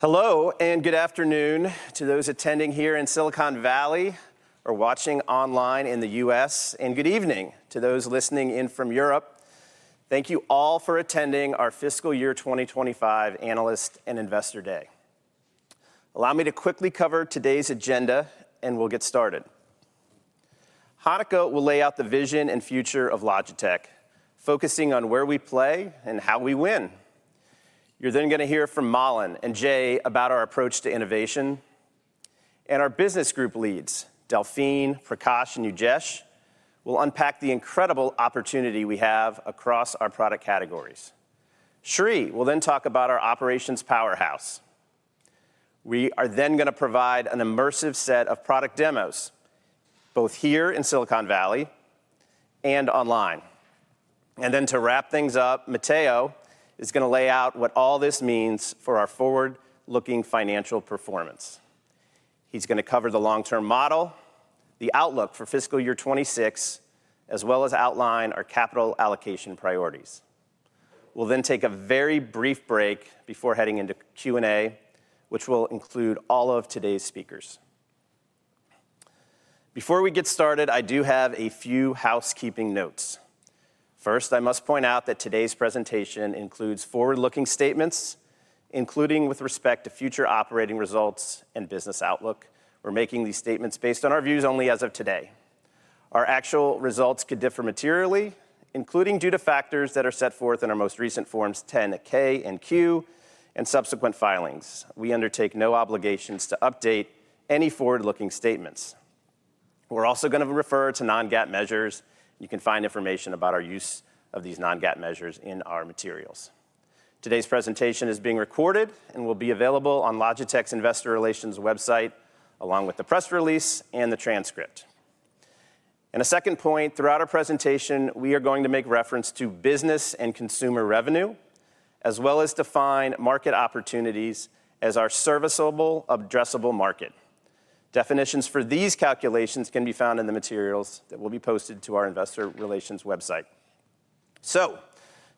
Hello and good afternoon to those attending here in Silicon Valley or watching online in the U.S., and good evening to those listening in from Europe. Thank you all for attending our Fiscal Year 2025 Analyst and Investor Day. Allow me to quickly cover today's agenda, and we'll get started. Hanneke will lay out the vision and future of Logitech, focusing on where we play and how we win. You're then going to hear from Malin and Jay about our approach to innovation. And our business group leads, Delphine, Prakash, and Ujesh, will unpack the incredible opportunity we have across our product categories. Sree will then talk about our operations powerhouse. We are then going to provide an immersive set of product demos, both here in Silicon Valley and online. Then to wrap things up, Matteo is going to lay out what all this means for our forward-looking financial performance. He's going to cover the long-term model, the outlook for Fiscal Year 2026, as well as outline our capital allocation priorities. We'll then take a very brief break before heading into Q&A, which will include all of today's speakers. Before we get started, I do have a few housekeeping notes. First, I must point out that today's presentation includes forward-looking statements, including with respect to future operating results and business outlook. We're making these statements based on our views only as of today. Our actual results could differ materially, including due to factors that are set forth in our most recent Forms 10-K and 10-Q and subsequent filings. We undertake no obligations to update any forward-looking statements. We're also going to refer to non-GAAP measures. You can find information about our use of these non-GAAP measures in our materials. Today's presentation is being recorded and will be available on Logitech's Investor Relations website, along with the press release and the transcript, and a second point, throughout our presentation, we are going to make reference to business and consumer revenue, as well as define market opportunities as our serviceable, addressable market. Definitions for these calculations can be found in the materials that will be posted to our Investor Relations website, so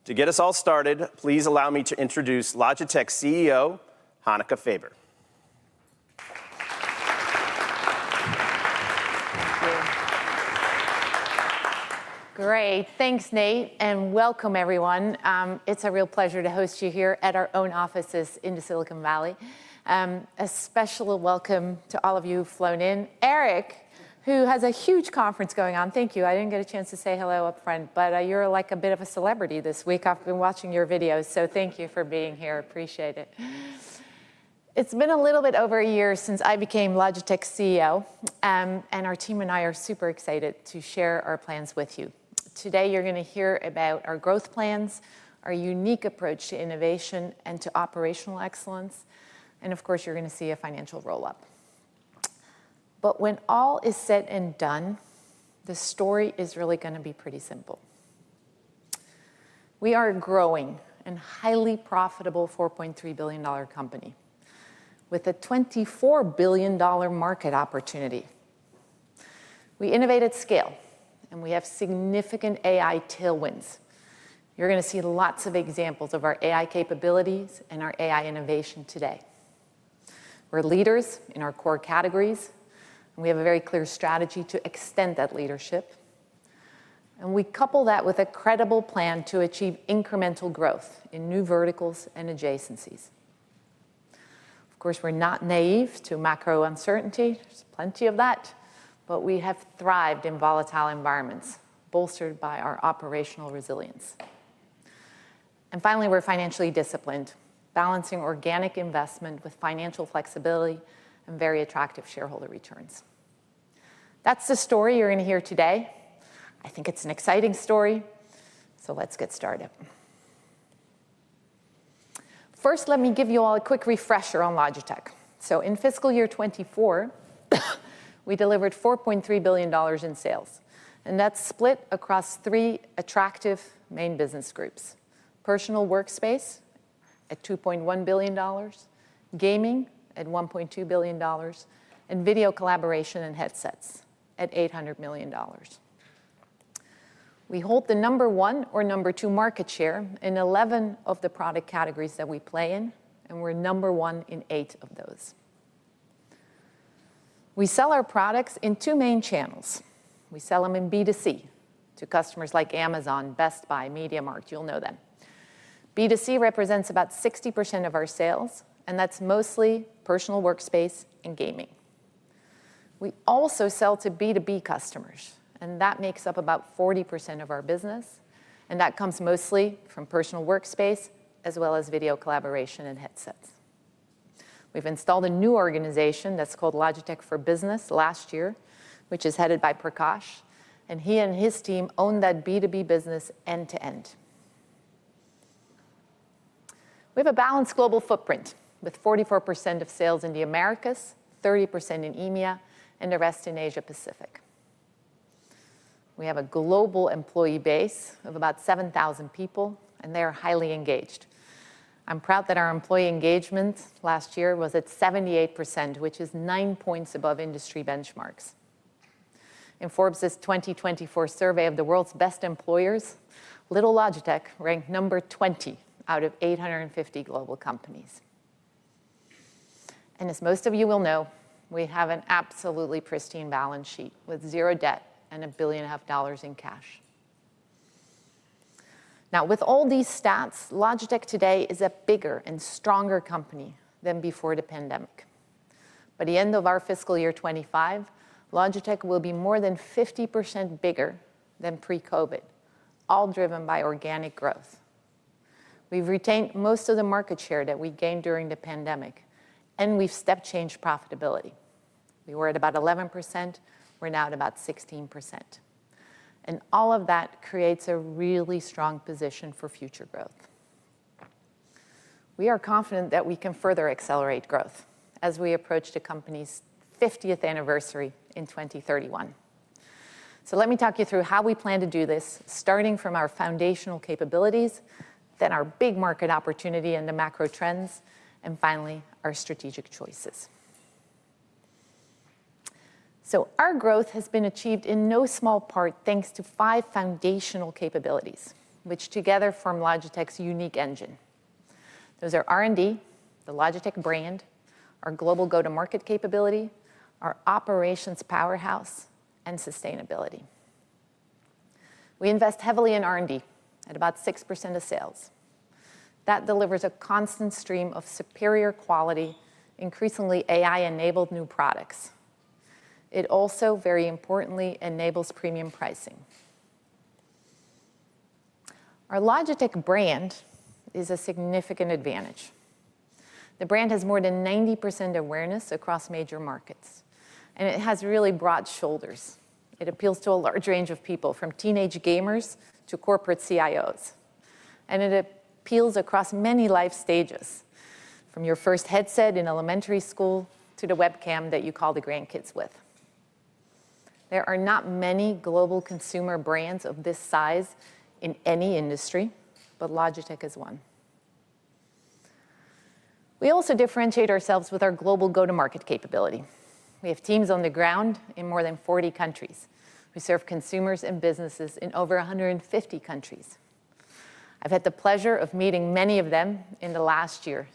to get us all started, please allow me to introduce Logitech's CEO, Hanneke Faber. Great. Thanks, Nate. And welcome, everyone. It's a real pleasure to host you here at our own offices in Silicon Valley. A special welcome to all of you who've flown in. Eric, who has a huge conference going on, thank you. I didn't get a chance to say hello up front, but you're like a bit of a celebrity this week. I've been watching your videos, so thank you for being here. Appreciate it. It's been a little bit over a year since I became Logitech's CEO, and our team and I are super excited to share our plans with you. Today, you're going to hear about our growth plans, our unique approach to innovation and to operational excellence, and of course, you're going to see a financial roll-up. But when all is said and done, the story is really going to be pretty simple. We are a growing and highly profitable $4.3 billion company with a $24 billion market opportunity. We innovate at scale, and we have significant AI tailwinds. You're going to see lots of examples of our AI capabilities and our AI innovation today. We're leaders in our core categories, and we have a very clear strategy to extend that leadership. And we couple that with a credible plan to achieve incremental growth in new verticals and adjacencies. Of course, we're not naive to macro uncertainty. There's plenty of that, but we have thrived in volatile environments, bolstered by our operational resilience. And finally, we're financially disciplined, balancing organic investment with financial flexibility and very attractive shareholder returns. That's the story you're going to hear today. I think it's an exciting story, so let's get started. First, let me give you all a quick refresher on Logitech. In Fiscal Year 24, we delivered $4.3 billion in sales, and that's split across three attractive main business groups: personal workspace at $2.1 billion, gaming at $1.2 billion, and video collaboration and headsets at $800 million. We hold the number one or number two market share in 11 of the product categories that we play in, and we're number one in eight of those. We sell our products in two main channels. We sell them in B2C to customers like Amazon, Best Buy, MediaMarkt. You'll know them. B2C represents about 60% of our sales, and that's mostly personal workspace and gaming. We also sell to B2B customers, and that makes up about 40% of our business, and that comes mostly from personal workspace as well as video collaboration and headsets. We've installed a new organization that's called Logitech for Business last year, which is headed by Prakash, and he and his team own that B2B business end to end. We have a balanced global footprint with 44% of sales in the Americas, 30% in EMEA, and the rest in Asia Pacific. We have a global employee base of about 7,000 people, and they are highly engaged. I'm proud that our employee engagement last year was at 78%, which is nine points above industry benchmarks. In Forbes' 2024 survey of the world's best employers, little Logitech ranked number 20 out of 850 global companies. And as most of you will know, we have an absolutely pristine balance sheet with zero debt and $1.5 billion in cash. Now, with all these stats, Logitech today is a bigger and stronger company than before the pandemic. By the end of our Fiscal Year 2025, Logitech will be more than 50% bigger than pre-COVID, all driven by organic growth. We've retained most of the market share that we gained during the pandemic, and we've step-changed profitability. We were at about 11%. We're now at about 16%, and all of that creates a really strong position for future growth. We are confident that we can further accelerate growth as we approach the company's 50th anniversary in 2031, so let me talk you through how we plan to do this, starting from our foundational capabilities, then our big market opportunity and the macro trends, and finally, our strategic choices, so our growth has been achieved in no small part thanks to five foundational capabilities, which together form Logitech's unique engine. Those are R&D, the Logitech brand, our global go-to-market capability, our operations powerhouse, and sustainability. We invest heavily in R&D at about 6% of sales. That delivers a constant stream of superior quality, increasingly AI-enabled new products. It also, very importantly, enables premium pricing. Our Logitech brand is a significant advantage. The brand has more than 90% awareness across major markets, and it has really broad shoulders. It appeals to a large range of people, from teenage gamers to corporate CIOs, and it appeals across many life stages, from your first headset in elementary school to the webcam that you call the grandkids with. There are not many global consumer brands of this size in any industry, but Logitech is one. We also differentiate ourselves with our global go-to-market capability. We have teams on the ground in more than 40 countries. We serve consumers and businesses in over 150 countries. I've had the pleasure of meeting many of them in the last year,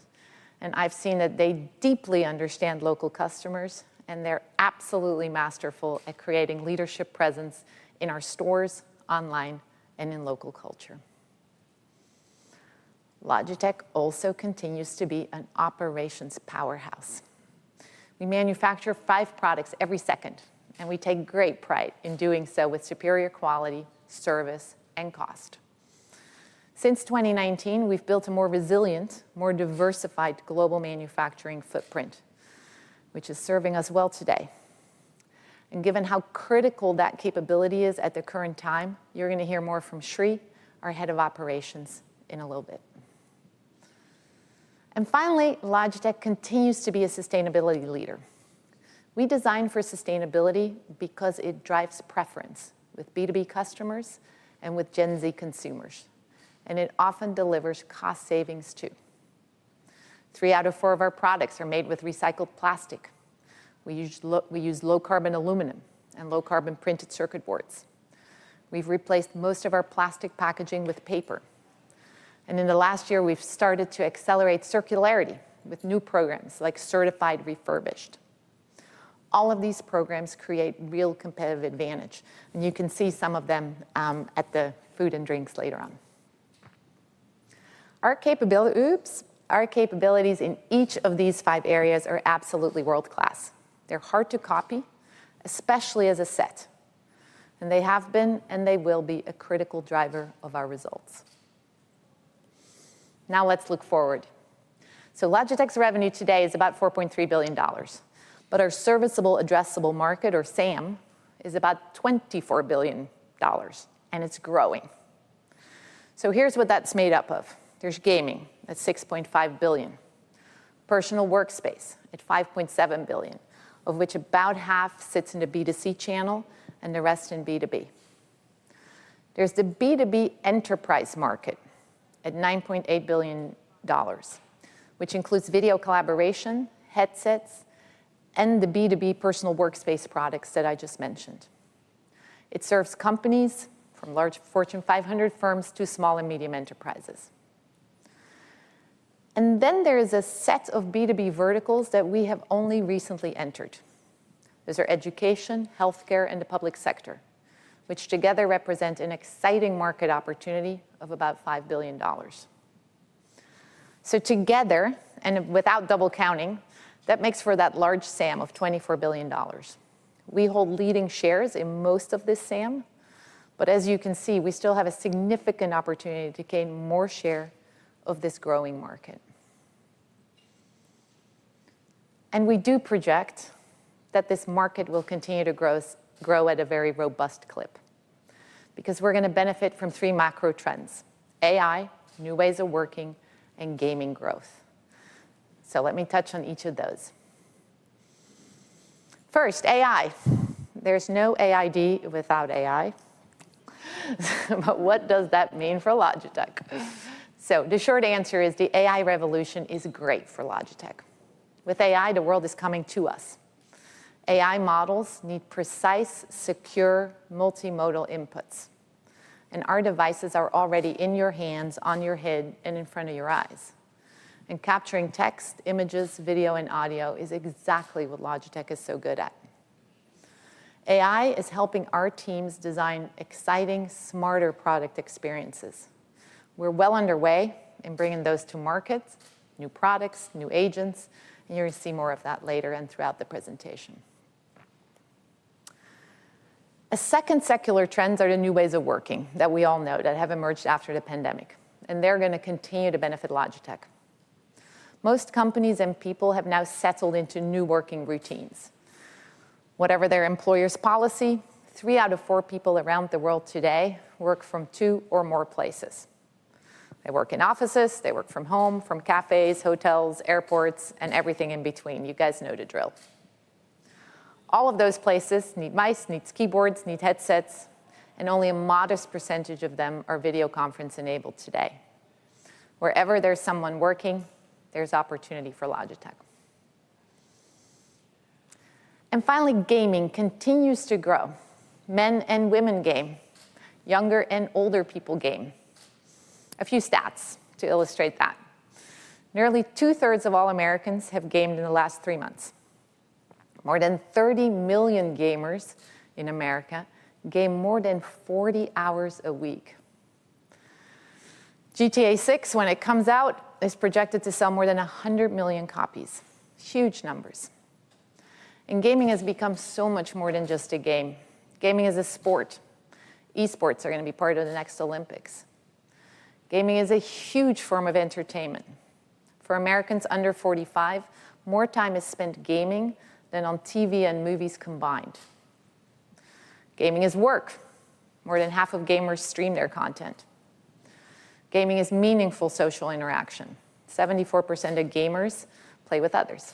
and I've seen that they deeply understand local customers, and they're absolutely masterful at creating leadership presence in our stores, online, and in local culture. Logitech also continues to be an operations powerhouse. We manufacture five products every second, and we take great pride in doing so with superior quality, service, and cost. Since 2019, we've built a more resilient, more diversified global manufacturing footprint, which is serving us well today. And given how critical that capability is at the current time, you're going to hear more from Sree, our head of operations, in a little bit. And finally, Logitech continues to be a sustainability leader. We design for sustainability because it drives preference with B2B customers and with Gen Z consumers, and it often delivers cost savings too. Three out of four of our products are made with recycled plastic. We use low-carbon aluminum and low-carbon printed circuit boards. We've replaced most of our plastic packaging with paper. And in the last year, we've started to accelerate circularity with new programs like Certified Refurbished. All of these programs create real competitive advantage, and you can see some of them at the food and drinks later on. Our capabilities in each of these five areas are absolutely world-class. They're hard to copy, especially as a set. And they have been and they will be a critical driver of our results. Now let's look forward. So, Logitech's revenue today is about $4.3 billion, but our serviceable, addressable market, or SAM, is about $24 billion, and it's growing. Here's what that's made up of. There's gaming at $6.5 billion, personal workspace at $5.7 billion, of which about half sits in the B2C channel and the rest in B2B. There's the B2B enterprise market at $9.8 billion, which includes video collaboration, headsets, and the B2B personal workspace products that I just mentioned. It serves companies from large Fortune 500 firms to small and medium enterprises. And then there is a set of B2B verticals that we have only recently entered. Those are education, healthcare, and the public sector, which together represent an exciting market opportunity of about $5 billion. So, together, and without double counting, that makes for that large SAM of $24 billion. We hold leading shares in most of this SAM, but as you can see, we still have a significant opportunity to gain more share of this growing market. And we do project that this market will continue to grow at a very robust clip because we're going to benefit from three macro trends: AI, new ways of working, and gaming growth. So, let me touch on each of those. First, AI. There's no IT without AI, but what does that mean for Logitech? So, the short answer is the AI revolution is great for Logitech. With AI, the world is coming to us. AI models need precise, secure, multimodal inputs, and our devices are already in your hands, on your head, and in front of your eyes. And capturing text, images, video, and audio is exactly what Logitech is so good at. AI is helping our teams design exciting, smarter product experiences. We're well underway in bringing those to markets, new products, new agents, and you're going to see more of that later and throughout the presentation. A second secular trend is the new ways of working that we all know that have emerged after the pandemic, and they're going to continue to benefit Logitech. Most companies and people have now settled into new working routines. Whatever their employer's policy, three out of four people around the world today work from two or more places. They work in offices, they work from home, from cafes, hotels, airports, and everything in between. You guys know the drill. All of those places need mice, need keyboards, need headsets, and only a modest percentage of them are video conference-enabled today. Wherever there's someone working, there's opportunity for Logitech. And finally, gaming continues to grow. Men and women game. Younger and older people game. A few stats to illustrate that. Nearly two-thirds of all Americans have gamed in the last three months. More than 30 million gamers in America game more than 40 hours a week. GTA 6, when it comes out, is projected to sell more than 100 million copies. Huge numbers, and gaming has become so much more than just a game. Gaming is a sport. Esports are going to be part of the next Olympics. Gaming is a huge form of entertainment. For Americans under 45, more time is spent gaming than on TV and movies combined. Gaming is work. More than half of gamers stream their content. Gaming is meaningful social interaction. 74% of gamers play with others,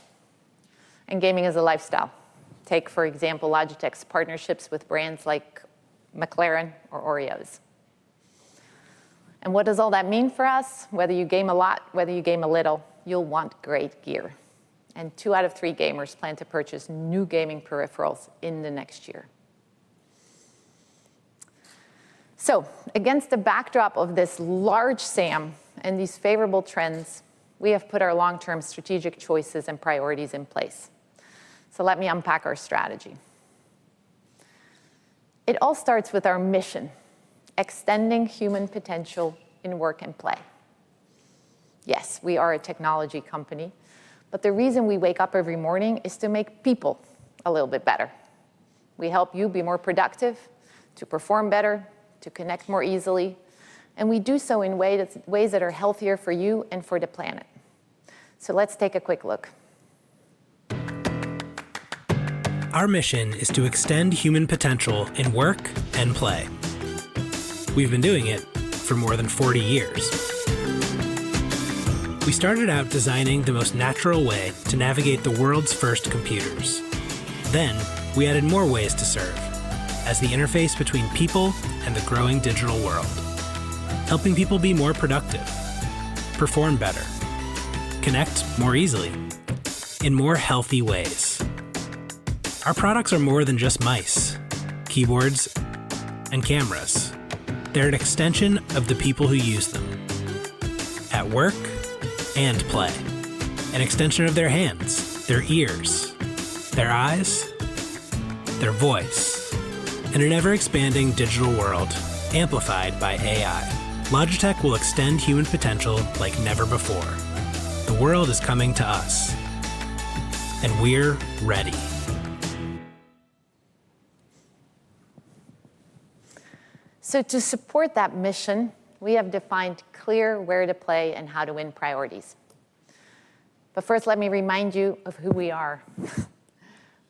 and gaming is a lifestyle. Take, for example, Logitech's partnerships with brands like McLaren or Oreo, and what does all that mean for us? Whether you game a lot, whether you game a little, you'll want great gear. Two out of three gamers plan to purchase new gaming peripherals in the next year. So, against the backdrop of this large SAM and these favorable trends, we have put our long-term strategic choices and priorities in place. So, let me unpack our strategy. It all starts with our mission: extending human potential in work and play. Yes, we are a technology company, but the reason we wake up every morning is to make people a little bit better. We help you be more productive, to perform better, to connect more easily, and we do so in ways that are healthier for you and for the planet. So, let's take a quick look. Our mission is to extend human potential in work and play. We've been doing it for more than 40 years. We started out designing the most natural way to navigate the world's first computers. Then we added more ways to serve as the interface between people and the growing digital world, helping people be more productive, perform better, connect more easily, in more healthy ways. Our products are more than just mice, keyboards, and cameras. They're an extension of the people who use them at work and play, an extension of their hands, their ears, their eyes, their voice, and an ever-expanding digital world amplified by AI. Logitech will extend human potential like never before. The world is coming to us, and we're ready. So, to support that mission, we have defined clear where to play and how to win priorities. But first, let me remind you of who we are.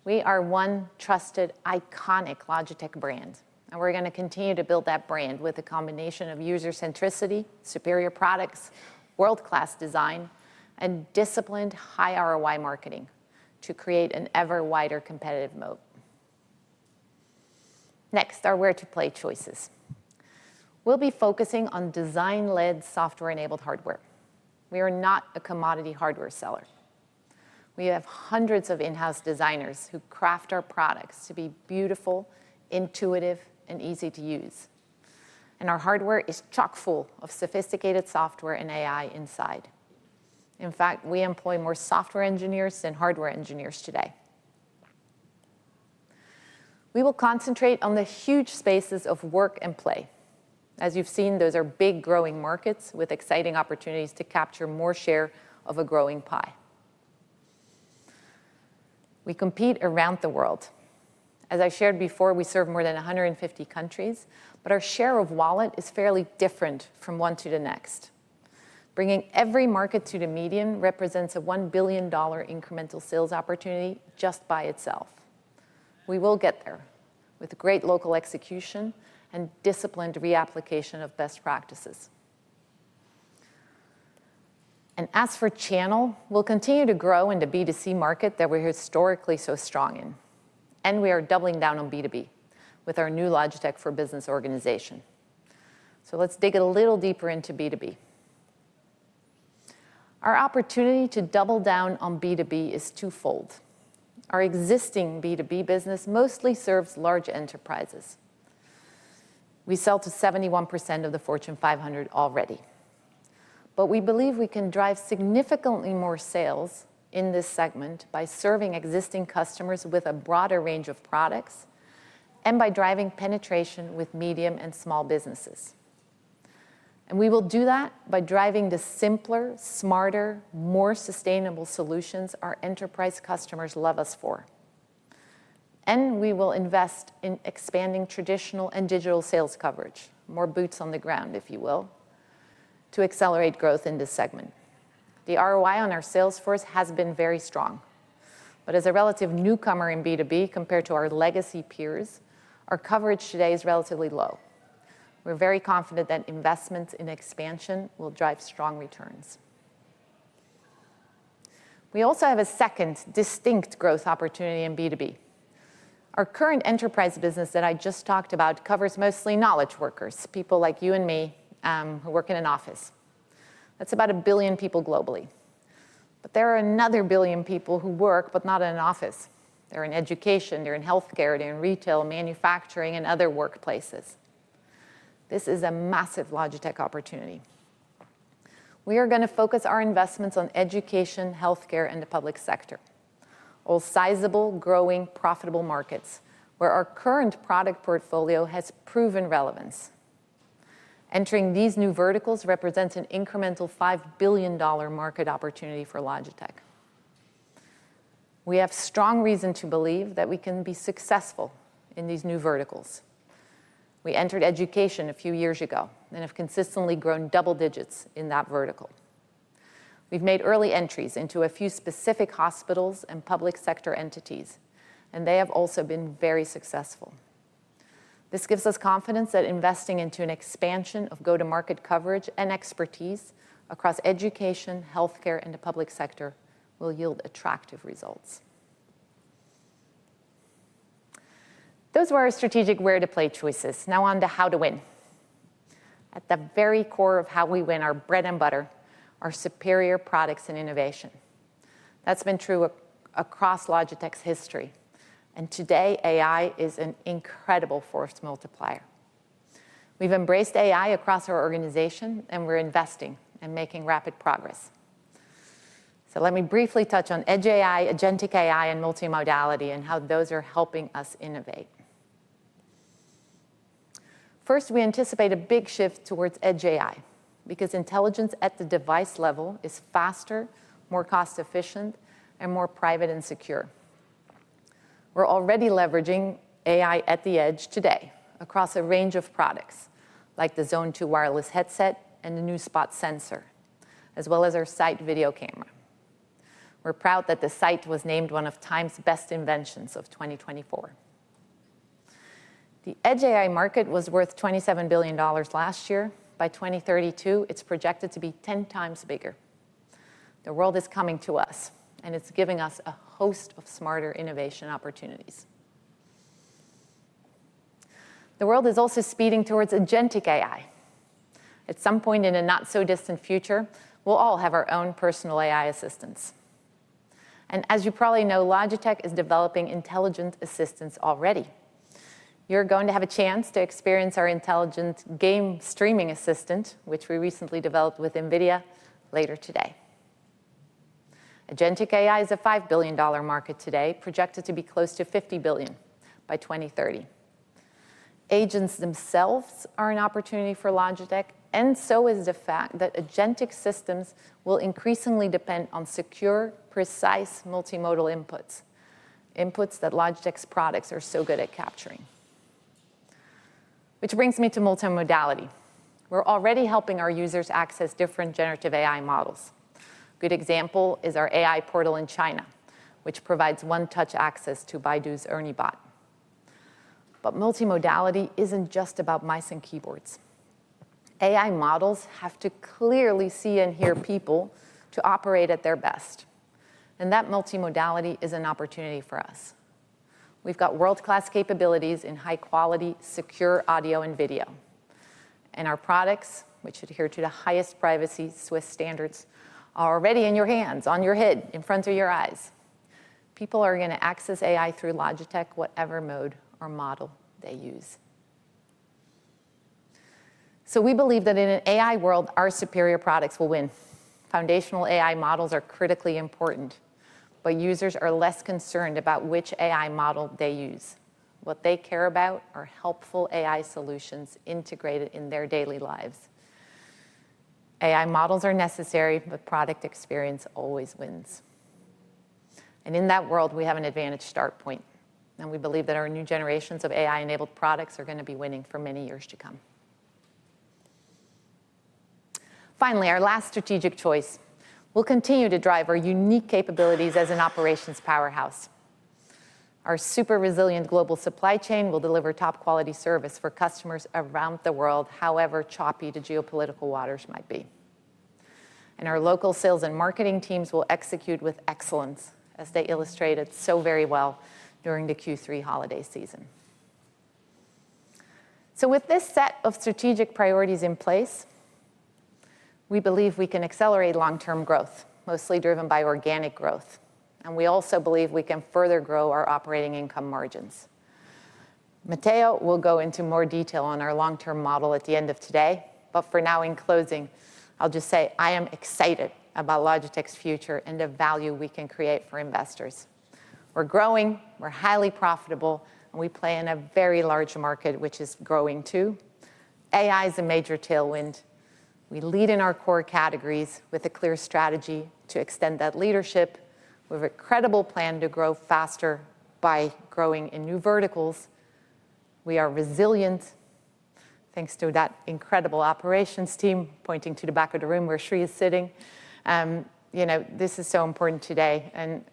We are one trusted, iconic Logitech brand, and we're going to continue to build that brand with a combination of user-centricity, superior products, world-class design, and disciplined high ROI marketing to create an ever-wider competitive moat. Next are where to play choices. We'll be focusing on design-led software-enabled hardware. We are not a commodity hardware seller. We have hundreds of in-house designers who craft our products to be beautiful, intuitive, and easy to use. And our hardware is chock-full of sophisticated software and AI inside. In fact, we employ more software engineers than hardware engineers today. We will concentrate on the huge spaces of work and play. As you've seen, those are big growing markets with exciting opportunities to capture more share of a growing pie. We compete around the world. As I shared before, we serve more than 150 countries, but our share of wallet is fairly different from one to the next. Bringing every market to the median represents a $1 billion incremental sales opportunity just by itself. We will get there with great local execution and disciplined reapplication of best practices. And as for channel, we will continue to grow in the B2C market that we are historically so strong in. And we are doubling down on B2B with our new Logitech for Business organization. So, let's dig a little deeper into B2B. Our opportunity to double down on B2B is twofold. Our existing B2B business mostly serves large enterprises. We sell to 71% of the Fortune 500 already. But we believe we can drive significantly more sales in this segment by serving existing customers with a broader range of products and by driving penetration with medium and small businesses. And we will do that by driving the simpler, smarter, more sustainable solutions our enterprise customers love us for. And we will invest in expanding traditional and digital sales coverage, more boots on the ground, if you will, to accelerate growth in this segment. The ROI on our sales force has been very strong. But as a relative newcomer in B2B compared to our legacy peers, our coverage today is relatively low. We're very confident that investments in expansion will drive strong returns. We also have a second distinct growth opportunity in B2B. Our current enterprise business that I just talked about covers mostly knowledge workers, people like you and me who work in an office. That's about a billion people globally. But there are another billion people who work, but not in an office. They're in education, they're in healthcare, they're in retail, manufacturing, and other workplaces. This is a massive Logitech opportunity. We are going to focus our investments on education, healthcare, and the public sector, all sizable, growing, profitable markets where our current product portfolio has proven relevance. Entering these new verticals represents an incremental $5 billion market opportunity for Logitech. We have strong reason to believe that we can be successful in these new verticals. We entered education a few years ago and have consistently grown double digits in that vertical. We've made early entries into a few specific hospitals and public sector entities, and they have also been very successful. This gives us confidence that investing into an expansion of go-to-market coverage and expertise across education, healthcare, and the public sector will yield attractive results. Those were our strategic where to play choices. Now on to how to win. At the very core of how we win our bread and butter are superior products and innovation. That's been true across Logitech's history. And today, AI is an incredible force multiplier. We've embraced AI across our organization, and we're investing and making rapid progress. So, let me briefly touch on edge AI, agentic AI, and multimodality, and how those are helping us innovate. First, we anticipate a big shift towards edge AI because intelligence at the device level is faster, more cost-efficient, and more private and secure. We're already leveraging AI at the edge today across a range of products like the Zone Wireless 2 headset and the new Sight sensor, as well as our Sight video camera. We're proud that the Sight was named one of TIME's best inventions of 2024. The edge AI market was worth $27 billion last year. By 2032, it's projected to be 10 times bigger. The world is coming to us, and it's giving us a host of smarter innovation opportunities. The world is also speeding towards Agentic AI. At some point in a not-so-distant future, we'll all have our own personal AI assistants, and as you probably know, Logitech is developing intelligent assistants already. You're going to have a chance to experience our intelligent game streaming assistant, which we recently developed with NVIDIA later today. Agentic AI is a $5 billion market today, projected to be close to $50 billion by 2030. Agents themselves are an opportunity for Logitech, and so is the fact that agentic systems will increasingly depend on secure, precise multimodal inputs, inputs that Logitech's products are so good at capturing. Which brings me to multimodality. We're already helping our users access different generative AI models. A good example is our AI portal in China, which provides one-touch access to Baidu's Ernie Bot, but multimodality isn't just about mice and keyboards. AI models have to clearly see and hear people to operate at their best, and that multimodality is an opportunity for us. We've got world-class capabilities in high-quality, secure audio and video, and our products, which adhere to the highest privacy Swiss standards, are already in your hands, on your head, in front of your eyes. People are going to access AI through Logitech, whatever mode or model they use, so we believe that in an AI world, our superior products will win. Foundational AI models are critically important, but users are less concerned about which AI model they use. What they care about are helpful AI solutions integrated in their daily lives. AI models are necessary, but product experience always wins. In that world, we have an advantaged start point. We believe that our new generations of AI-enabled products are going to be winning for many years to come. Finally, our last strategic choice. We'll continue to drive our unique capabilities as an operations powerhouse. Our super resilient global supply chain will deliver top-quality service for customers around the world, however choppy the geopolitical waters might be. Our local sales and marketing teams will execute with excellence, as they illustrated so very well during the Q3 holiday season. With this set of strategic priorities in place, we believe we can accelerate long-term growth, mostly driven by organic growth. We also believe we can further grow our operating income margins. Matteo will go into more detail on our long-term model at the end of today. But for now, in closing, I'll just say I am excited about Logitech's future and the value we can create for investors. We're growing, we're highly profitable, and we play in a very large market, which is growing too. AI is a major tailwind. We lead in our core categories with a clear strategy to extend that leadership. We have a credible plan to grow faster by growing in new verticals. We are resilient, thanks to that incredible operations team, pointing to the back of the room where Sree is sitting. This is so important today, and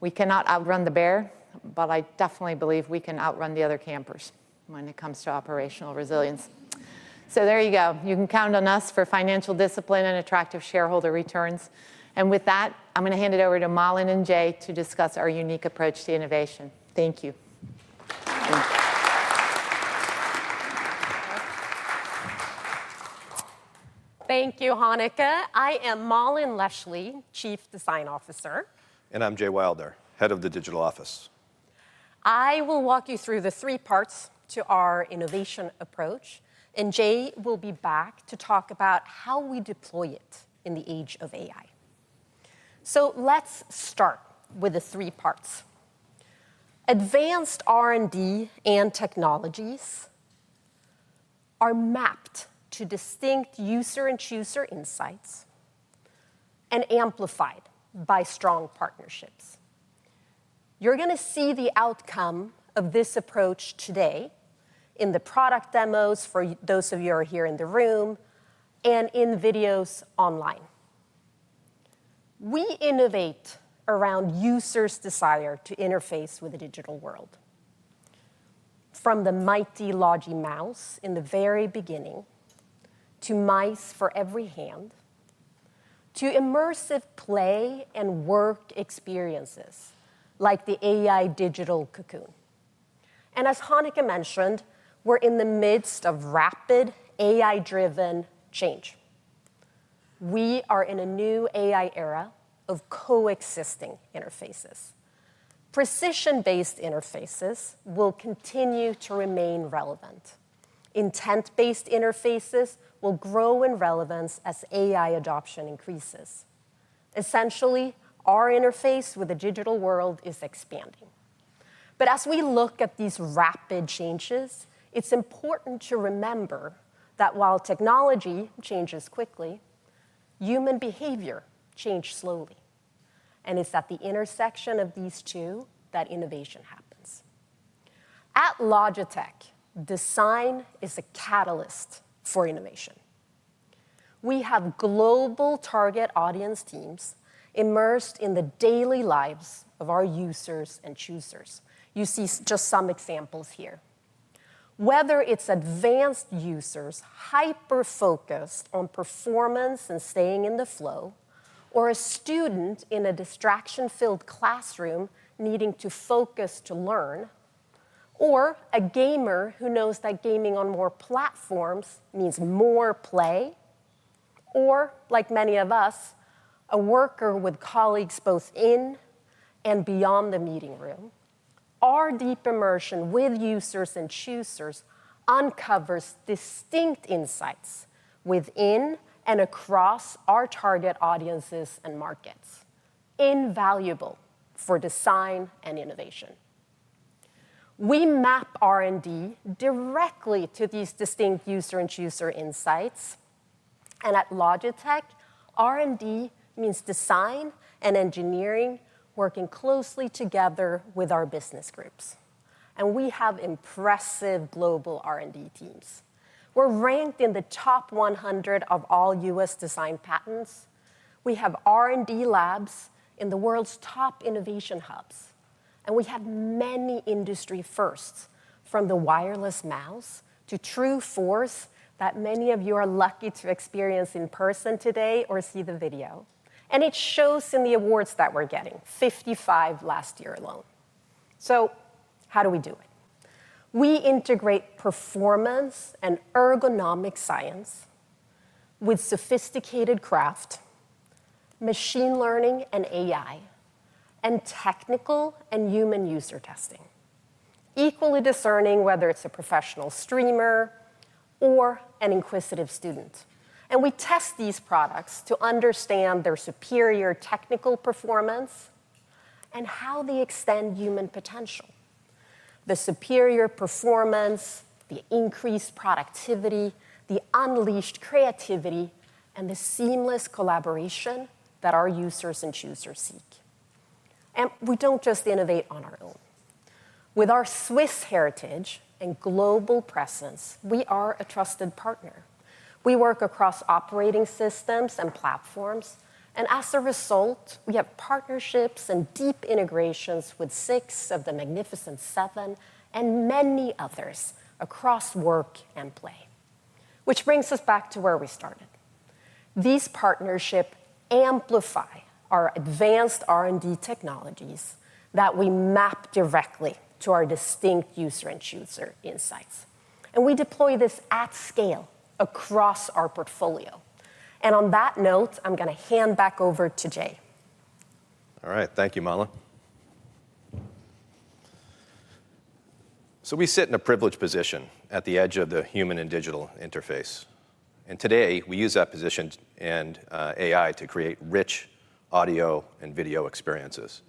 we cannot outrun the bear, but I definitely believe we can outrun the other campers when it comes to operational resilience. There you go. You can count on us for financial discipline and attractive shareholder returns. And with that, I'm going to hand it over to Malin and Jay to discuss our unique approach to innovation. Thank you. Thank you, Hanneke. I am Malin Leschly, Chief Design Officer. And I'm Jay Wilder, Head of the Digital Office. I will walk you through the three parts to our innovation approach. And Jay will be back to talk about how we deploy it in the age of AI. So, let's start with the three parts. Advanced R&D and technologies are mapped to distinct user-and-chooser insights and amplified by strong partnerships. You're going to see the outcome of this approach today in the product demos for those of you who are here in the room and in videos online. We innovate around users' desire to interface with the digital world. From the mighty Logi Mouse in the very beginning to mice for every hand, to immersive play and work experiences like the AI Digital Cocoon, and as Hanneke mentioned, we're in the midst of rapid AI-driven change. We are in a new AI era of coexisting interfaces. Precision-based interfaces will continue to remain relevant. Intent-based interfaces will grow in relevance as AI adoption increases. Essentially, our interface with the digital world is expanding. But as we look at these rapid changes, it's important to remember that while technology changes quickly, human behavior changes slowly, and it's at the intersection of these two that innovation happens. At Logitech, design is a catalyst for innovation. We have global target audience teams immersed in the daily lives of our users and choosers. You see just some examples here. Whether it's advanced users hyper-focused on performance and staying in the flow, or a student in a distraction-filled classroom needing to focus to learn, or a gamer who knows that gaming on more platforms means more play, or like many of us, a worker with colleagues both in and beyond the meeting room, our deep immersion with users and choosers uncovers distinct insights within and across our target audiences and markets, invaluable for design and innovation. We map R&D directly to these distinct user-and-chooser insights. At Logitech, R&D means design and engineering working closely together with our business groups. We have impressive global R&D teams. We're ranked in the top 100 of all U.S. design patents. We have R&D labs in the world's top innovation hubs. We have many industry firsts, from the wireless mouse to TRUEFORCE that many of you are lucky to experience in person today or see the video. It shows in the awards that we're getting, 55 last year alone. How do we do it? We integrate performance and ergonomic science with sophisticated craft, machine learning and AI, and technical and human user testing, equally discerning whether it's a professional streamer or an inquisitive student. We test these products to understand their superior technical performance and how they extend human potential, the superior performance, the increased productivity, the unleashed creativity, and the seamless collaboration that our users and choosers seek. We don't just innovate on our own. With our Swiss heritage and global presence, we are a trusted partner. We work across operating systems and platforms. As a result, we have partnerships and deep integrations with six of the Magnificent Seven and many others across work and play. Which brings us back to where we started. These partnerships amplify our advanced R&D technologies that we map directly to our distinct user-and-chooser insights. We deploy this at scale across our portfolio. On that note, I'm going to hand back over to Jay. All right, thank you, Malin. We sit in a privileged position at the edge of the human and digital interface. Today, we use that position and AI to create rich audio and video experiences.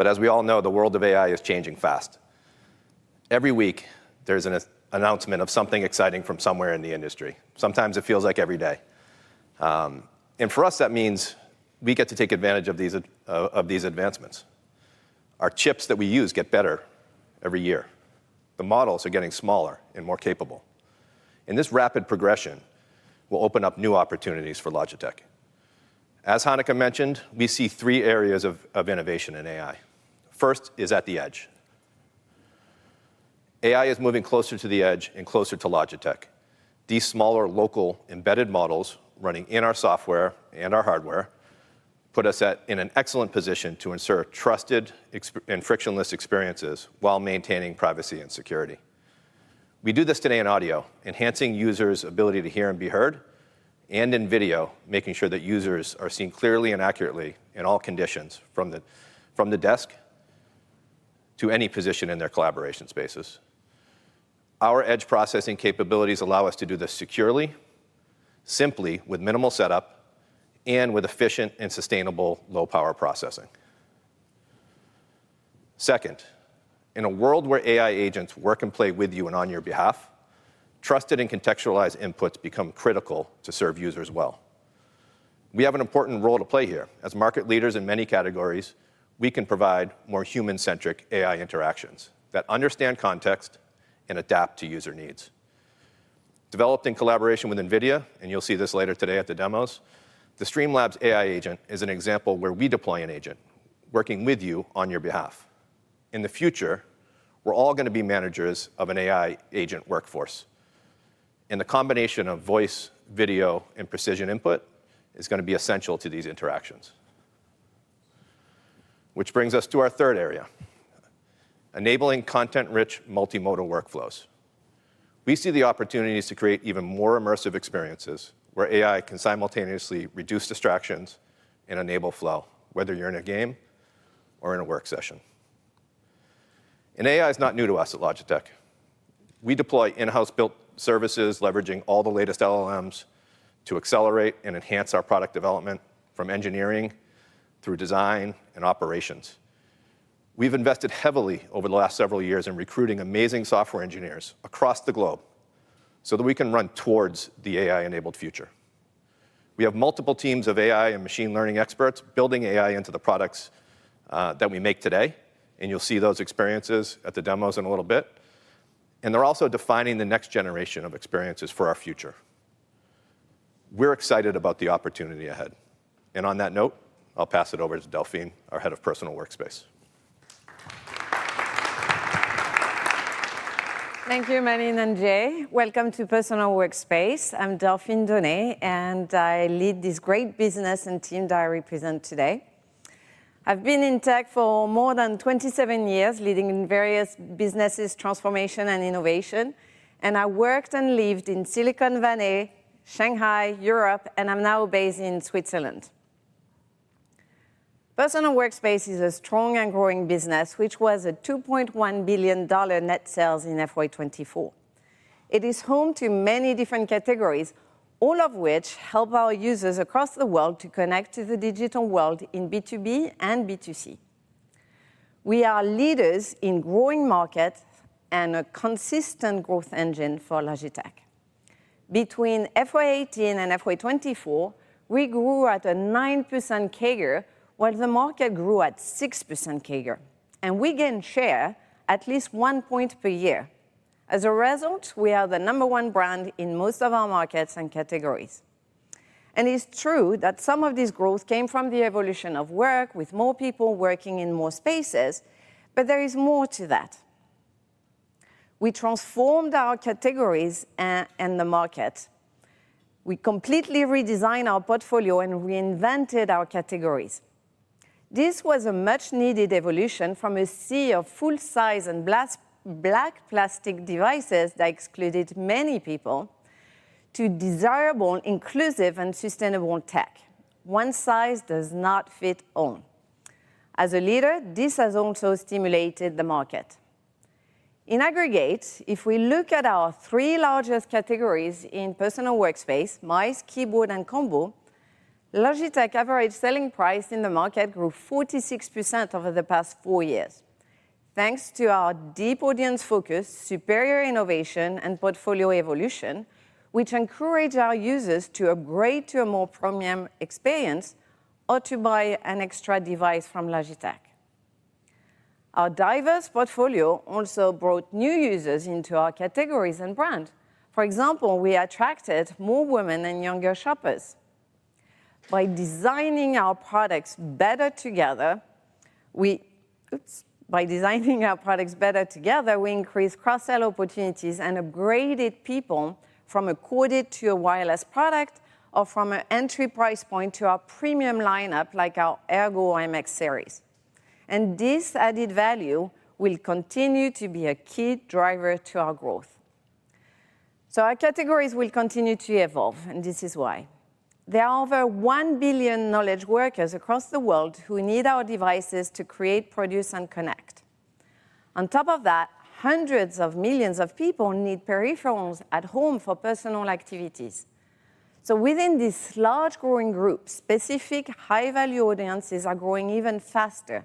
As we all know, the world of AI is changing fast. Every week, there's an announcement of something exciting from somewhere in the industry. Sometimes it feels like every day. For us, that means we get to take advantage of these advancements. Our chips that we use get better every year. The models are getting smaller and more capable, and this rapid progression will open up new opportunities for Logitech. As Hanneke mentioned, we see three areas of innovation in AI. First is at the edge. AI is moving closer to the edge and closer to Logitech. These smaller local embedded models running in our software and our hardware put us in an excellent position to ensure trusted and frictionless experiences while maintaining privacy and security. We do this today in audio, enhancing users' ability to hear and be heard, and in video, making sure that users are seen clearly and accurately in all conditions from the desk to any position in their collaboration spaces. Our edge processing capabilities allow us to do this securely, simply, with minimal setup, and with efficient and sustainable low-power processing. Second, in a world where AI agents work and play with you and on your behalf, trusted and contextualized inputs become critical to serve users well. We have an important role to play here. As market leaders in many categories, we can provide more human-centric AI interactions that understand context and adapt to user needs. Developed in collaboration with NVIDIA, and you'll see this later today at the demos, the Streamlabs AI Agent is an example where we deploy an agent working with you on your behalf. In the future, we're all going to be managers of an AI agent workforce. And the combination of voice, video, and precision input is going to be essential to these interactions. Which brings us to our third area, enabling content-rich multimodal workflows. We see the opportunities to create even more immersive experiences where AI can simultaneously reduce distractions and enable flow, whether you're in a game or in a work session. AI is not new to us at Logitech. We deploy in-house built services, leveraging all the latest LLMs to accelerate and enhance our product development from engineering through design and operations. We've invested heavily over the last several years in recruiting amazing software engineers across the globe so that we can run towards the AI-enabled future. We have multiple teams of AI and machine learning experts building AI into the products that we make today. You'll see those experiences at the demos in a little bit. They're also defining the next generation of experiences for our future. We're excited about the opportunity ahead. On that note, I'll pass it over to Delphine, our Head of Personal Workspace. Thank you, Malin and Jay. Welcome to Personal Workspace. I'm Delphine Donné, and I lead this great business and team that I represent today. I've been in tech for more than 27 years, leading in various businesses, transformation, and innovation. I worked and lived in Silicon Valley, Shanghai, Europe, and I'm now based in Switzerland. Personal Workspace is a strong and growing business, which was a $2.1 billion net sales in FY24. It is home to many different categories, all of which help our users across the world to connect to the digital world in B2B and B2C. We are leaders in growing markets and a consistent growth engine for Logitech. Between FY18 and FY24, we grew at a 9% CAGR, while the market grew at a 6% CAGR. We gain share at least one point per year. As a result, we are the number one brand in most of our markets and categories. And it's true that some of this growth came from the evolution of work with more people working in more spaces, but there is more to that. We transformed our categories and the market. We completely redesigned our portfolio and reinvented our categories. This was a much-needed evolution from a sea of full-size and black plastic devices that excluded many people to desirable, inclusive, and sustainable tech. One size does not fit all. As a leader, this has also stimulated the market. In aggregate, if we look at our three largest categories in Personal Workspace, mice, keyboard, and combo, Logitech's average selling price in the market grew 46% over the past four years. Thanks to our deep audience focus, superior innovation, and portfolio evolution, we encourage our users to upgrade to a more premium experience or to buy an extra device from Logitech. Our diverse portfolio also brought new users into our categories and brand. For example, we attracted more women and younger shoppers. By designing our products better together, we increased cross-sale opportunities and upgraded people from a corded to a wireless product or from an entry price point to our premium lineup, like our Ergo MX series. This added value will continue to be a key driver to our growth. Our categories will continue to evolve, and this is why. There are over 1 billion knowledge workers across the world who need our devices to create, produce, and connect. On top of that, hundreds of millions of people need peripherals at home for personal activities. So within this large growing group, specific high-value audiences are growing even faster.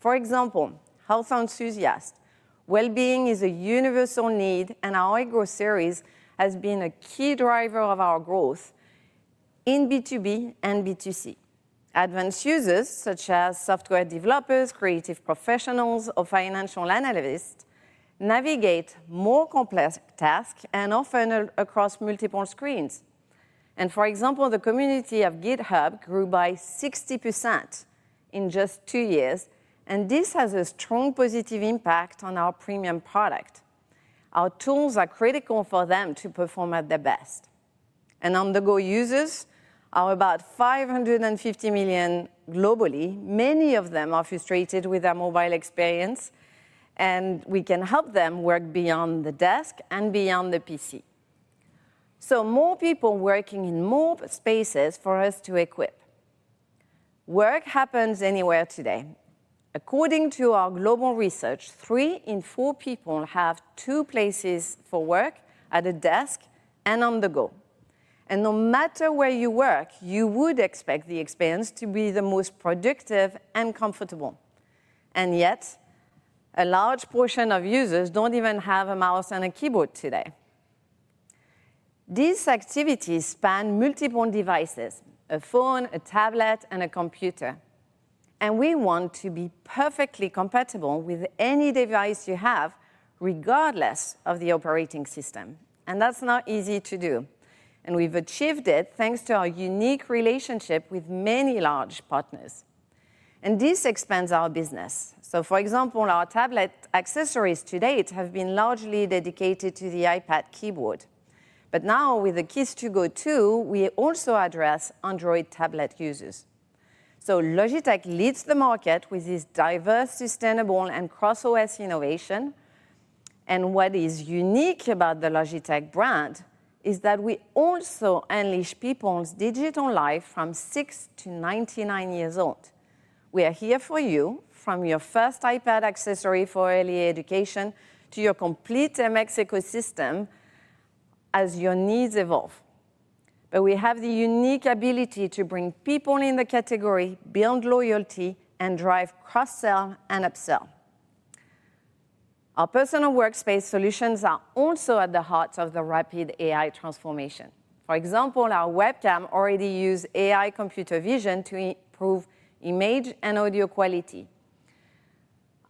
For example, health enthusiasts. Well-being is a universal need, and our Ergo series has been a key driver of our growth in B2B and B2C. Advanced users, such as software developers, creative professionals, or financial analysts, navigate more complex tasks and often across multiple screens. And for example, the community of GitHub grew by 60% in just two years. And this has a strong positive impact on our premium product. Our tools are critical for them to perform at their best. And on the go-users are about 550 million globally. Many of them are frustrated with their mobile experience. And we can help them work beyond the desk and beyond the PC. So more people working in more spaces for us to equip. Work happens anywhere today. According to our global research, three in four people have two places for work: at a desk and on the go. And no matter where you work, you would expect the experience to be the most productive and comfortable. And yet, a large portion of users don't even have a mouse and a keyboard today. These activities span multiple devices: a phone, a tablet, and a computer. And we want to be perfectly compatible with any device you have, regardless of the operating system. And that's not easy to do. And we've achieved it thanks to our unique relationship with many large partners. And this expands our business. So for example, our tablet accessories to date have been largely dedicated to the iPad keyboard. But now, with the Keys-To-Go 2, we also address Android tablet users. So Logitech leads the market with this diverse, sustainable, and cross-OS innovation. And what is unique about the Logitech brand is that we also unleash people's digital life from 6 to 99 years old. We are here for you, from your first iPad accessory for early education to your complete MX ecosystem as your needs evolve. But we have the unique ability to bring people in the category, build loyalty, and drive cross-sell and upsell. Our personal workspace solutions are also at the heart of the rapid AI transformation. For example, our webcam already uses AI computer vision to improve image and audio quality.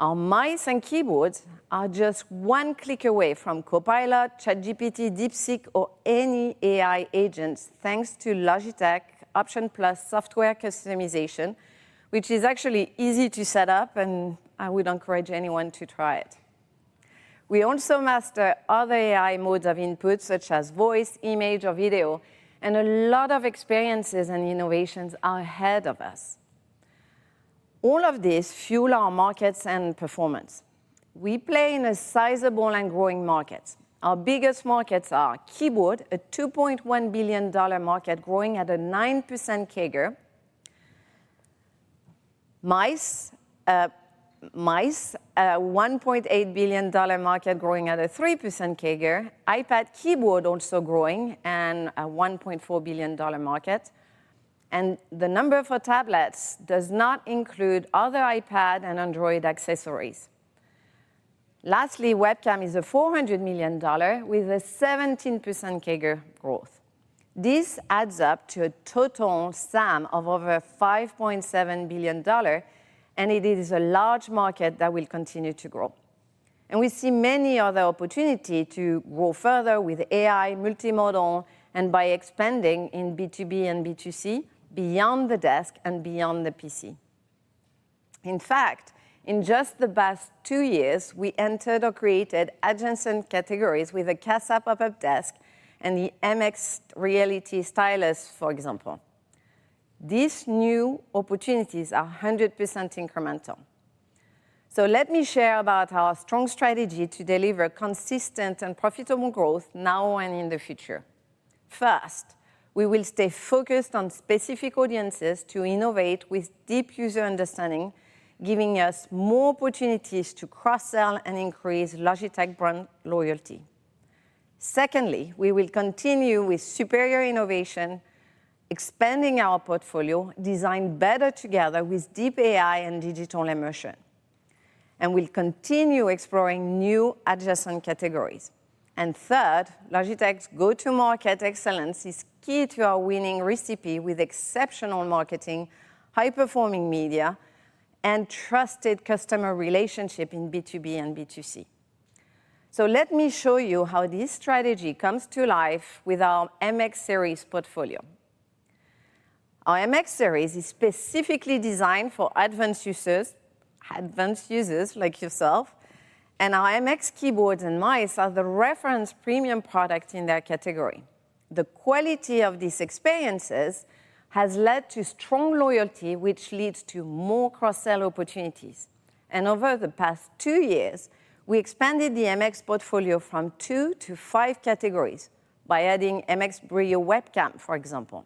Our mice and keyboards are just one click away from Copilot, ChatGPT, DeepSeek, or any AI agents, thanks to Logitech's Options+ software customization, which is actually easy to set up, and I would encourage anyone to try it. We also master other AI modes of input, such as voice, image, or video. A lot of experiences and innovations are ahead of us. All of this fuels our markets and performance. We play in a sizable and growing market. Our biggest markets are keyboard, a $2.1 billion market growing at a 9% CAGR; mice, a $1.8 billion market growing at a 3% CAGR; iPad keyboard also growing at a $1.4 billion market. The number for tablets does not include other iPad and Android accessories. Lastly, webcam is a $400 million with a 17% CAGR growth. This adds up to a total sum of over $5.7 billion, and it is a large market that will continue to grow. And we see many other opportunities to grow further with AI, multimodal, and by expanding in B2B and B2C beyond the desk and beyond the PC. In fact, in just the past two years, we entered or created adjacent categories with a Casa Pop-Up Desk and the Mixed Reality Stylus, for example. These new opportunities are 100% incremental. So let me share about our strong strategy to deliver consistent and profitable growth now and in the future. First, we will stay focused on specific audiences to innovate with deep user understanding, giving us more opportunities to cross-sell and increase Logitech brand loyalty. Secondly, we will continue with superior innovation, expanding our portfolio, designed better together with deep AI and digital immersion. And we'll continue exploring new adjacent categories. Third, Logitech's go-to-market excellence is key to our winning recipe with exceptional marketing, high-performing media, and trusted customer relationships in B2B and B2C. So let me show you how this strategy comes to life with our MX Series portfolio. Our MX Series is specifically designed for advanced users, advanced users like yourself. Our MX keyboards and mice are the reference premium product in their category. The quality of these experiences has led to strong loyalty, which leads to more cross-sell opportunities. Over the past two years, we expanded the MX portfolio from two to five categories by adding MX Brio webcam, for example.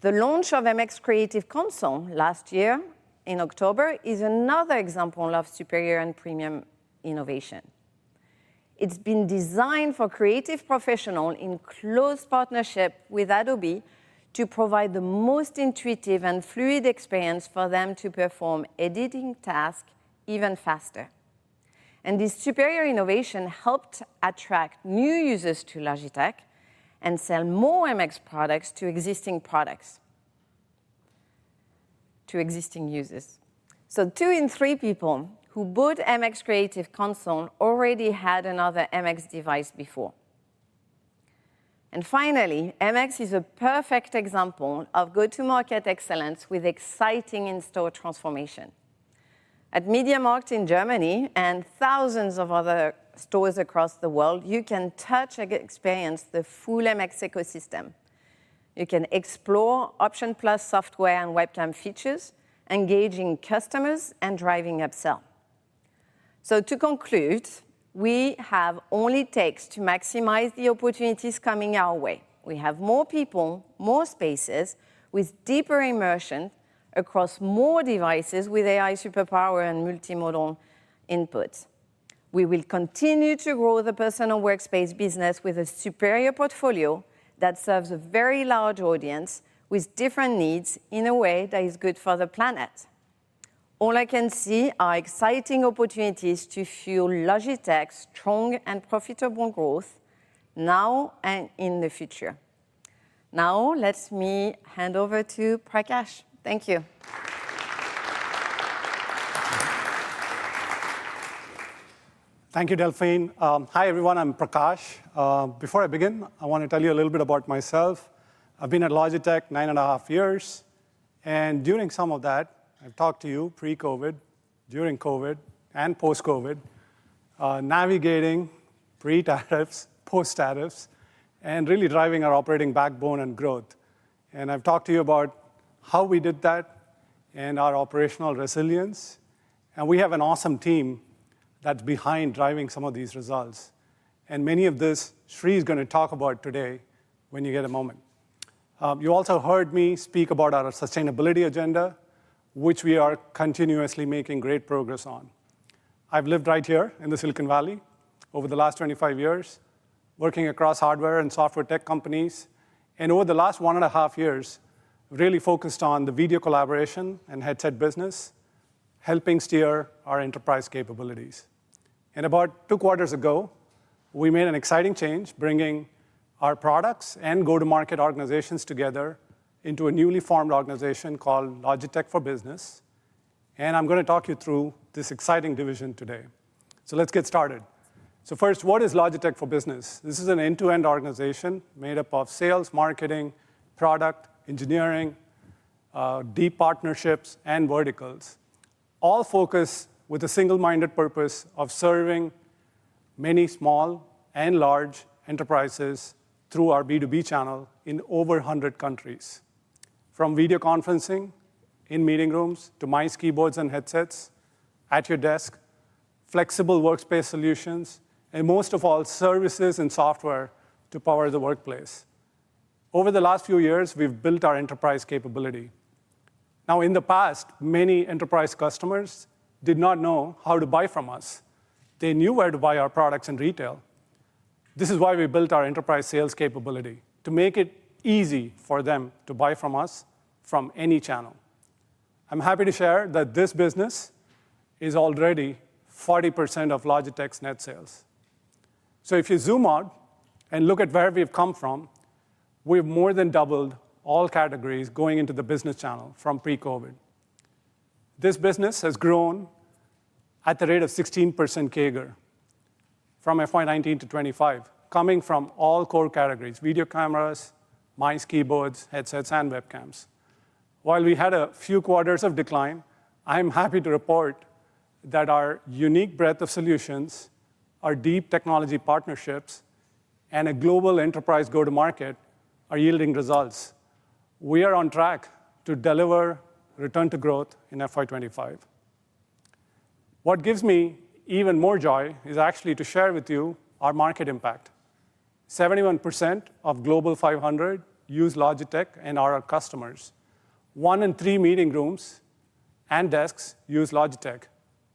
The launch of MX Creative Console last year in October is another example of superior and premium innovation. It's been designed for creative professionals in close partnership with Adobe to provide the most intuitive and fluid experience for them to perform editing tasks even faster. And this superior innovation helped attract new users to Logitech and sell more MX products to existing users. So two in three people who bought MX Creative Console already had another MX device before. And finally, MX is a perfect example of go-to-market excellence with exciting in-store transformation. At MediaMarkt in Germany and thousands of other stores across the world, you can touch and experience the full MX ecosystem. You can explore Options+ software and webcam features, engaging customers and driving upsell. To conclude, we have only to take steps to maximize the opportunities coming our way. We have more people, more spaces with deeper immersion across more devices with AI superpowers and multimodal inputs. We will continue to grow the Personal Workspace business with a superior portfolio that serves a very large audience with different needs in a way that is good for the planet. All I can see are exciting opportunities to fuel Logitech's strong and profitable growth now and in the future. Now, let me hand over to Prakash. Thank you. Thank you, Delphine. Hi, everyone. I'm Prakash. Before I begin, I want to tell you a little bit about myself. I've been at Logitech nine and a half years, and during some of that, I've talked to you pre-COVID, during COVID, and post-COVID, navigating pre-tax tariffs, post-tax tariffs, and really driving our operating backbone and growth. And I've talked to you about how we did that and our operational resilience, and we have an awesome team that's behind driving some of these results. Many of this, Sree is going to talk about today when you get a moment. You also heard me speak about our sustainability agenda, which we are continuously making great progress on. I've lived right here in the Silicon Valley over the last 25 years, working across hardware and software tech companies. Over the last one and a half years, I've really focused on the video collaboration and headset business, helping steer our enterprise capabilities. About two quarters ago, we made an exciting change, bringing our products and go-to-market organizations together into a newly formed organization called Logitech for Business. I'm going to talk you through this exciting division today. Let's get started. First, what is Logitech for Business? This is an end-to-end organization made up of sales, marketing, product, engineering, deep partnerships, and verticals, all focused with a single-minded purpose of serving many small and large enterprises through our B2B channel in over 100 countries, from video conferencing in meeting rooms to mice, keyboards, and headsets at your desk, flexible workspace solutions, and most of all, services and software to power the workplace. Over the last few years, we've built our enterprise capability. Now, in the past, many enterprise customers did not know how to buy from us. They knew where to buy our products in retail. This is why we built our enterprise sales capability to make it easy for them to buy from us from any channel. I'm happy to share that this business is already 40% of Logitech's net sales. If you zoom out and look at where we've come from, we've more than doubled all categories going into the business channel from pre-COVID. This business has grown at the rate of 16% CAGR from FY 2019 to 2025, coming from all core categories: video cameras, mice, keyboards, headsets, and webcams. While we had a few quarters of decline, I'm happy to report that our unique breadth of solutions, our deep technology partnerships, and a global enterprise go-to-market are yielding results. We are on track to deliver return to growth in FY 2025. What gives me even more joy is actually to share with you our market impact. 71% of Global 500 use Logitech and are our customers. One in three meeting rooms and desks use Logitech.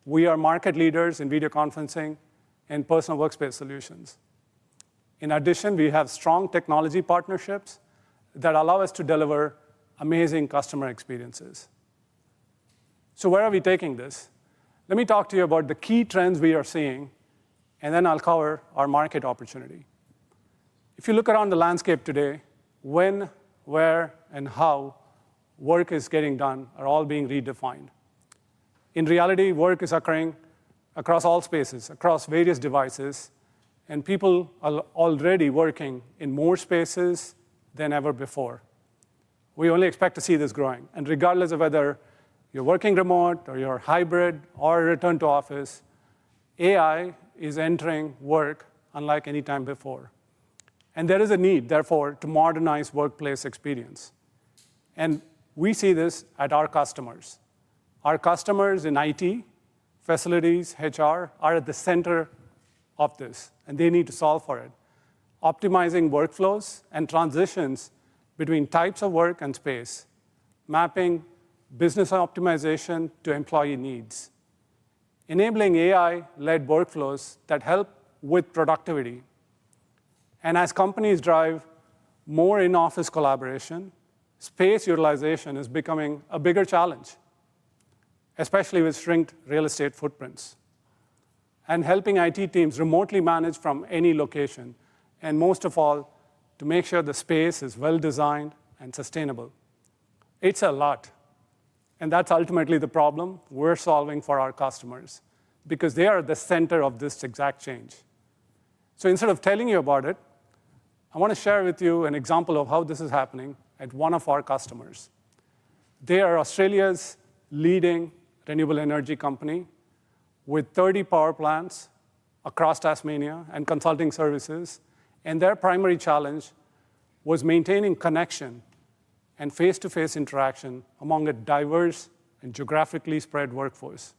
We are market leaders in video conferencing and personal workspace solutions. In addition, we have strong technology partnerships that allow us to deliver amazing customer experiences. So where are we taking this? Let me talk to you about the key trends we are seeing, and then I'll cover our market opportunity. If you look around the landscape today, when, where, and how work is getting done are all being redefined. In reality, work is occurring across all spaces, across various devices, and people are already working in more spaces than ever before. We only expect to see this growing. And regardless of whether you're working remote or you're hybrid or return to office, AI is entering work unlike any time before. And there is a need, therefore, to modernize workplace experience. And we see this at our customers. Our customers in IT facilities, HR, are at the center of this, and they need to solve for it. Optimizing workflows and transitions between types of work and space, mapping business optimization to employee needs, enabling AI-led workflows that help with productivity. And as companies drive more in-office collaboration, space utilization is becoming a bigger challenge, especially with shrinking real estate footprints and helping IT teams remotely manage from any location. And most of all, to make sure the space is well designed and sustainable. It's a lot. And that's ultimately the problem we're solving for our customers because they are at the center of this exact change. So instead of telling you about it, I want to share with you an example of how this is happening at one of our customers. They are Australia's leading renewable energy company with 30 power plants across Tasmania and consulting services. And their primary challenge was maintaining connection and face-to-face interaction among a diverse and geographically spread workforce.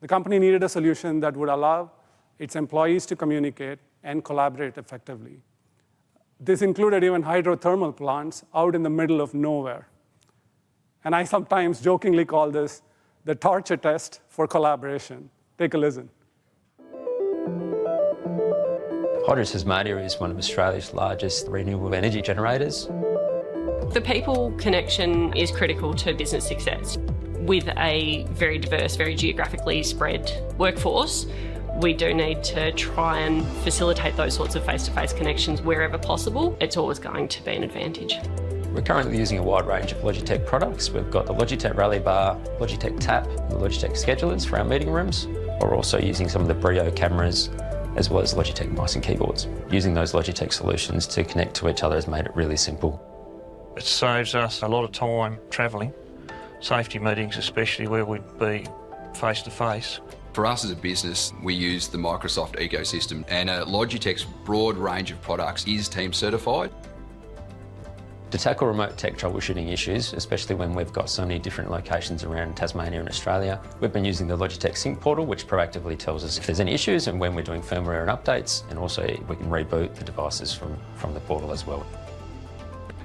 The company needed a solution that would allow its employees to communicate and collaborate effectively. This included even hydrothermal plants out in the middle of nowhere. I sometimes jokingly call this the torture test for collaboration. Take a listen. Hydro Tasmania is one of Australia's largest renewable energy generators. The people connection is critical to business success. With a very diverse, very geographically spread workforce, we do need to try and facilitate those sorts of face-to-face connections wherever possible. It's always going to be an advantage. We're currently using a wide range of Logitech products. We've got the Logitech Rally Bar, Logitech Tap, and the Logitech Schedulers for our meeting rooms. We're also using some of the Brio cameras as well as Logitech mice and keyboards. Using those Logitech solutions to connect to each other has made it really simple. It saves us a lot of time traveling, safety meetings, especially where we'd be face-to-face. For us as a business, we use the Microsoft ecosystem, and Logitech's broad range of products is Teams-certified. To tackle remote tech troubleshooting issues, especially when we've got so many different locations around Tasmania and Australia, we've been using the Logitech Sync portal, which proactively tells us if there's any issues and when we're doing firmware and updates. And also, we can reboot the devices from the portal as well.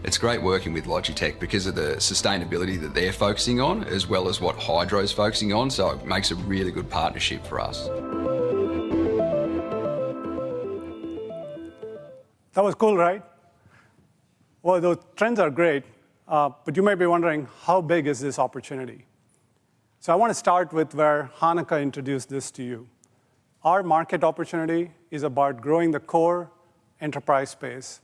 It's great working with Logitech because of the sustainability that they're focusing on, as well as what Hydro is focusing on. So it makes a really good partnership for us. That was cool, right? Well, the trends are great, but you may be wondering, how big is this opportunity? So I want to start with where Hanneke introduced this to you. Our market opportunity is about growing the core enterprise space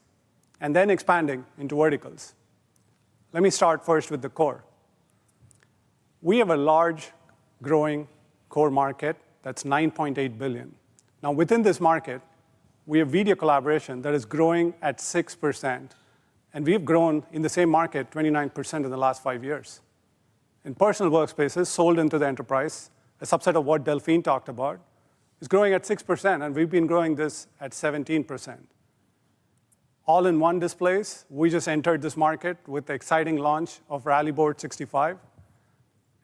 and then expanding into verticals. Let me start first with the core. We have a large growing core market that's $9.8 billion. Now, within this market, we have video collaboration that is growing at 6%, and we've grown in the same market 29% in the last five years. Personal workspaces sold into the enterprise, a subset of what Delphine talked about, is growing at 6%, and we've been growing this at 17%. All-in-one displays, we just entered this market with the exciting launch of Rally Bar.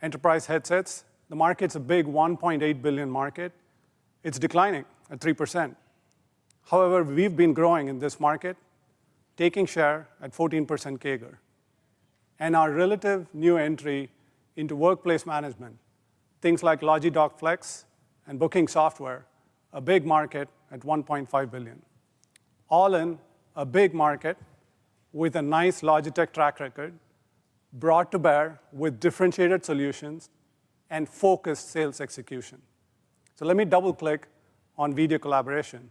Enterprise headsets, the market's a big $1.8 billion market. It's declining at 3%. However, we've been growing in this market, taking share at 14% CAGR. Our relative new entry into workplace management, things like Logi Dock Flex and booking software, a big market at $1.5 billion. All in a big market with a nice Logitech track record brought to bear with differentiated solutions and focused sales execution. Let me double-click on video collaboration.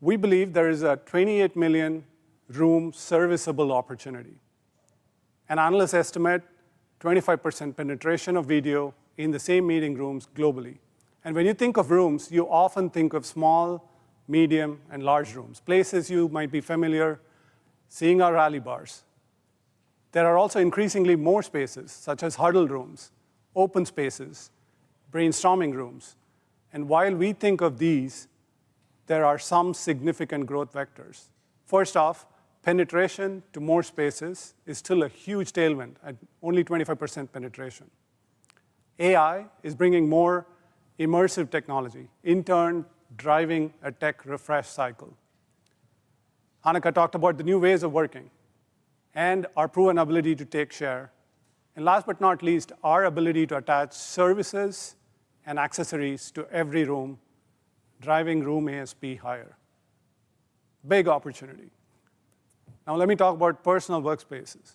We believe there is a 28 million room serviceable opportunity. An analyst estimates 25% penetration of video in the same meeting rooms globally. When you think of rooms, you often think of small, medium, and large rooms, places you might be familiar seeing our Rally Bars. There are also increasingly more spaces, such as huddle rooms, open spaces, brainstorming rooms. While we think of these, there are some significant growth vectors. First off, penetration to more spaces is still a huge tailwind at only 25% penetration. AI is bringing more immersive technology, in turn driving a tech refresh cycle. Hanneke talked about the new ways of working and our proven ability to take share. Last but not least, our ability to attach services and accessories to every room, driving room ASP higher. Big opportunity. Now, let me talk about personal workspaces.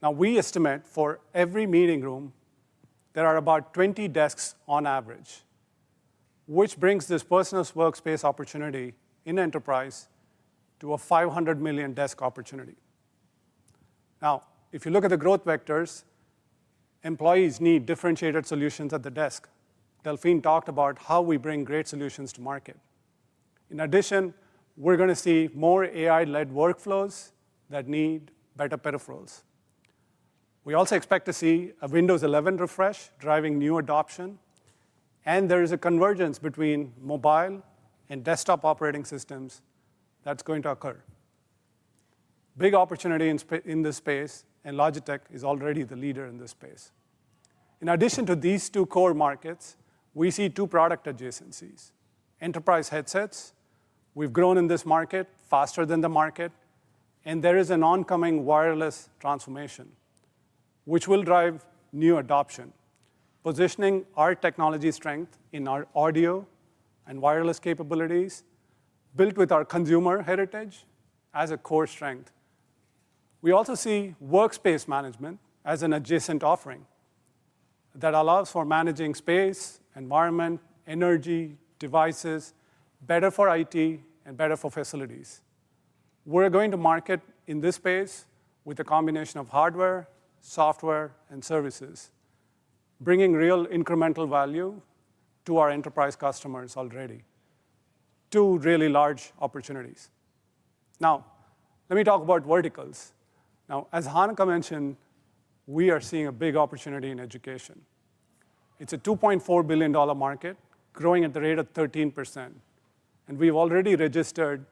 Now, we estimate for every meeting room, there are about 20 desks on average, which brings this personal workspace opportunity in enterprise to a 500 million desk opportunity. Now, if you look at the growth vectors, employees need differentiated solutions at the desk. Delphine talked about how we bring great solutions to market. In addition, we're going to see more AI-led workflows that need better peripherals. We also expect to see a Windows 11 refresh driving new adoption. There is a convergence between mobile and desktop operating systems that's going to occur. Big opportunity in this space, and Logitech is already the leader in this space. In addition to these two core markets, we see two product adjacencies: enterprise headsets. We've grown in this market faster than the market. And there is an oncoming wireless transformation, which will drive new adoption, positioning our technology strength in our audio and wireless capabilities built with our consumer heritage as a core strength. We also see workspace management as an adjacent offering that allows for managing space, environment, energy, devices better for IT and better for facilities. We're going to market in this space with a combination of hardware, software, and services, bringing real incremental value to our enterprise customers already. Two really large opportunities. Now, let me talk about verticals. Now, as Hanneke mentioned, we are seeing a big opportunity in education. It's a $2.4 billion market growing at 13%. And we've already registered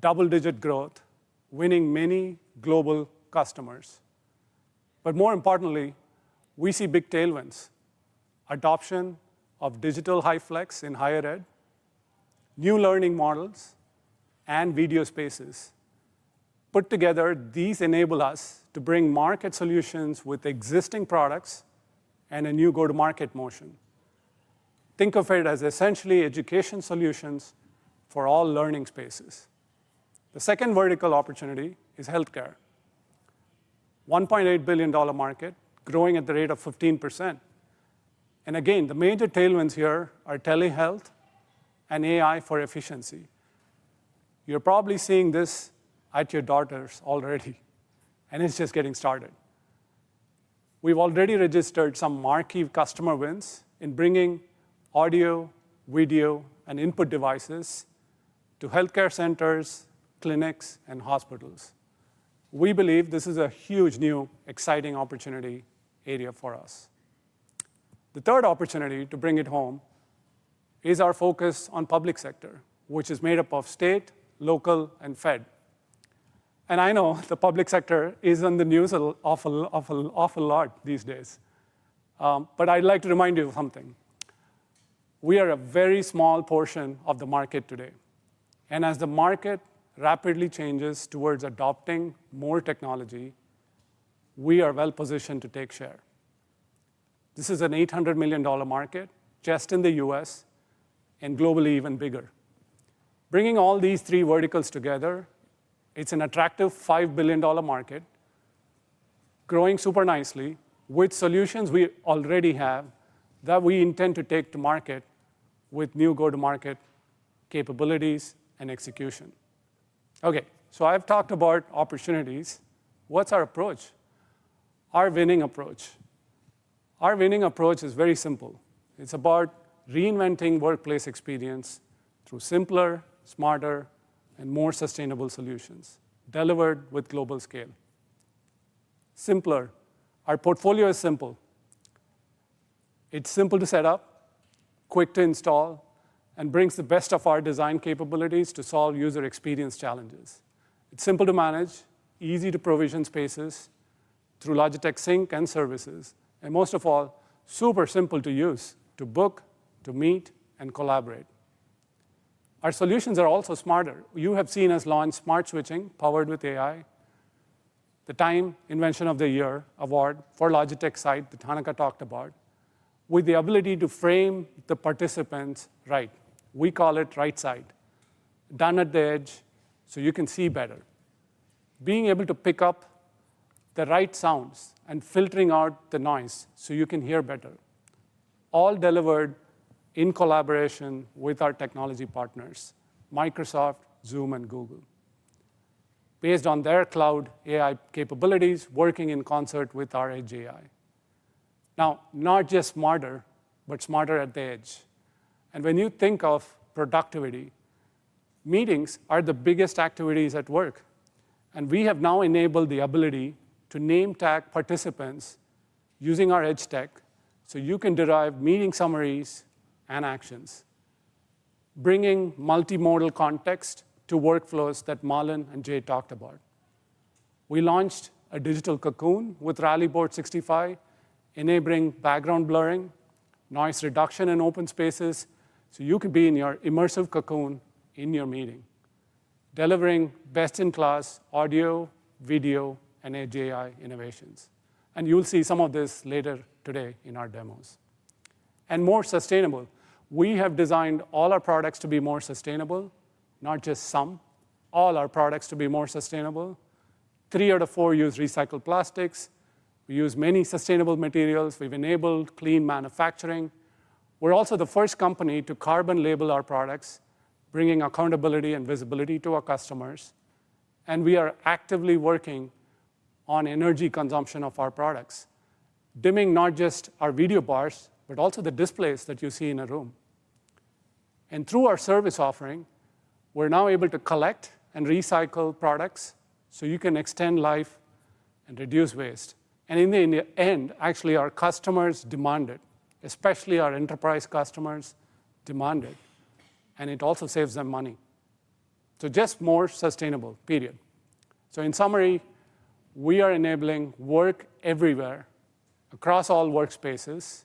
double-digit growth, winning many global customers. But more importantly, we see big tailwinds: adoption of digital HyFlex in higher ed, new learning models, and video spaces. Put together, these enable us to bring market solutions with existing products and a new go-to-market motion. Think of it as essentially education solutions for all learning spaces. The second vertical opportunity is healthcare, a $1.8 billion market growing at the rate of 15%. And again, the major tailwinds here are telehealth and AI for efficiency. You're probably seeing this at your doctors already, and it's just getting started. We've already registered some marquee customer wins in bringing audio, video, and input devices to healthcare centers, clinics, and hospitals. We believe this is a huge new exciting opportunity area for us. The third opportunity to bring it home is our focus on the public sector, which is made up of state, local, and federal. I know the public sector is in the news a lot these days. But I'd like to remind you of something. We are a very small portion of the market today. And as the market rapidly changes towards adopting more technology, we are well positioned to take share. This is an $800 million market just in the U.S. and globally even bigger. Bringing all these three verticals together, it's an attractive $5 billion market growing super nicely with solutions we already have that we intend to take to market with new go-to-market capabilities and execution. Okay, so I've talked about opportunities. What's our approach? Our winning approach. Our winning approach is very simple. It's about reinventing workplace experience through simpler, smarter, and more sustainable solutions delivered with global scale. Simpler. Our portfolio is simple. It's simple to set up, quick to install, and brings the best of our design capabilities to solve user experience challenges. It's simple to manage, easy to provision spaces through Logitech Sync and services. And most of all, super simple to use to book, to meet, and collaborate. Our solutions are also smarter. You have seen us launch smart switching powered with AI, the TIME Invention of the Year Award for Logitech Sight that Hanneke talked about, with the ability to frame the participants right. We call it Sight, done at the edge so you can see better. Being able to pick up the right sounds and filtering out the noise so you can hear better, all delivered in collaboration with our technology partners, Microsoft, Zoom, and Google, based on their cloud AI capabilities, working in concert with our edge AI. Now, not just smarter, but smarter at the edge. And when you think of productivity, meetings are the biggest activities at work. And we have now enabled the ability to name tag participants using our edge tech so you can derive meeting summaries and actions, bringing multimodal context to workflows that Marlon and Jay talked about. We launched a digital cocoon with Rally Bar, enabling background blurring, noise reduction in open spaces so you can be in your immersive cocoon in your meeting, delivering best-in-class audio, video, and edge AI innovations. And you'll see some of this later today in our demos. And more sustainable. We have designed all our products to be more sustainable, not just some. All our products to be more sustainable. Three out of four use recycled plastics. We use many sustainable materials. We've enabled clean manufacturing. We're also the first company to carbon label our products, bringing accountability and visibility to our customers, and we are actively working on energy consumption of our products, dimming not just our video bars, but also the displays that you see in a room, and through our service offering, we're now able to collect and recycle products so you can extend life and reduce waste, and in the end, actually, our customers demand it, especially our enterprise customers demand it, and it also saves them money, so just more sustainable, period. In summary, we are enabling work everywhere across all workspaces.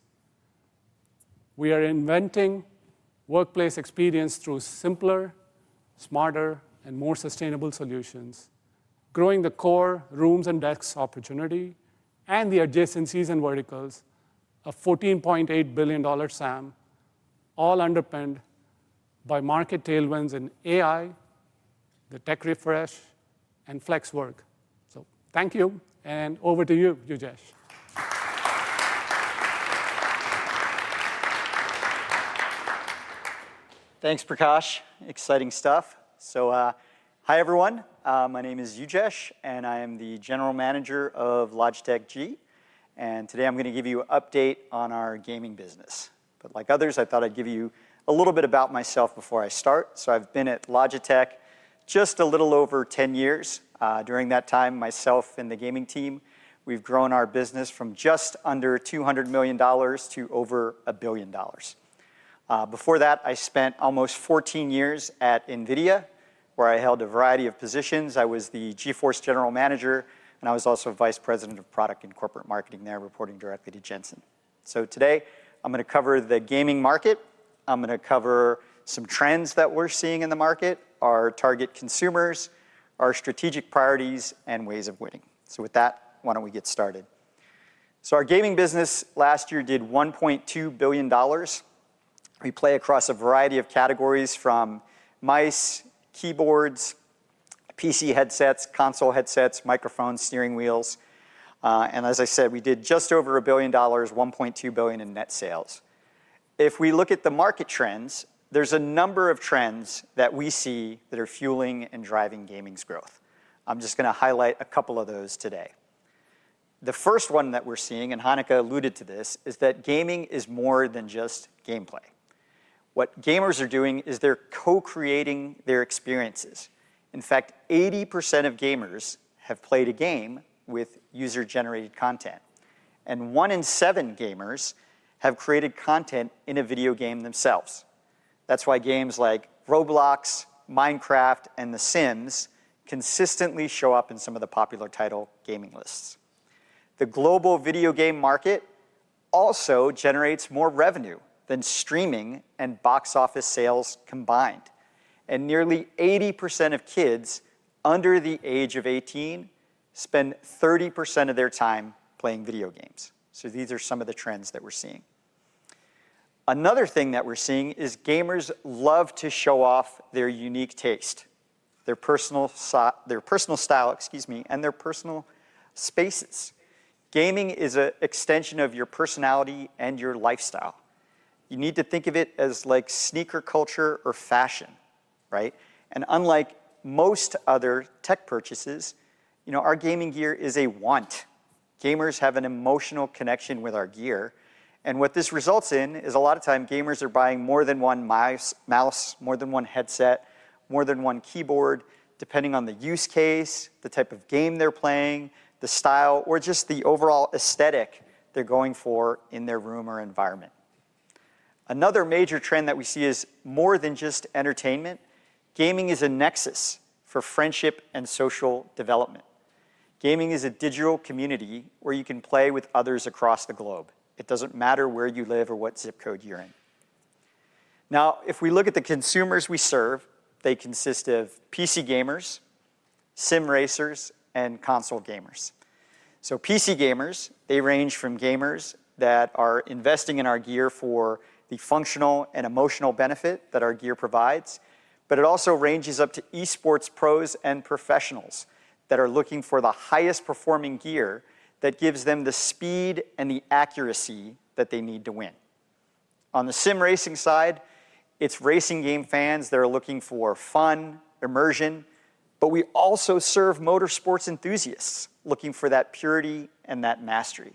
We are inventing workplace experience through simpler, smarter, and more sustainable solutions, growing the core rooms and desks opportunity and the adjacencies and verticals of $14.8 billion SAM, all underpinned by market tailwinds in AI, the tech refresh, and flex work. Thank you. And over to you, Ujesh. Thanks, Prakash. Exciting stuff. Hi, everyone. My name is Ujesh, and I am the General Manager of Logitech G. Today, I'm going to give you an update on our gaming business. Like others, I thought I'd give you a little bit about myself before I start. I've been at Logitech just a little over 10 years. During that time, myself and the gaming team, we've grown our business from just under $200 million to over $1 billion. Before that, I spent almost 14 years at NVIDIA, where I held a variety of positions. I was the GeForce General Manager, and I was also Vice President of product and corporate marketing there, reporting directly to Jensen. Today, I'm going to cover the gaming market. I'm going to cover some trends that we're seeing in the market, our target consumers, our strategic priorities, and ways of winning. So with that, why don't we get started? Our gaming business last year did $1.2 billion. We play across a variety of categories from mice, keyboards, PC headsets, console headsets, microphones, steering wheels. And as I said, we did just over a billion dollars, $1.2 billion in net sales. If we look at the market trends, there's a number of trends that we see that are fueling and driving gaming's growth. I'm just going to highlight a couple of those today. The first one that we're seeing, and Hanneke alluded to this, is that gaming is more than just gameplay. What gamers are doing is they're co-creating their experiences. In fact, 80% of gamers have played a game with user-generated content. One in seven gamers have created content in a video game themselves. That's why games like Roblox, Minecraft, and The Sims consistently show up in some of the popular title gaming lists. The global video game market also generates more revenue than streaming and box office sales combined. Nearly 80% of kids under the age of 18 spend 30% of their time playing video games. These are some of the trends that we're seeing. Another thing that we're seeing is gamers love to show off their unique taste, their personal style, excuse me, and their personal spaces. Gaming is an extension of your personality and your lifestyle. You need to think of it as like sneaker culture or fashion, right? Unlike most other tech purchases, our gaming gear is a want. Gamers have an emotional connection with our gear. What this results in is a lot of time, gamers are buying more than one mouse, more than one headset, more than one keyboard, depending on the use case, the type of game they're playing, the style, or just the overall aesthetic they're going for in their room or environment. Another major trend that we see is more than just entertainment. Gaming is a nexus for friendship and social development. Gaming is a digital community where you can play with others across the globe. It doesn't matter where you live or what zip code you're in. Now, if we look at the consumers we serve, they consist of PC gamers, sim racers, and console gamers. So PC gamers, they range from gamers that are investing in our gear for the functional and emotional benefit that our gear provides, but it also ranges up to esports pros and professionals that are looking for the highest performing gear that gives them the speed and the accuracy that they need to win. On the sim racing side, it's racing game fans that are looking for fun, immersion. But we also serve motorsports enthusiasts looking for that purity and that mastery.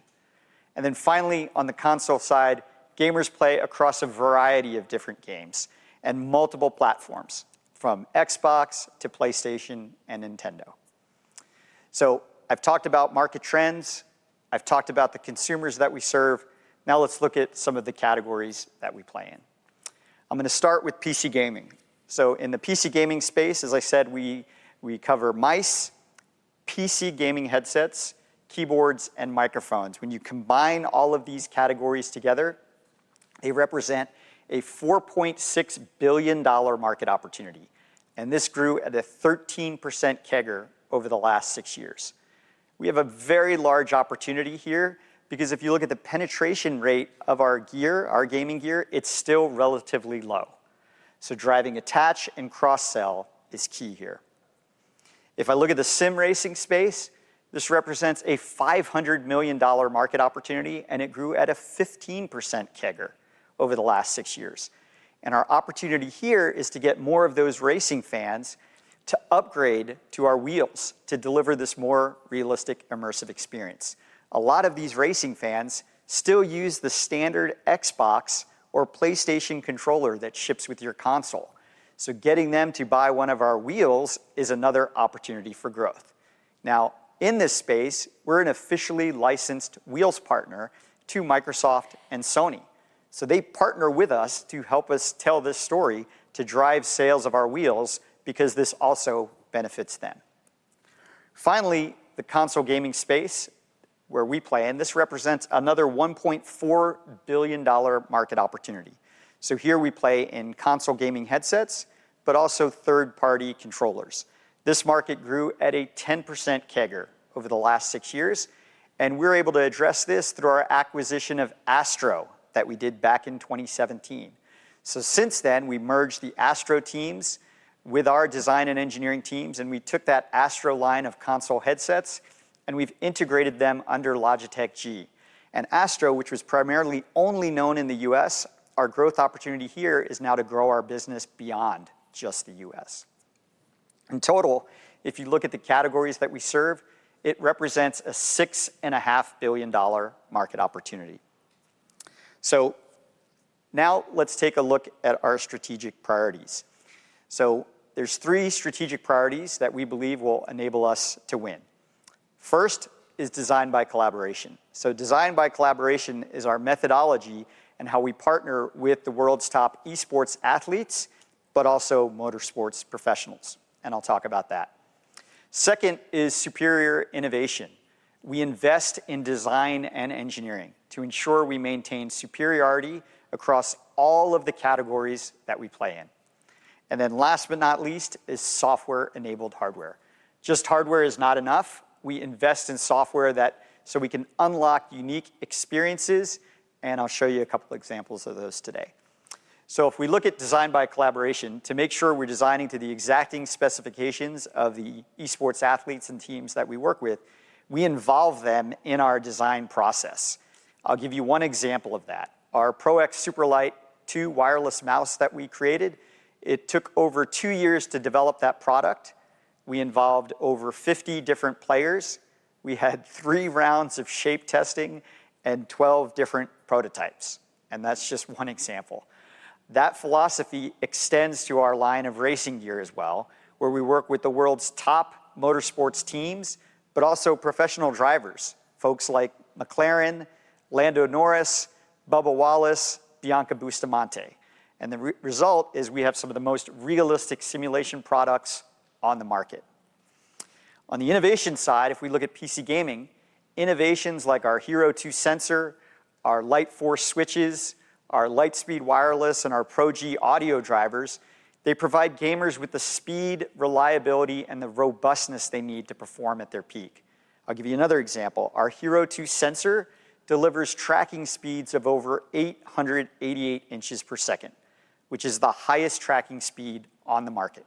And then finally, on the console side, gamers play across a variety of different games and multiple platforms from Xbox to PlayStation and Nintendo. So I've talked about market trends. I've talked about the consumers that we serve. Now let's look at some of the categories that we play in. I'm going to start with PC gaming. In the PC gaming space, as I said, we cover mice, PC gaming headsets, keyboards, and microphones. When you combine all of these categories together, they represent a $4.6 billion market opportunity. This grew at a 13% CAGR over the last six years. We have a very large opportunity here because if you look at the penetration rate of our gear, our gaming gear, it's still relatively low. Driving attach and cross-sell is key here. If I look at the sim racing space, this represents a $500 million market opportunity, and it grew at a 15% CAGR over the last six years. Our opportunity here is to get more of those racing fans to upgrade to our wheels to deliver this more realistic, immersive experience. A lot of these racing fans still use the standard Xbox or PlayStation controller that ships with your console. Getting them to buy one of our wheels is another opportunity for growth. Now, in this space, we're an officially licensed wheels partner to Microsoft and Sony. They partner with us to help us tell this story to drive sales of our wheels because this also benefits them. Finally, the console gaming space where we play, and this represents another $1.4 billion market opportunity. Here we play in console gaming headsets, but also third-party controllers. This market grew at a 10% CAGR over the last six years. We're able to address this through our acquisition of Astro that we did back in 2017. Since then, we merged the Astro teams with our design and engineering teams, and we took that Astro line of console headsets, and we've integrated them under Logitech G. Astro, which was primarily only known in the U.S., our growth opportunity here is now to grow our business beyond just the U.S. In total, if you look at the categories that we serve, it represents a $6.5 billion market opportunity. So now let's take a look at our strategic priorities. So there's three strategic priorities that we believe will enable us to win. First is design by collaboration. So design by collaboration is our methodology and how we partner with the world's top esports athletes, but also motorsports professionals. And I'll talk about that. Second is superior innovation. We invest in design and engineering to ensure we maintain superiority across all of the categories that we play in. And then last but not least is software-enabled hardware. Just hardware is not enough. We invest in software so we can unlock unique experiences. And I'll show you a couple of examples of those today. So if we look at design by collaboration, to make sure we're designing to the exacting specifications of the esports athletes and teams that we work with, we involve them in our design process. I'll give you one example of that. Our Pro X Superlight 2 wireless mouse that we created, it took over two years to develop that product. We involved over 50 different players. We had three rounds of shape testing and 12 different prototypes. And that's just one example. That philosophy extends to our line of racing gear as well, where we work with the world's top motorsports teams, but also professional drivers, folks like McLaren, Lando Norris, Bubba Wallace, Bianca Bustamante. And the result is we have some of the most realistic simulation products on the market. On the innovation side, if we look at PC gaming, innovations like our HERO 2 Sensor, our LIGHTFORCE switches, our LIGHTSPEED Wireless, and our Pro-G Audio Drivers, they provide gamers with the speed, reliability, and the robustness they need to perform at their peak. I'll give you another example. Our HERO 2 Sensor delivers tracking speeds of over 888 inches per second, which is the highest tracking speed on the market.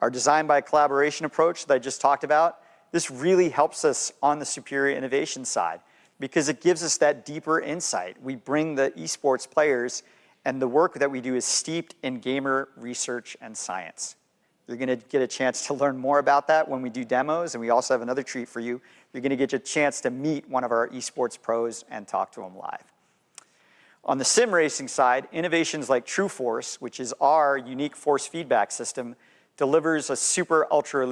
Our design by collaboration approach that I just talked about, this really helps us on the superior innovation side because it gives us that deeper insight. We bring the esports players, and the work that we do is steeped in gamer research and science. You're going to get a chance to learn more about that when we do demos, and we also have another treat for you. You're going to get a chance to meet one of our esports pros and talk to them live. On the sim racing side, innovations like TRUEFORCE, which is our unique force feedback system, delivers a super ultra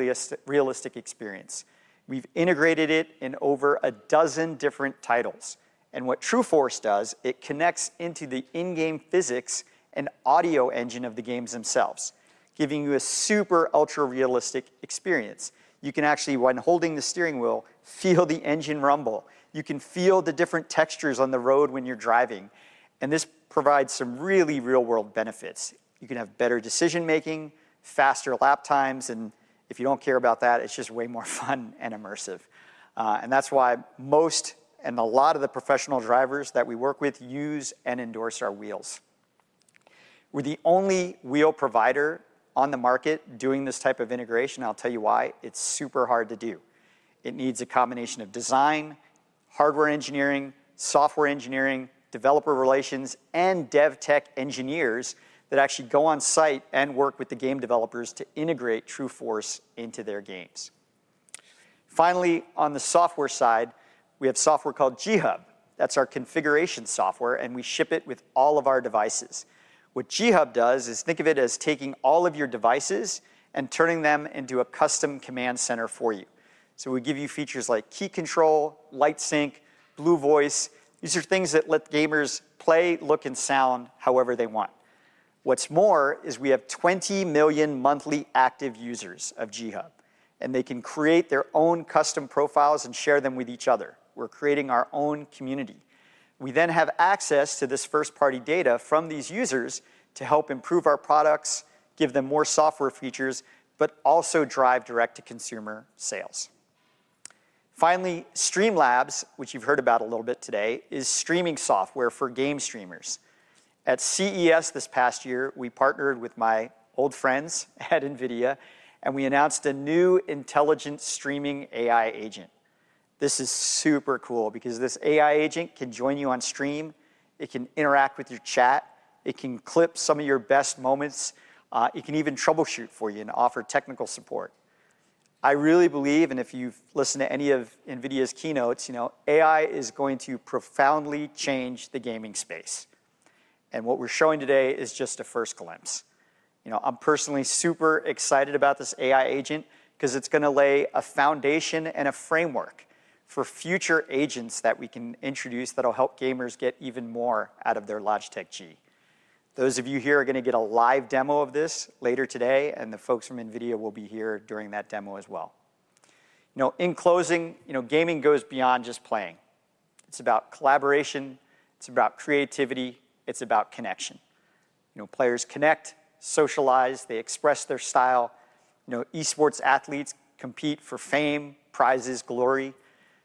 realistic experience. We've integrated it in over a dozen different titles, and what TRUEFORCE does, it connects into the in-game physics and audio engine of the games themselves, giving you a super ultra realistic experience. You can actually, when holding the steering wheel, feel the engine rumble. You can feel the different textures on the road when you're driving, and this provides some really real-world benefits. You can have better decision-making, faster lap times, and if you don't care about that, it's just way more fun and immersive, and that's why most and a lot of the professional drivers that we work with use and endorse our wheels. We're the only wheel provider on the market doing this type of integration. I'll tell you why. It's super hard to do. It needs a combination of design, hardware engineering, software engineering, developer relations, and dev tech engineers that actually go on site and work with the game developers to integrate TRUEFORCE into their games. Finally, on the software side, we have software called G HUB. That's our configuration software, and we ship it with all of our devices. What G HUB does is think of it as taking all of your devices and turning them into a custom command center for you. So we give you features like KEYCONTROL, LIGHTSYNC, Blue VO! CE. These are things that let gamers play, look, and sound however they want. What's more is we have 20 million monthly active users of G HUB, and they can create their own custom profiles and share them with each other. We're creating our own community. We then have access to this first-party data from these users to help improve our products, give them more software features, but also drive direct-to-consumer sales. Finally, Streamlabs, which you've heard about a little bit today, is streaming software for game streamers. At CES this past year, we partnered with my old friends at NVIDIA, and we announced a new intelligent streaming AI agent. This is super cool because this AI agent can join you on stream. It can interact with your chat. It can clip some of your best moments. It can even troubleshoot for you and offer technical support. I really believe, and if you've listened to any of NVIDIA's keynotes, AI is going to profoundly change the gaming space. And what we're showing today is just a first glimpse. I'm personally super excited about this AI agent because it's going to lay a foundation and a framework for future agents that we can introduce that'll help gamers get even more out of their Logitech G. Those of you here are going to get a live demo of this later today, and the folks from NVIDIA will be here during that demo as well. In closing, gaming goes beyond just playing. It's about collaboration. It's about creativity. It's about connection. Players connect, socialize. They express their style. Esports athletes compete for fame, prizes, glory.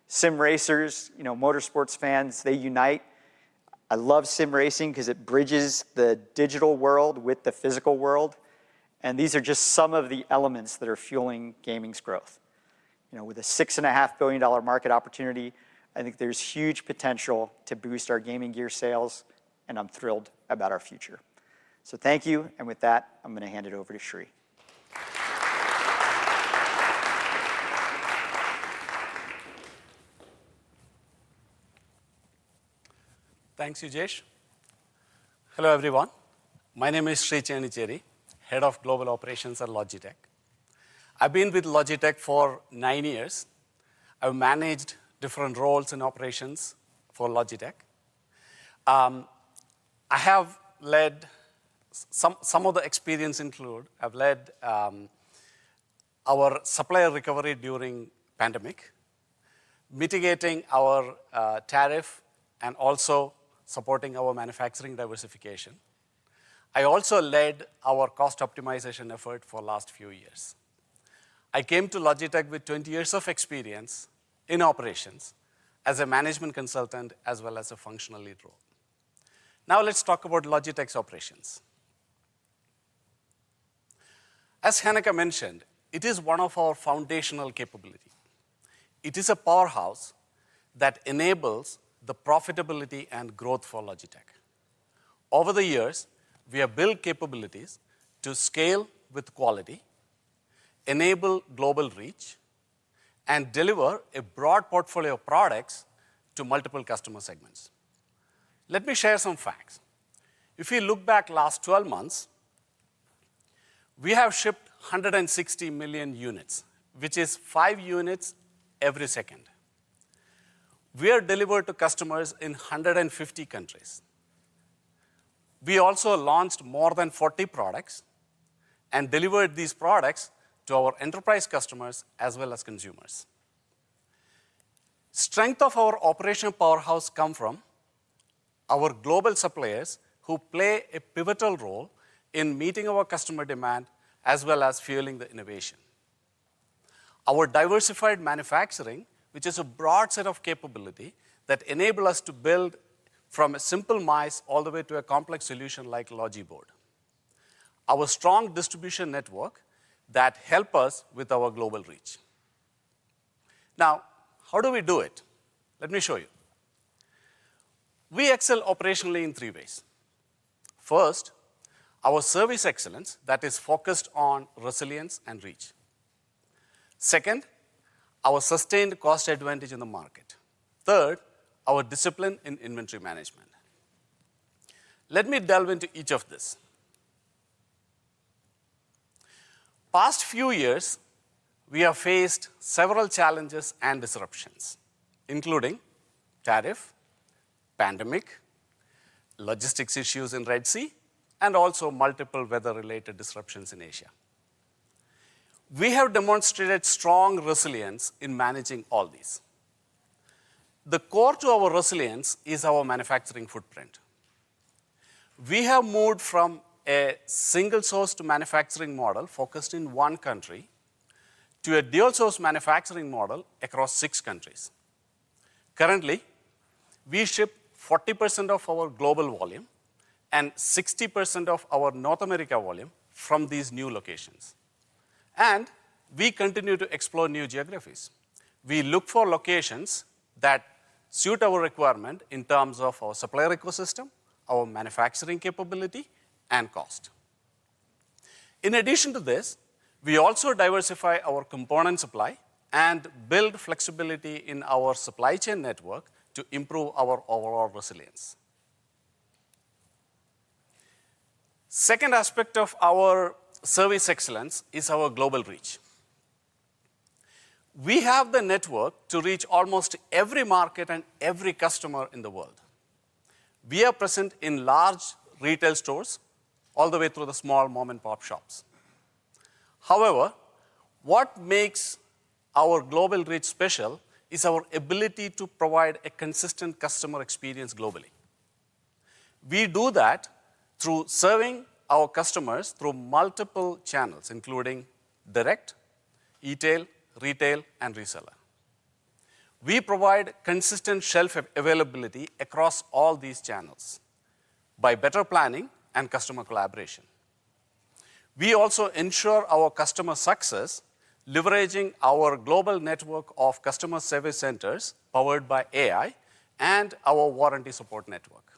Sim racers, motorsports fans, they unite. I love sim racing because it bridges the digital world with the physical world. These are just some of the elements that are fueling gaming's growth. With a $6.5 billion market opportunity, I think there's huge potential to boost our gaming gear sales, and I'm thrilled about our future. Thank you. With that, I'm going to hand it over to Sree. Thanks, Ujesh. Hello, everyone. My name is Sree Chenincherry, Head of Global Operations at Logitech. I've been with Logitech for nine years. I've managed different roles and operations for Logitech. I've led our supplier recovery during the pandemic, mitigating our tariff, and also supporting our manufacturing diversification. I also led our cost optimization effort for the last few years. I came to Logitech with 20 years of experience in operations as a management consultant as well as a functional lead role. Now let's talk about Logitech's operations. As Hanneke mentioned, it is one of our foundational capabilities. It is a powerhouse that enables the profitability and growth for Logitech. Over the years, we have built capabilities to scale with quality, enable global reach, and deliver a broad portfolio of products to multiple customer segments. Let me share some facts. If you look back the last 12 months, we have shipped 160 million units, which is five units every second. We are delivered to customers in 150 countries. We also launched more than 40 products and delivered these products to our enterprise customers as well as consumers. Strength of our operational powerhouse comes from our global suppliers who play a pivotal role in meeting our customer demand as well as fueling the innovation. Our diversified manufacturing, which is a broad set of capabilities that enable us to build from a simple mouse all the way to a complex solution like Rally Bar. Our strong distribution network that helps us with our global reach. Now, how do we do it? Let me show you. We excel operationally in three ways. First, our service excellence that is focused on resilience and reach. Second, our sustained cost advantage in the market. Third, our discipline in inventory management. Let me delve into each of these. The past few years, we have faced several challenges and disruptions, including tariff, pandemic, logistics issues in Red Sea, and also multiple weather-related disruptions in Asia. We have demonstrated strong resilience in managing all these. The core to our resilience is our manufacturing footprint. We have moved from a single-source manufacturing model focused in one country to a dual-source manufacturing model across six countries. Currently, we ship 40% of our global volume and 60% of our North America volume from these new locations, and we continue to explore new geographies. We look for locations that suit our requirement in terms of our supplier ecosystem, our manufacturing capability, and cost. In addition to this, we also diversify our component supply and build flexibility in our supply chain network to improve our overall resilience. The second aspect of our service excellence is our global reach. We have the network to reach almost every market and every customer in the world. We are present in large retail stores all the way through the small mom-and-pop shops. However, what makes our global reach special is our ability to provide a consistent customer experience globally. We do that through serving our customers through multiple channels, including direct, retail, and reseller. We provide consistent shelf availability across all these channels by better planning and customer collaboration. We also ensure our customer success leveraging our global network of customer service centers powered by AI and our warranty support network.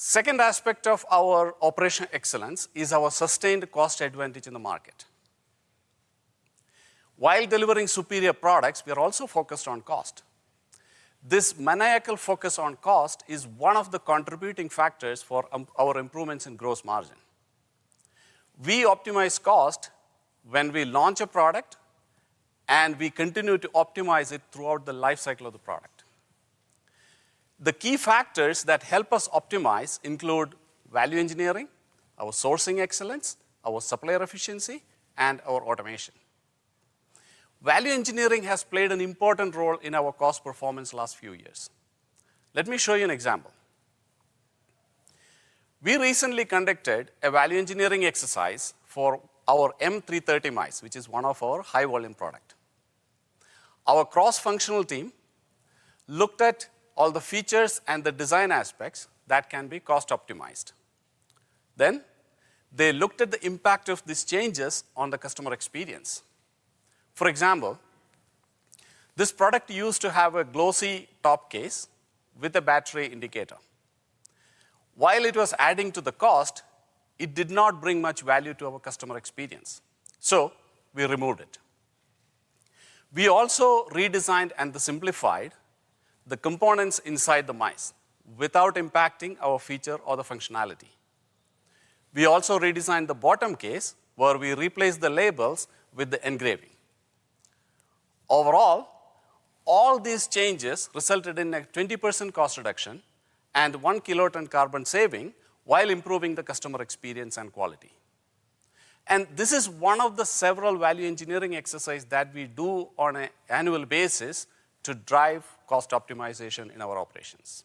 The second aspect of our operational excellence is our sustained cost advantage in the market. While delivering superior products, we are also focused on cost. This maniacal focus on cost is one of the contributing factors for our improvements in gross margin. We optimize cost when we launch a product, and we continue to optimize it throughout the lifecycle of the product. The key factors that help us optimize include value engineering, our sourcing excellence, our supplier efficiency, and our automation. Value engineering has played an important role in our cost performance in the last few years. Let me show you an example. We recently conducted a value engineering exercise for our M330 mice, which is one of our high-volume products. Our cross-functional team looked at all the features and the design aspects that can be cost optimized. Then they looked at the impact of these changes on the customer experience. For example, this product used to have a glossy top case with a battery indicator. While it was adding to the cost, it did not bring much value to our customer experience, so we removed it. We also redesigned and simplified the components inside the mice without impacting our feature or the functionality. We also redesigned the bottom case, where we replaced the labels with the engraving. Overall, all these changes resulted in a 20% cost reduction and 1 kiloton carbon saving while improving the customer experience and quality. And this is one of the several value engineering exercises that we do on an annual basis to drive cost optimization in our operations.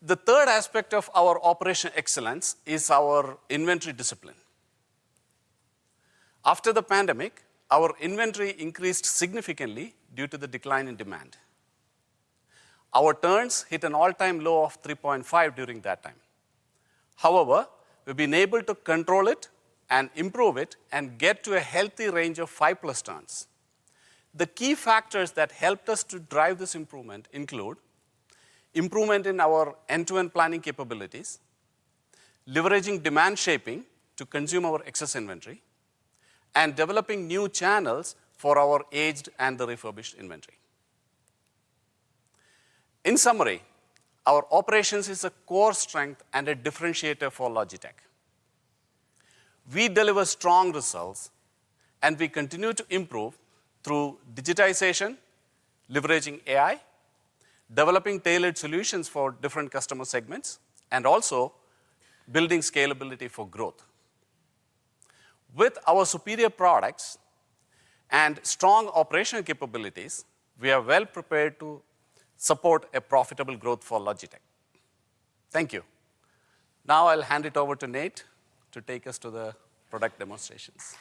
The third aspect of our operational excellence is our inventory discipline. After the pandemic, our inventory increased significantly due to the decline in demand. Our turns hit an all-time low of 3.5 during that time. However, we've been able to control it and improve it and get to a healthy range of 5-plus turns. The key factors that helped us to drive this improvement include improvement in our end-to-end planning capabilities, leveraging demand shaping to consume our excess inventory, and developing new channels for our aged and refurbished inventory. In summary, our operations is a core strength and a differentiator for Logitech. We deliver strong results, and we continue to improve through digitization, leveraging AI, developing tailored solutions for different customer segments, and also building scalability for growth. With our superior products and strong operational capabilities, we are well prepared to support a profitable growth for Logitech. Thank you. Now I'll hand it over to Nate to take us to the product demonstrations.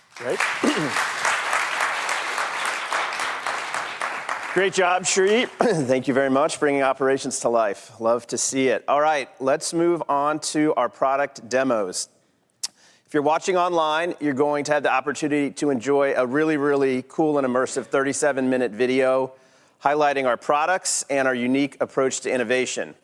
Great job, Sree. Thank you very much for bringing operations to life. Love to see it. All right, let's move on to our product demos. If you're watching online, you're going to have the opportunity to enjoy a really, really cool and immersive 37-minute video highlighting our products and our unique approach to innovation.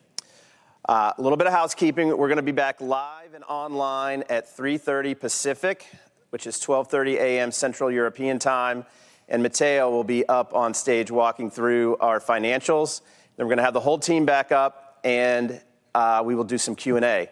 A little bit of housekeeping. We're going to be back live and online at 3:30 P.M. Pacific, which is 12:30 A.M. Central European Time, and Matteo will be up on stage walking through our financials, then we're going to have the whole team back up, and we will do some Q&A.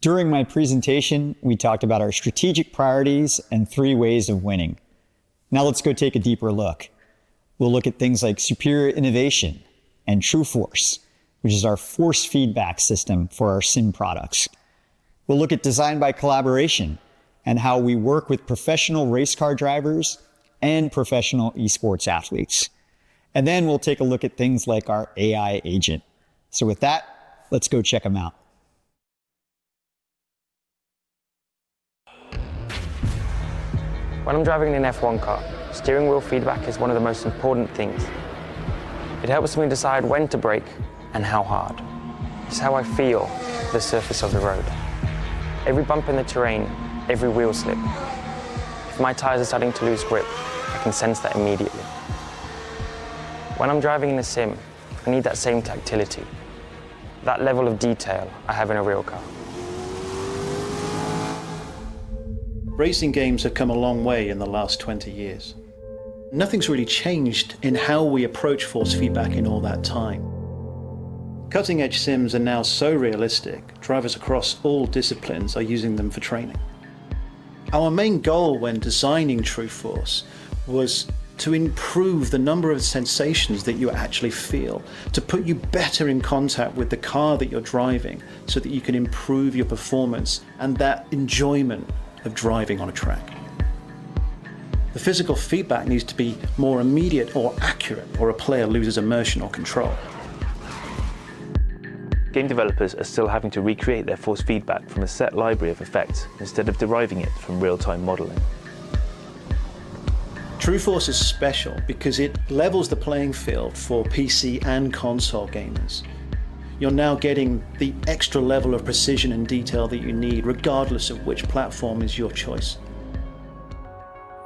During my presentation, we talked about our strategic priorities and three ways of winning. Now let's go take a deeper look. We'll look at things like superior innovation and TRUEFORCE, which is our force feedback system for our sim products. We'll look at design by collaboration and how we work with professional race car drivers and professional esports athletes. We'll take a look at things like our AI agent. With that, let's go check them out. When I'm driving an F1 car, steering wheel feedback is one of the most important things. It helps me decide when to brake and how hard. It's how I feel the surface of the road. Every bump in the terrain, every wheel slip. If my tires are starting to lose grip, I can sense that immediately. When I'm driving in a sim, I need that same tactility, that level of detail I have in a real car. Racing games have come a long way in the last 20 years. Nothing's really changed in how we approach force feedback in all that time. Cutting-edge sims are now so realistic. Drivers across all disciplines are using them for training. Our main goal when designing TRUEFORCE was to improve the number of sensations that you actually feel, to put you better in contact with the car that you're driving so that you can improve your performance and that enjoyment of driving on a track. The physical feedback needs to be more immediate or accurate or a player loses immersion or control. Game developers are still having to recreate their force feedback from a set library of effects instead of deriving it from real-time modeling. TRUEFORCE is special because it levels the playing field for PC and console gamers. You're now getting the extra level of precision and detail that you need regardless of which platform is your choice.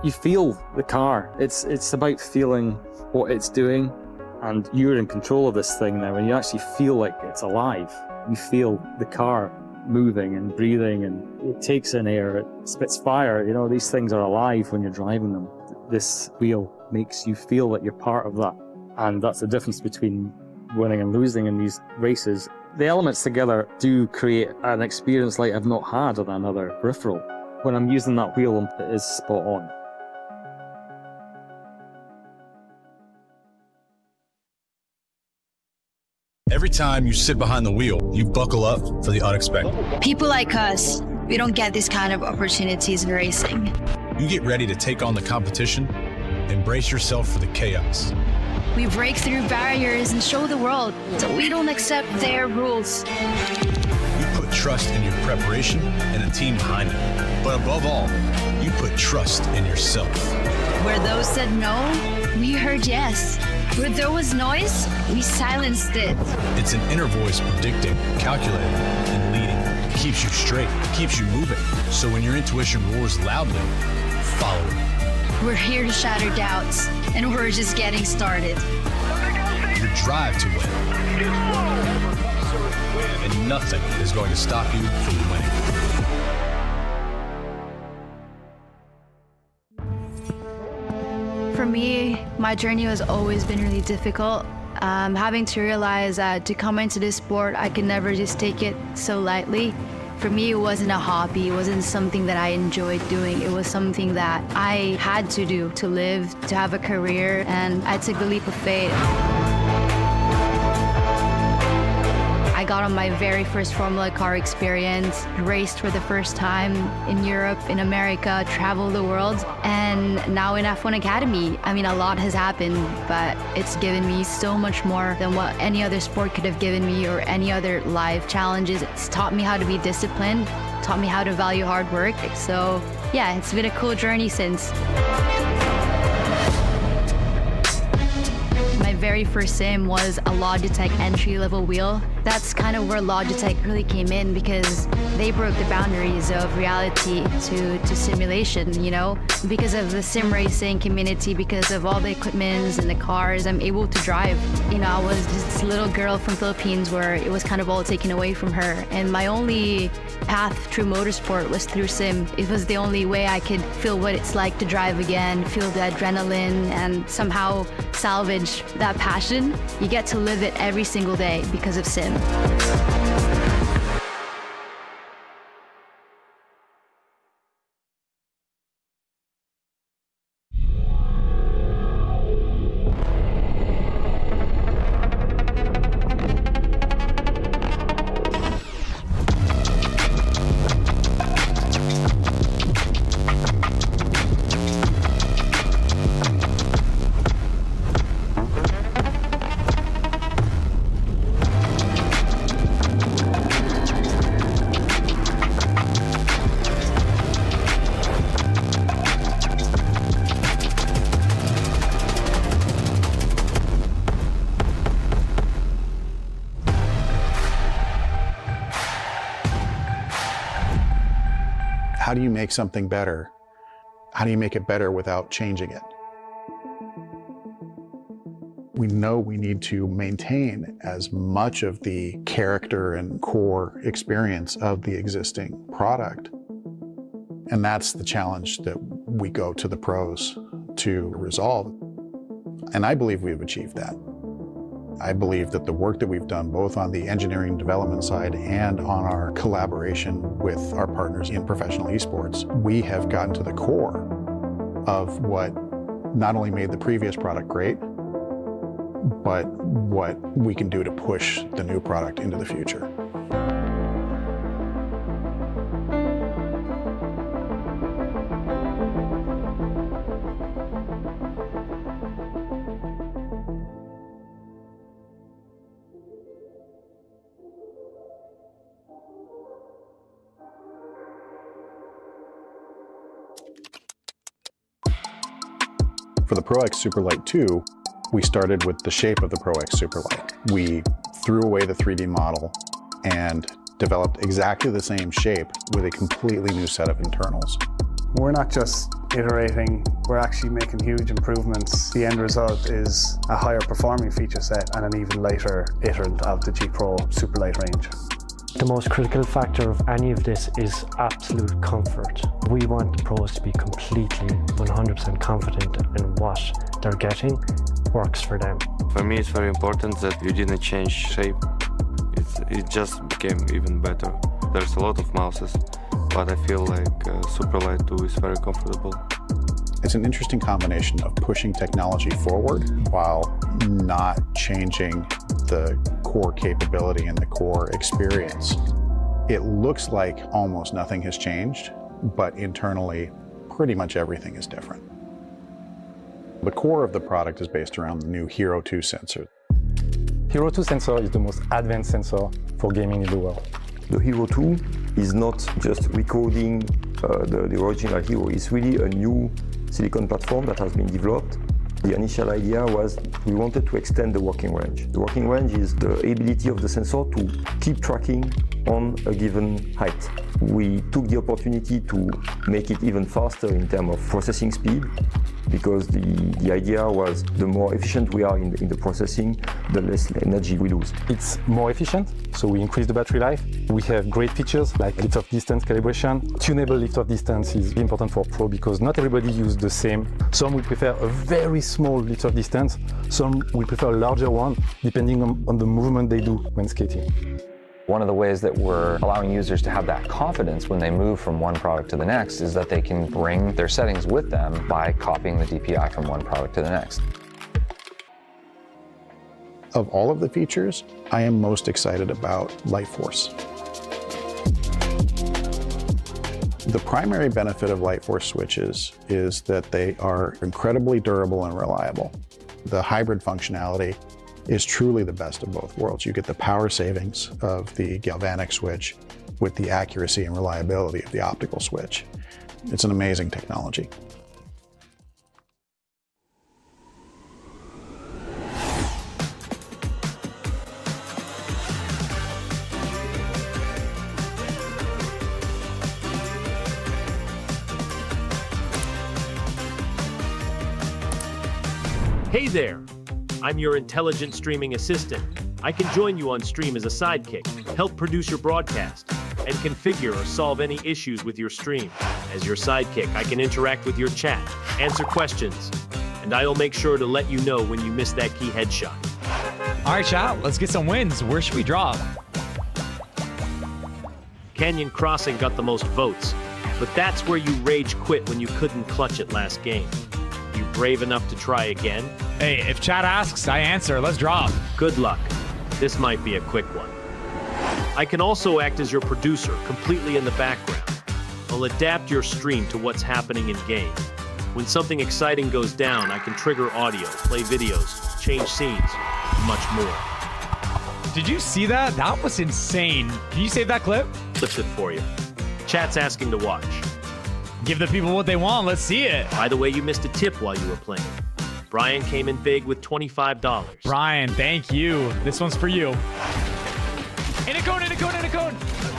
You feel the car. It's about feeling what it's doing. And you're in control of this thing now, and you actually feel like it's alive. You feel the car moving and breathing, and it takes in air, it spits fire. These things are alive when you're driving them. This wheel makes you feel that you're part of that. And that's the difference between winning and losing in these races. The elements together do create an experience like I've not had on another peripheral. When I'm using that wheel, it is spot on. Every time you sit behind the wheel, you buckle up for the unexpected. People like us, we don't get these kinds of opportunities in racing. You get ready to take on the competition. Brace yourself for the chaos. We break through barriers and show the world that we don't accept their rules. You put trust in your preparation and the team behind it. But above all, you put trust in yourself. Where those said no, we heard yes. Where there was noise, we silenced it. It's an inner voice predicting, calculating, and leading. It keeps you straight, it keeps you moving. So when your intuition roars loudly, follow it. We're here to shatter doubts, and we're just getting started. Your drive to win, and nothing is going to stop you from winning. For me, my journey has always been really difficult. Having to realize that to come into this sport, I could never just take it so lightly. For me, it wasn't a hobby. It wasn't something that I enjoyed doing. It was something that I had to do to live, to have a career. And I took the leap of faith. I got on my very first Formula Car experience, raced for the first time in Europe, in America, traveled the world. And now in F1 Academy, I mean, a lot has happened, but it's given me so much more than what any other sport could have given me or any other life challenges. It's taught me how to be disciplined, taught me how to value hard work. So yeah, it's been a cool journey since. My very first sim was a Logitech entry-level wheel. That's kind of where Logitech really came in because they broke the boundaries of reality to simulation. Because of the sim racing community, because of all the equipments and the cars, I'm able to drive. I was this little girl from the Philippines where it was kind of all taken away from her. And my only path through motorsport was through sim. It was the only way I could feel what it's like to drive again, feel the adrenaline, and somehow salvage that passion. You get to live it every single day because of sim. How do you make something better? How do you make it better without changing it? We know we need to maintain as much of the character and core experience of the existing product, and that's the challenge that we go to the pros to resolve, and I believe we've achieved that. I believe that the work that we've done, both on the engineering and development side and on our collaboration with our partners in professional esports, we have gotten to the core of what not only made the previous product great, but what we can do to push the new product into the future. For the Pro X Superlight 2, we started with the shape of the Pro X Superlight. We threw away the 3D model and developed exactly the same shape with a completely new set of internals. We're not just iterating. We're actually making huge improvements. The end result is a higher-performing feature set and an even lighter iteration of the G Pro Superlight range. The most critical factor of any of this is absolute comfort. We want the pros to be completely 100% confident in what they're getting works for them. For me, it's very important that we didn't change shape. It just became even better. There's a lot of mice, but I feel like Superlight 2 is very comfortable. It's an interesting combination of pushing technology forward while not changing the core capability and the core experience. It looks like almost nothing has changed, but internally, pretty much everything is different. The core of the product is based around the new HERO 2 Sensor. HERO 2 Sensor is the most advanced sensor for gaming in the world. The HERO 2 is not just recoding the original HERO. It's really a new silicon platform that has been developed. The initial idea was we wanted to extend the working range. The working range is the ability of the sensor to keep tracking on a given height. We took the opportunity to make it even faster in terms of processing speed because the idea was the more efficient we are in the processing, the less energy we lose. It's more efficient, so we increase the battery life. We have great features like lift distance calibration. Tunable lift distance is important for pro because not everybody uses the same. Some will prefer a very small lift distance. Some will prefer a larger one depending on the movement they do when skating. One of the ways that we're allowing users to have that confidence when they move from one product to the next is that they can bring their settings with them by copying the DPI from one product to the next. Of all of the features, I am most excited about LIGHTFORCE. The primary benefit of LIGHTFORCE switches is that they are incredibly durable and reliable. The hybrid functionality is truly the best of both worlds. You get the power savings of the galvanic switch with the accuracy and reliability of the optical switch. It's an amazing technology. Hey there. I'm your intelligent streaming assistant. I can join you on stream as a sidekick, help produce your broadcast, and configure or solve any issues with your stream. As your sidekick, I can interact with your chat, answer questions, and I'll make sure to let you know when you miss that key headshot. All right, chat, let's get some wins. Where should we draw? Canyon Crossing got the most votes, but that's where you rage quit when you couldn't clutch it last game. You brave enough to try again? Hey, if chat asks, I answer. Let's draw. Good luck. This might be a quick one. I can also act as your producer completely in the background. I'll adapt your stream to what's happening in-game. When something exciting goes down, I can trigger audio, play videos, change scenes, much more. Did you see that? That was insane. Can you save that clip? Clips it for you. Chat's asking to watch. Give the people what they want. Let's see it. By the way, you missed a tip while you were playing. Brian came in big with $25. Brian, thank you. This one's for you. In a cone, in a cone, in a cone.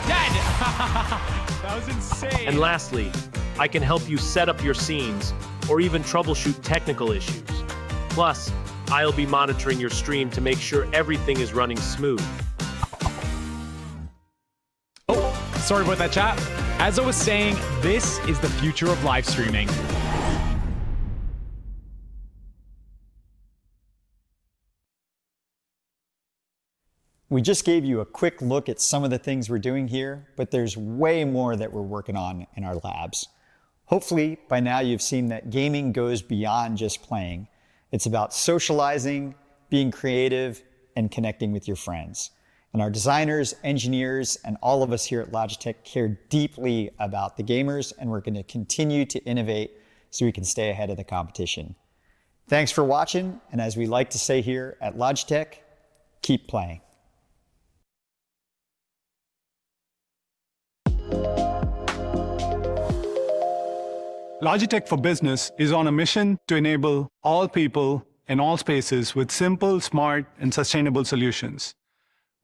Dead. That was insane. Lastly, I can help you set up your scenes or even troubleshoot technical issues. Plus, I'll be monitoring your stream to make sure everything is running smooth. Oh, sorry about that, chat. As I was saying, this is the future of live streaming. We just gave you a quick look at some of the things we're doing here, but there's way more that we're working on in our labs. Hopefully, by now, you've seen that gaming goes beyond just playing. It's about socializing, being creative, and connecting with your friends. And our designers, engineers, and all of us here at Logitech care deeply about the gamers, and we're going to continue to innovate so we can stay ahead of the competition. Thanks for watching. And as we like to say here at Logitech, keep playing. Logitech for Business is on a mission to enable all people in all spaces with simple, smart, and sustainable solutions.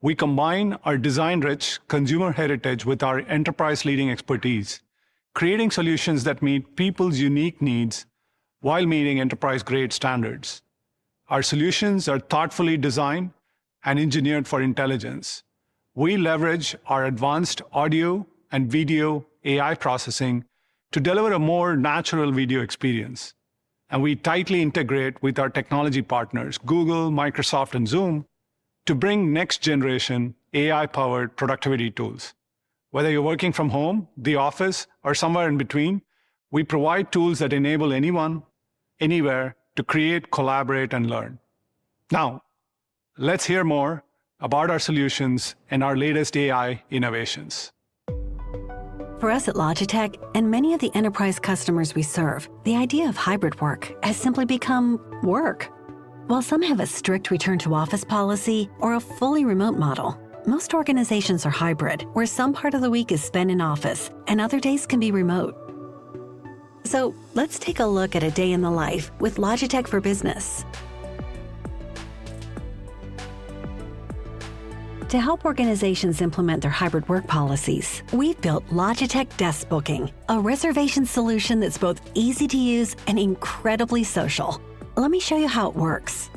We combine our design-rich consumer heritage with our enterprise-leading expertise, creating solutions that meet people's unique needs while meeting enterprise-grade standards. Our solutions are thoughtfully designed and engineered for intelligence. We leverage our advanced audio and video AI processing to deliver a more natural video experience, and we tightly integrate with our technology partners, Google, Microsoft, and Zoom, to bring next-generation AI-powered productivity tools. Whether you're working from home, the office, or somewhere in between, we provide tools that enable anyone, anywhere, to create, collaborate, and learn. Now, let's hear more about our solutions and our latest AI innovations. For us at Logitech and many of the enterprise customers we serve, the idea of hybrid work has simply become work. While some have a strict return-to-office policy or a fully remote model, most organizations are hybrid, where some part of the week is spent in office and other days can be remote. So let's take a look at a day in the life with Logitech for Business. To help organizations implement their hybrid work policies, we've built Logitech Desk Booking, a reservation solution that's both easy to use and incredibly social. Let me show you how it works.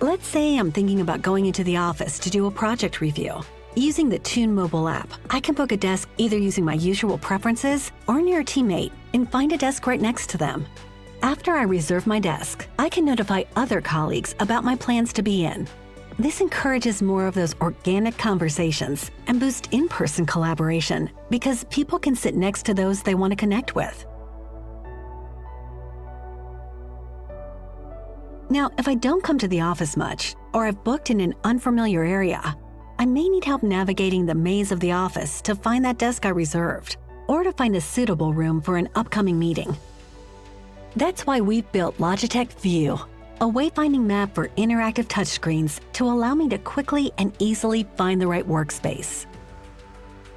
Let's say I'm thinking about going into the office to do a project review. Using the Logi Tune mobile app, I can book a desk either using my usual preferences or near a teammate and find a desk right next to them. After I reserve my desk, I can notify other colleagues about my plans to be in. This encourages more of those organic conversations and boosts in-person collaboration because people can sit next to those they want to connect with. Now, if I don't come to the office much or I've booked in an unfamiliar area, I may need help navigating the maze of the office to find that desk I reserved or to find a suitable room for an upcoming meeting. That's why we've built Logitech View, a way-finding map for interactive touchscreens to allow me to quickly and easily find the right workspace.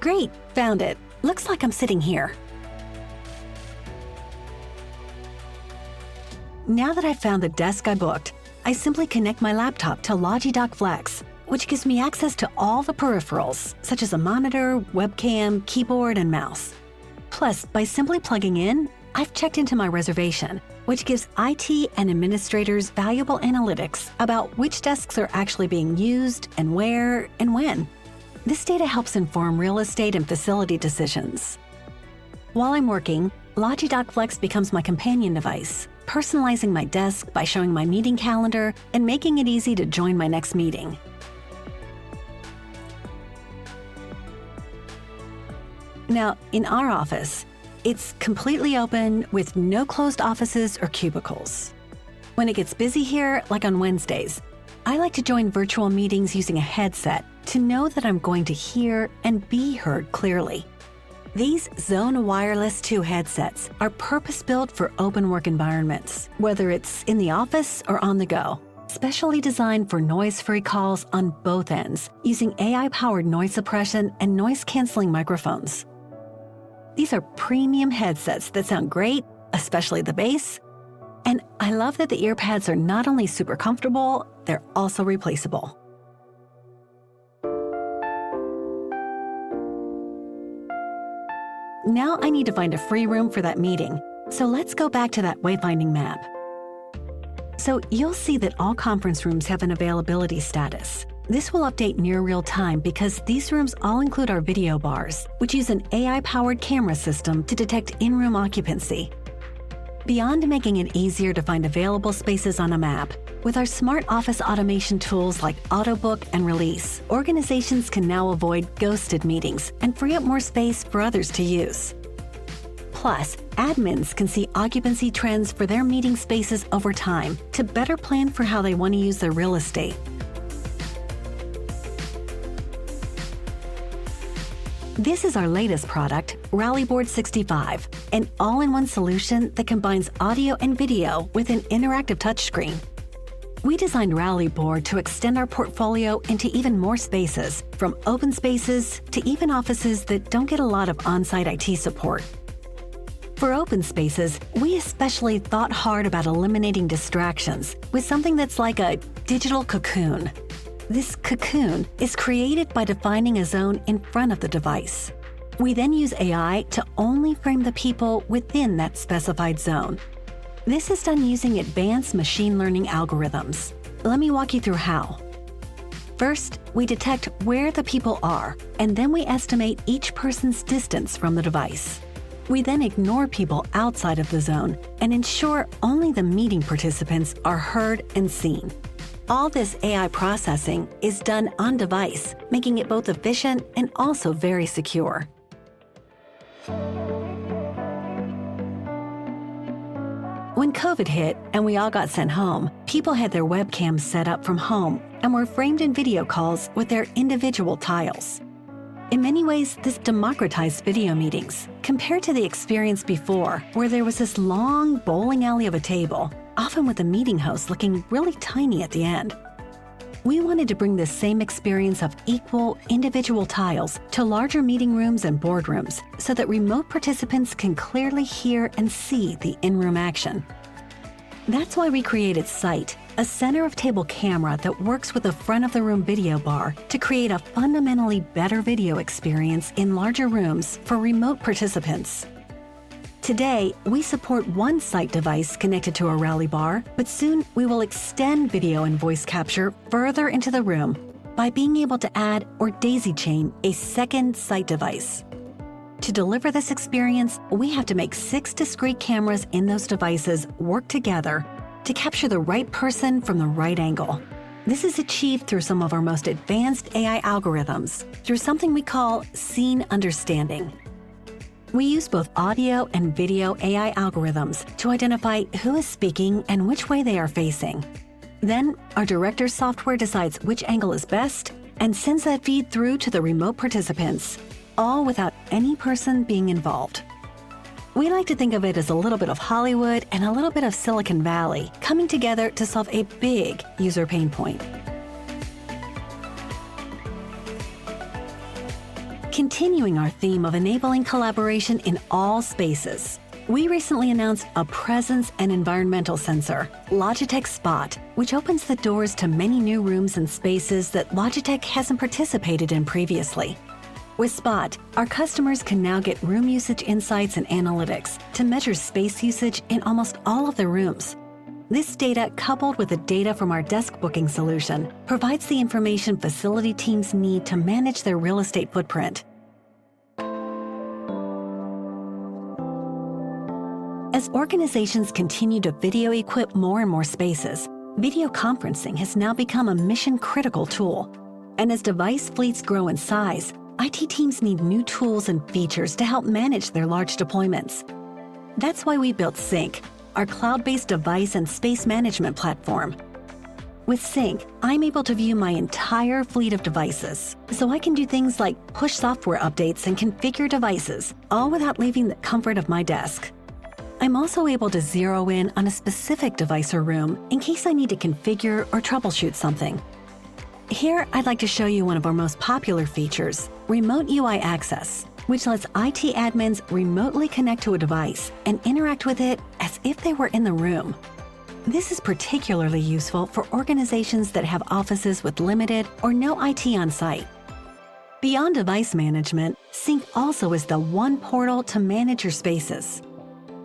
Great, found it. Looks like I'm sitting here. Now that I've found the desk I booked, I simply connect my laptop to Logi Dock Flex, which gives me access to all the peripherals, such as a monitor, webcam, keyboard, and mouse. Plus, by simply plugging in, I've checked into my reservation, which gives IT and administrators valuable analytics about which desks are actually being used and where and when. This data helps inform real estate and facility decisions. While I'm working, Logi Dock Flex becomes my companion device, personalizing my desk by showing my meeting calendar and making it easy to join my next meeting. Now, in our office, it's completely open with no closed offices or cubicles. When it gets busy here, like on Wednesdays, I like to join virtual meetings using a headset to know that I'm going to hear and be heard clearly. These Zone Wireless 2 headsets are purpose-built for open work environments, whether it's in the office or on the go, specially designed for noise-free calls on both ends using AI-powered noise suppression and noise-canceling microphones. These are premium headsets that sound great, especially the bass. I love that the ear pads are not only super comfortable, they're also replaceable. Now I need to find a free room for that meeting, so let's go back to that wayfinding map. You'll see that all conference rooms have an availability status. This will update near real-time because these rooms all include our video bars, which use an AI-powered camera system to detect in-room occupancy. Beyond making it easier to find available spaces on a map, with our smart office automation tools like AutoBook and Release, organizations can now avoid ghosted meetings and free up more space for others to use. Plus, admins can see occupancy trends for their meeting spaces over time to better plan for how they want to use their real estate. This is our latest product, Rally Bar, an all-in-one solution that combines audio and video with an interactive touchscreen. We designed Rally Bar to extend our portfolio into even more spaces, from open spaces to even offices that don't get a lot of on-site IT support. For open spaces, we especially thought hard about eliminating distractions with something that's like a digital cocoon. This cocoon is created by defining a zone in front of the device. We then use AI to only frame the people within that specified zone. This is done using advanced machine learning algorithms. Let me walk you through how. First, we detect where the people are, and then we estimate each person's distance from the device. We then ignore people outside of the zone and ensure only the meeting participants are heard and seen. All this AI processing is done on-device, making it both efficient and also very secure. When COVID hit and we all got sent home, people had their webcams set up from home and were framed in video calls with their individual tiles. In many ways, this democratized video meetings compared to the experience before where there was this long bowling alley of a table, often with a meeting host looking really tiny at the end. We wanted to bring the same experience of equal individual tiles to larger meeting rooms and boardrooms so that remote participants can clearly hear and see the in-room action. That's why we created Sight, a center-of-table camera that works with the front-of-the-room video bar to create a fundamentally better video experience in larger rooms for remote participants. Today, we support one Sight device connected to a Rally Bar, but soon we will extend video and voice capture further into the room by being able to add or daisy-chain a second Sight device. To deliver this experience, we have to make six discrete cameras in those devices work together to capture the right person from the right angle. This is achieved through some of our most advanced AI algorithms through something we call Scene Understanding. We use both audio and video AI algorithms to identify who is speaking and which way they are facing. Then our director software decides which angle is best and sends that feed through to the remote participants, all without any person being involved. We like to think of it as a little bit of Hollywood and a little bit of Silicon Valley coming together to solve a big user pain point. Continuing our theme of enabling collaboration in all spaces, we recently announced a presence and environmental sensor, Logitech Spot, which opens the doors to many new rooms and spaces that Logitech hasn't participated in previously. With Spot, our customers can now get room usage insights and analytics to measure space usage in almost all of their rooms. This data, coupled with the data from our desk booking solution, provides the information facility teams need to manage their real estate footprint. As organizations continue to video equip more and more spaces, video conferencing has now become a mission-critical tool. And as device fleets grow in size, IT teams need new tools and features to help manage their large deployments. That's why we built Sync, our cloud-based device and space management platform. With Sync, I'm able to view my entire fleet of devices, so I can do things like push software updates and configure devices, all without leaving the comfort of my desk. I'm also able to zero in on a specific device or room in case I need to configure or troubleshoot something. Here, I'd like to show you one of our most popular features, Remote UI Access, which lets IT admins remotely connect to a device and interact with it as if they were in the room. This is particularly useful for organizations that have offices with limited or no IT on-site. Beyond device management, Sync also is the one portal to manage your spaces.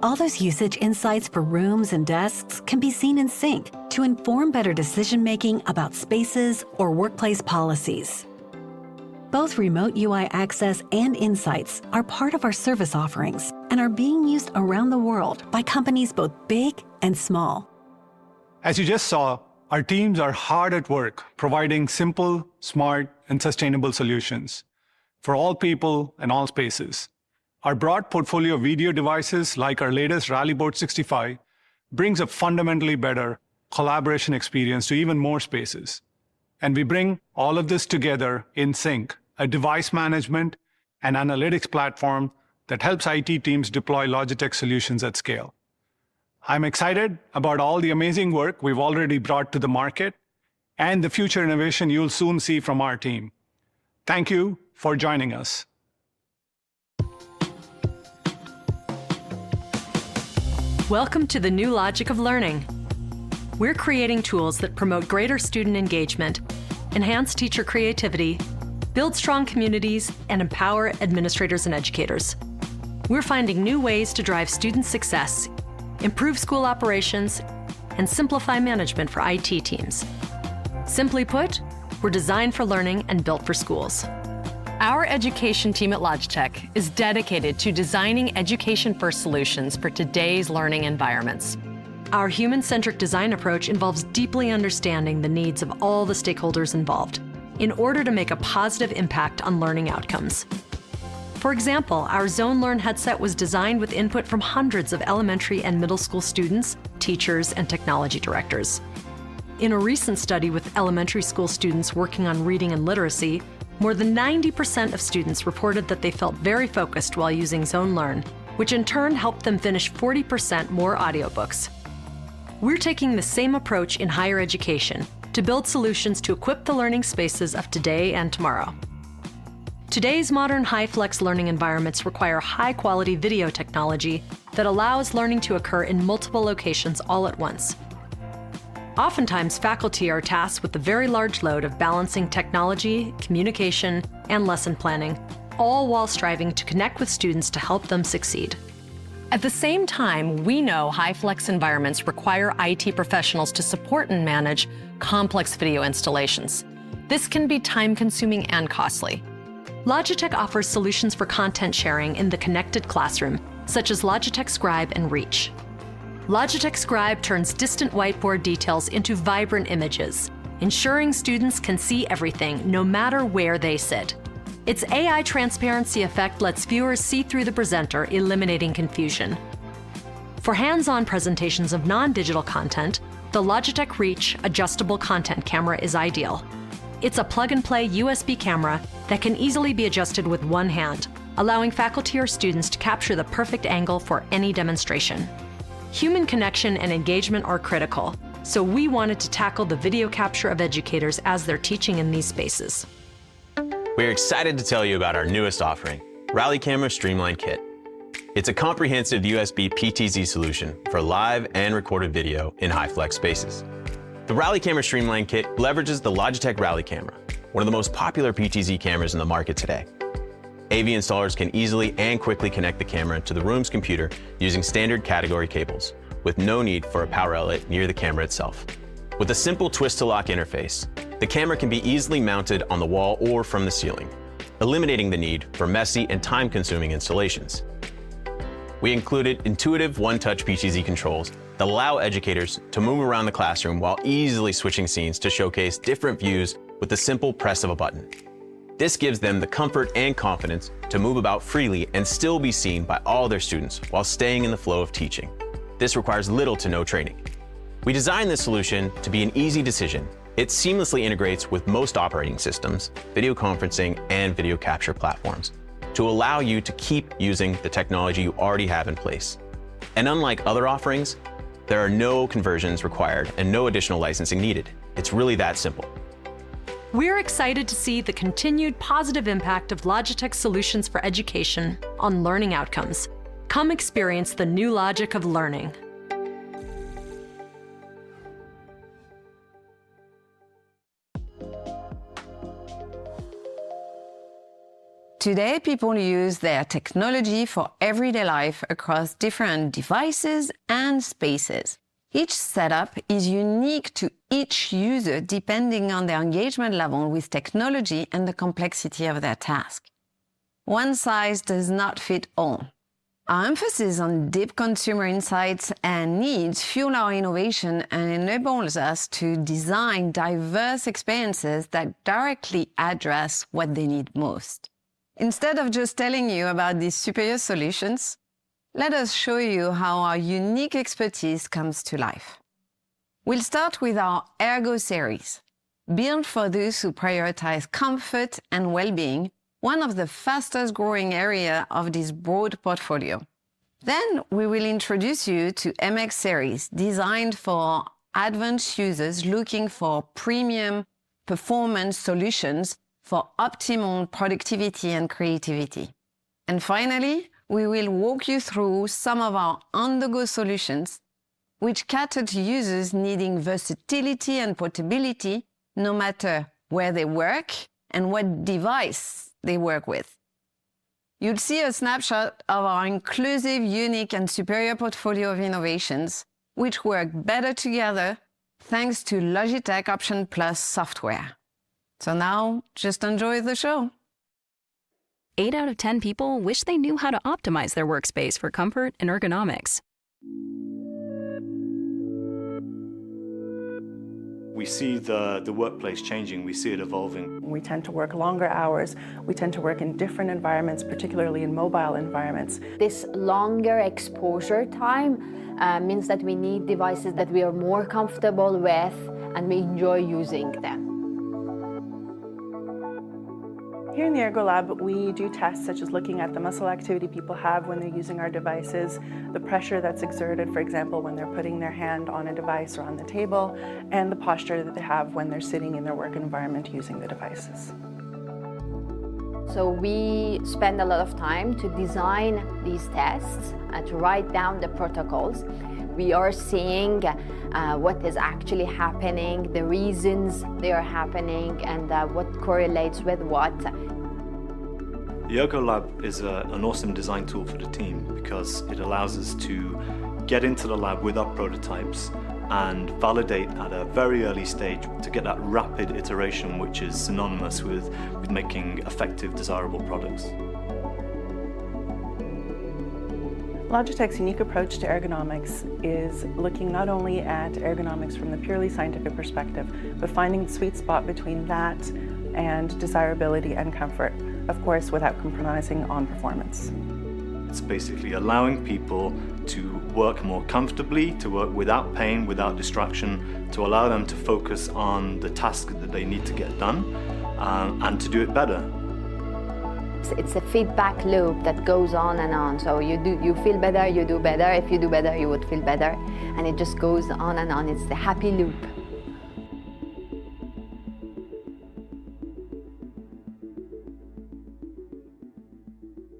All those usage insights for rooms and desks can be seen in Sync to inform better decision-making about spaces or workplace policies. Both Remote UI Access and Insights are part of our service offerings and are being used around the world by companies both big and small. As you just saw, our teams are hard at work providing simple, smart, and sustainable solutions for all people and all spaces. Our broad portfolio of video devices, like our latest Rally Bar, brings a fundamentally better collaboration experience to even more spaces, and we bring all of this together in Sync, a device management and analytics platform that helps IT teams deploy Logitech solutions at scale. I'm excited about all the amazing work we've already brought to the market and the future innovation you'll soon see from our team. Thank you for joining us. Welcome to the new logic of learning. We're creating tools that promote greater student engagement, enhance teacher creativity, build strong communities, and empower administrators and educators. We're finding new ways to drive student success, improve school operations, and simplify management for IT teams. Simply put, we're designed for learning and built for schools. Our education team at Logitech is dedicated to designing education-first solutions for today's learning environments. Our human-centric design approach involves deeply understanding the needs of all the stakeholders involved in order to make a positive impact on learning outcomes. For example, our Zone Learn headset was designed with input from hundreds of elementary and middle school students, teachers, and technology directors. In a recent study with elementary school students working on reading and literacy, more than 90% of students reported that they felt very focused while using Zone Learn, which in turn helped them finish 40% more audiobooks. We're taking the same approach in higher education to build solutions to equip the learning spaces of today and tomorrow. Today's modern HyFlex learning environments require high-quality video technology that allows learning to occur in multiple locations all at once. Oftentimes, faculty are tasked with a very large load of balancing technology, communication, and lesson planning, all while striving to connect with students to help them succeed. At the same time, we know HyFlex environments require IT professionals to support and manage complex video installations. This can be time-consuming and costly. Logitech offers solutions for content sharing in the connected classroom, such as Logitech Scribe and Logitech Reach. Logitech Scribe turns distant whiteboard details into vibrant images, ensuring students can see everything no matter where they sit. Its AI transparency effect lets viewers see through the presenter, eliminating confusion. For hands-on presentations of non-digital content, the Logitech Reach adjustable content camera is ideal. It's a plug-and-play USB camera that can easily be adjusted with one hand, allowing faculty or students to capture the perfect angle for any demonstration. Human connection and engagement are critical, so we wanted to tackle the video capture of educators as they're teaching in these spaces. We're excited to tell you about our newest offering, Rally Camera Streamline Kit. It's a comprehensive USB PTZ solution for live and recorded video in HyFlex spaces. The Rally Camera Streamline Kit leverages the Logitech Rally Camera, one of the most popular PTZ cameras in the market today. AV installers can easily and quickly connect the camera to the room's computer using standard category cables, with no need for a power outlet near the camera itself. With a simple twist-to-lock interface, the camera can be easily mounted on the wall or from the ceiling, eliminating the need for messy and time-consuming installations. We included intuitive one-touch PTZ controls that allow educators to move around the classroom while easily switching scenes to showcase different views with the simple press of a button. This gives them the comfort and confidence to move about freely and still be seen by all their students while staying in the flow of teaching. This requires little to no training. We designed this solution to be an easy decision. It seamlessly integrates with most operating systems, video conferencing, and video capture platforms to allow you to keep using the technology you already have in place, and unlike other offerings, there are no conversions required and no additional licensing needed. It's really that simple. We're excited to see the continued positive impact of Logitech's solutions for education on learning outcomes. Come experience the new logic of learning. Today, people use their technology for everyday life across different devices and spaces. Each setup is unique to each user depending on their engagement level with technology and the complexity of their task. One size does not fit all. Our emphasis on deep consumer insights and needs fuel our innovation and enables us to design diverse experiences that directly address what they need most. Instead of just telling you about these superior solutions, let us show you how our unique expertise comes to life. We'll start with our Ergo series, built for those who prioritize comfort and well-being, one of the fastest-growing areas of this broad portfolio. Then we will introduce you to MX Series, designed for advanced users looking for premium performance solutions for optimal productivity and creativity. And finally, we will walk you through some of our on-the-go solutions, which cater to users needing versatility and portability no matter where they work and what device they work with. You'll see a snapshot of our inclusive, unique, and superior portfolio of innovations, which work better together thanks to Logi Options+ software. So now, just enjoy the show. Eight out of ten people wish they knew how to optimize their workspace for comfort and ergonomics. We see the workplace changing. We see it evolving. We tend to work longer hours. We tend to work in different environments, particularly in mobile environments. This longer exposure time means that we need devices that we are more comfortable with and we enjoy using them. Here in the Ergo Lab, we do tests such as looking at the muscle activity people have when they're using our devices, the pressure that's exerted, for example, when they're putting their hand on a device or on the table, and the posture that they have when they're sitting in their work environment using the devices. So we spend a lot of time to design these tests and to write down the protocols. We are seeing what is actually happening, the reasons they are happening, and what correlates with what. The Ergo Lab is an awesome design tool for the team because it allows us to get into the lab with our prototypes and validate at a very early stage to get that rapid iteration, which is synonymous with making effective, desirable products. Logitech's unique approach to ergonomics is looking not only at ergonomics from the purely scientific perspective, but finding the sweet spot between that and desirability and comfort, of course, without compromising on performance. It's basically allowing people to work more comfortably, to work without pain, without distraction, to allow them to focus on the task that they need to get done and to do it better. It's a feedback loop that goes on and on. So you feel better, you do better. If you do better, you would feel better. And it just goes on and on. It's a happy loop.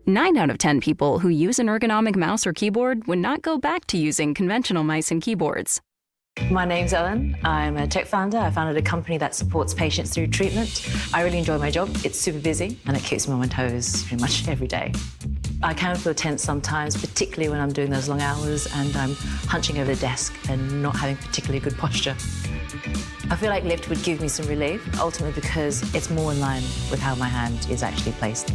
Nine out of ten people who use an ergonomic mouse or keyboard would not go back to using conventional mice and keyboards. My name's Ellen. I'm a tech founder. I founded a company that supports patients through treatment. I really enjoy my job. It's super busy, and it kicks me on my toes pretty much every day. I can't feel tense sometimes, particularly when I'm doing those long hours and I'm hunching over the desk and not having particularly good posture. I feel like Lift would give me some relief, ultimately, because it's more in line with how my hand is actually placed.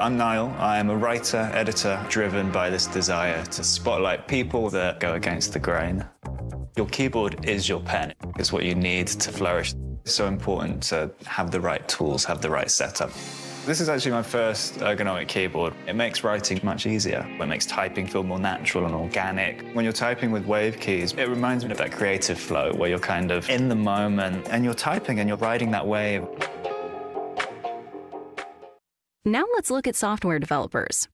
I'm Niall. I am a writer, editor, driven by this desire to spotlight people that go against the grain. Your keyboard is your pen. It's what you need to flourish. It's so important to have the right tools, have the right setup. This is actually my first ergonomic keyboard. It makes writing much easier. It makes typing feel more natural and organic. When you're typing with Wave Keys, it reminds me of that creative flow where you're kind of in the moment and you're typing and you're riding that wave. Now let's look at software developers.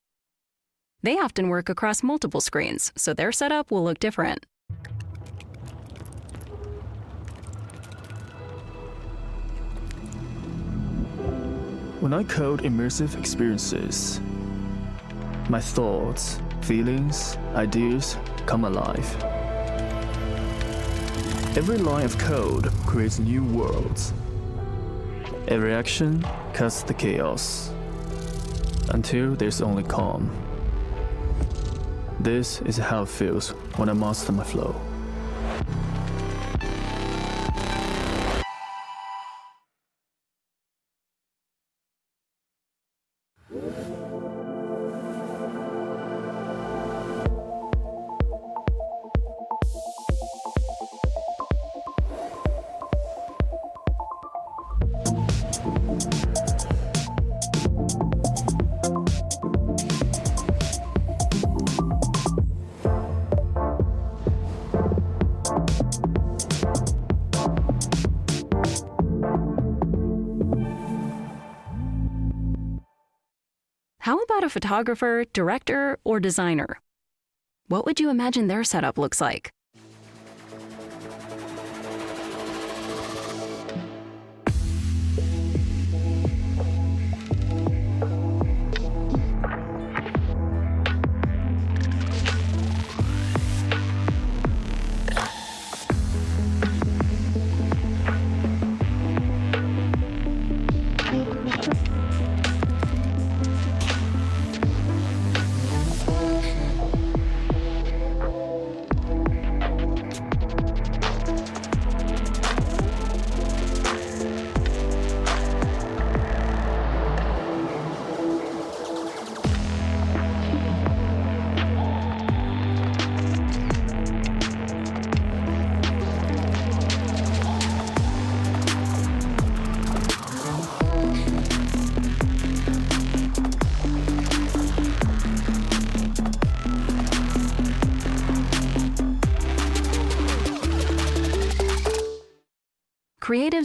They often work across multiple screens, so their setup will look different. When I code immersive experiences, my thoughts, feelings, ideas come alive. Every line of code creates new worlds. Every action cuts the chaos until there's only calm. This is how it feels when I master my flow. How about a photographer, director, or designer? What would you imagine their setup looks like?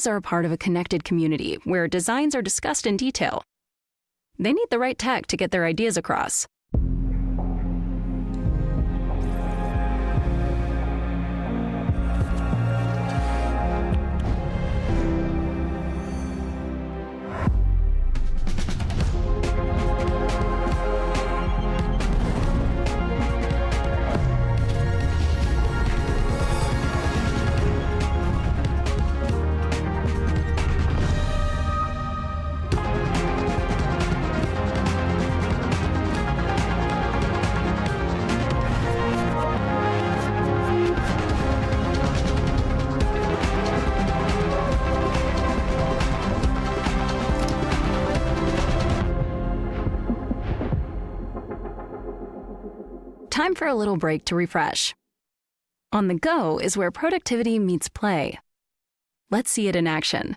Creatives are a part of a connected community where designs are discussed in detail. They need the right tech to get their ideas across. Time for a little break to refresh. On the go is where productivity meets play. Let's see it in action.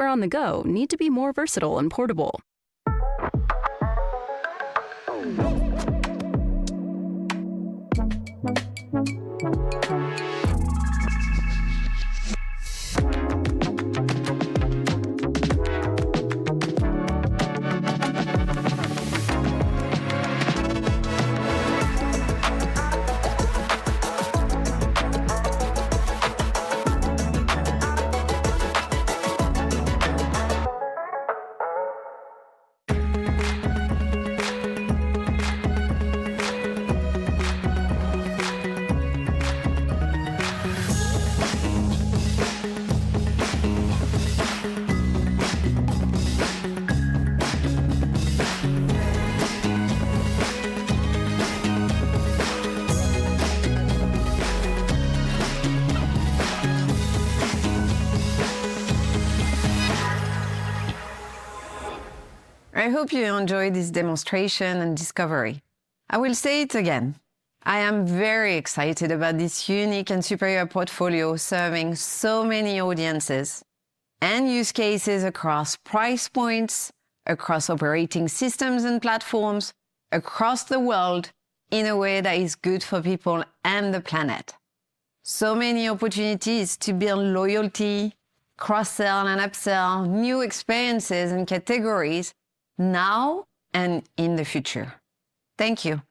Tools for on the go need to be more versatile and portable. I hope you enjoyed this demonstration and discovery. I will say it again. I am very excited about this unique and superior portfolio serving so many audiences and use cases across price points, across operating systems and platforms, across the world in a way that is good for people and the planet. So many opportunities to build loyalty, cross-sell and upsell, new experiences and categories now and in the future. Thank you.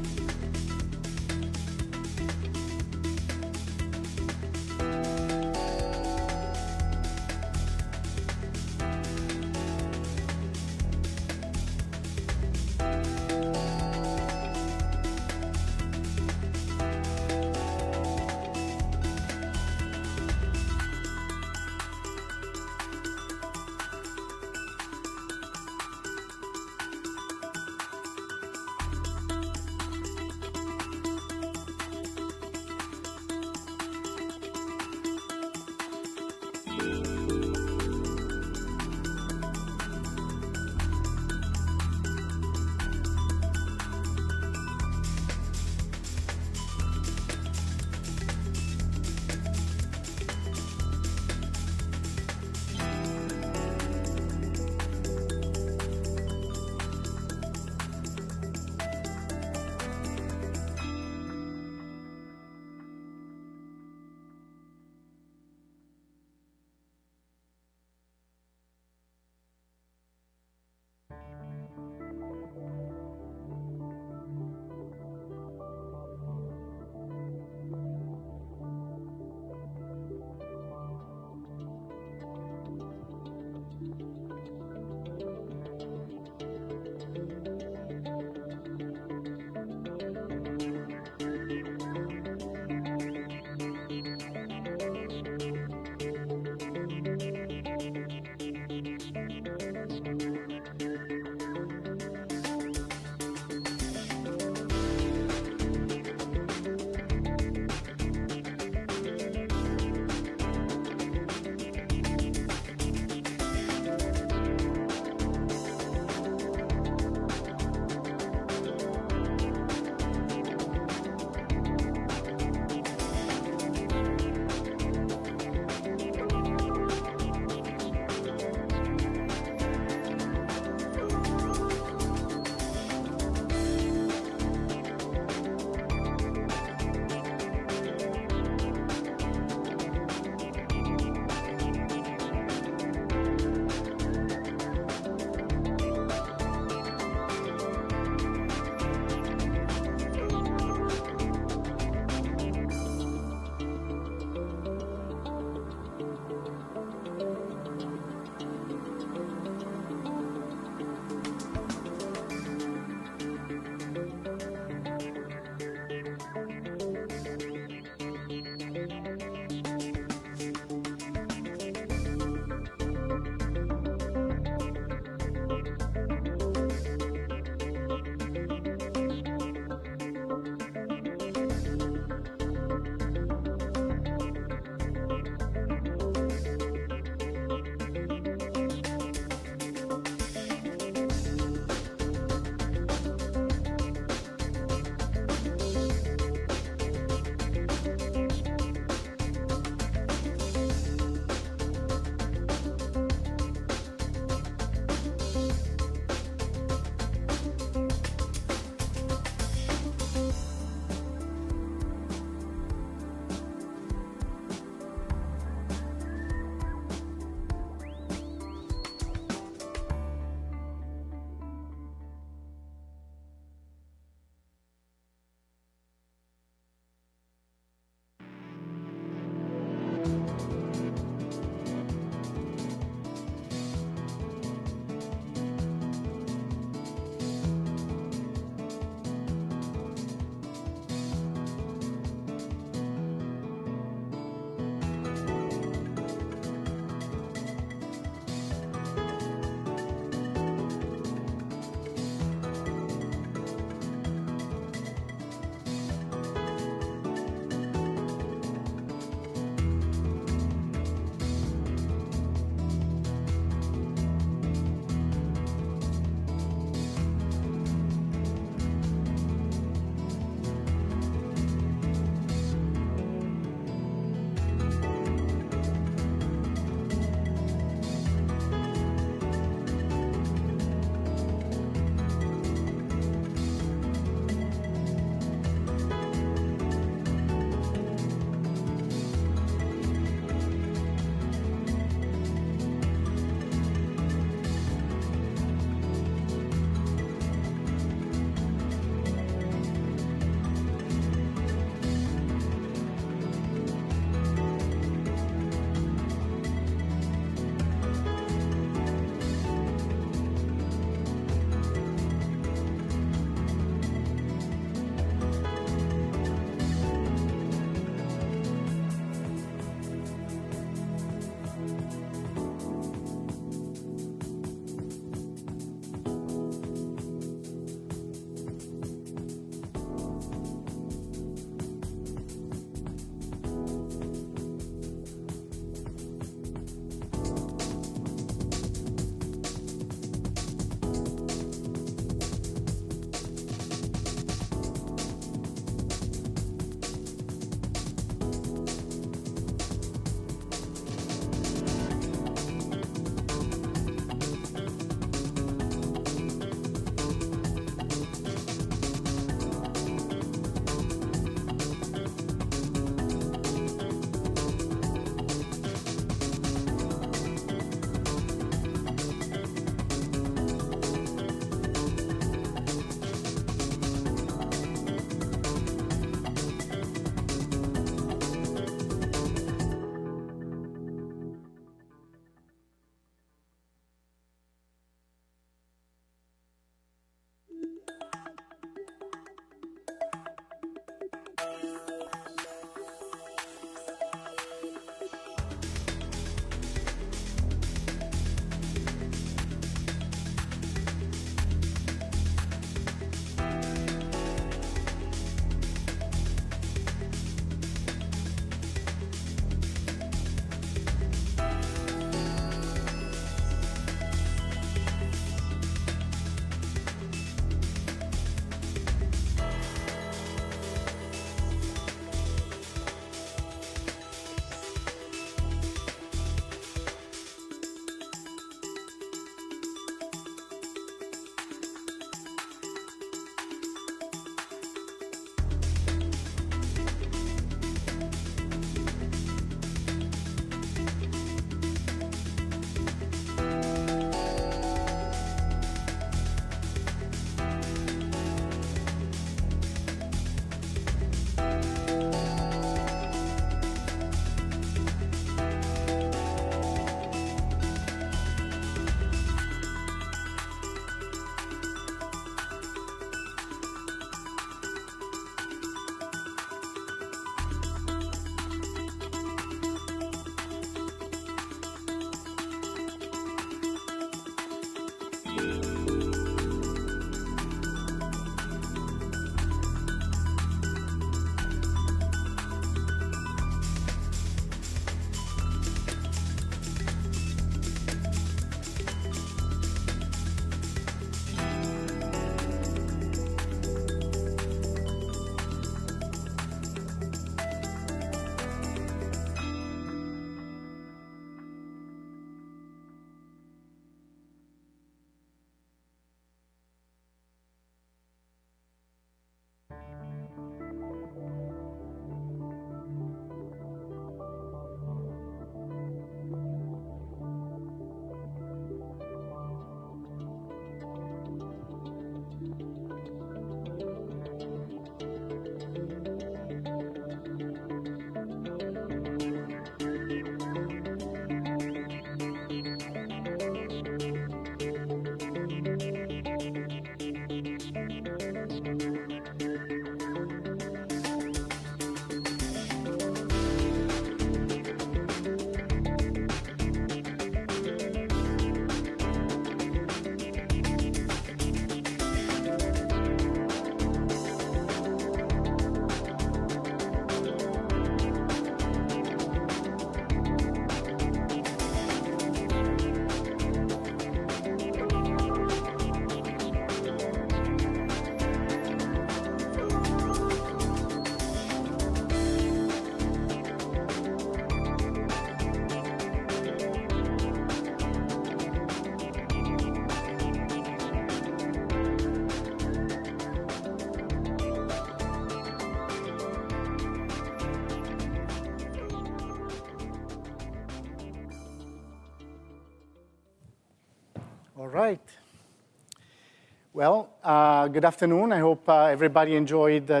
All right. Well, good afternoon. I hope everybody enjoyed the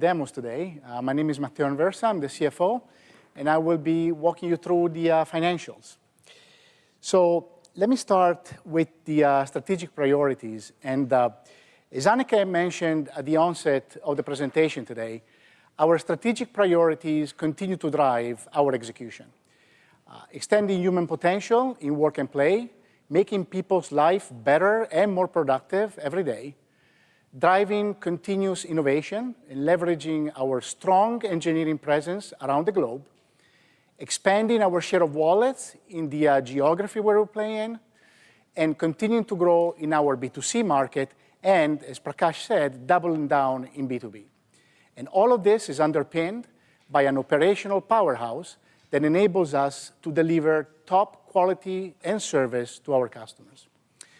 demos today. My name is Matteo Anversa. I'm the CFO, and I will be walking you through the financials. So let me start with the strategic priorities. And as Hanneke mentioned at the onset of the presentation today, our strategic priorities continue to drive our execution: extending human potential in work and play, making people's life better and more productive every day, driving continuous innovation, and leveraging our strong engineering presence around the globe, expanding our share of wallets in the geography where we're playing, and continuing to grow in our B2C market, and, as Prakash said, doubling down in B2B. And all of this is underpinned by an operational powerhouse that enables us to deliver top quality and service to our customers.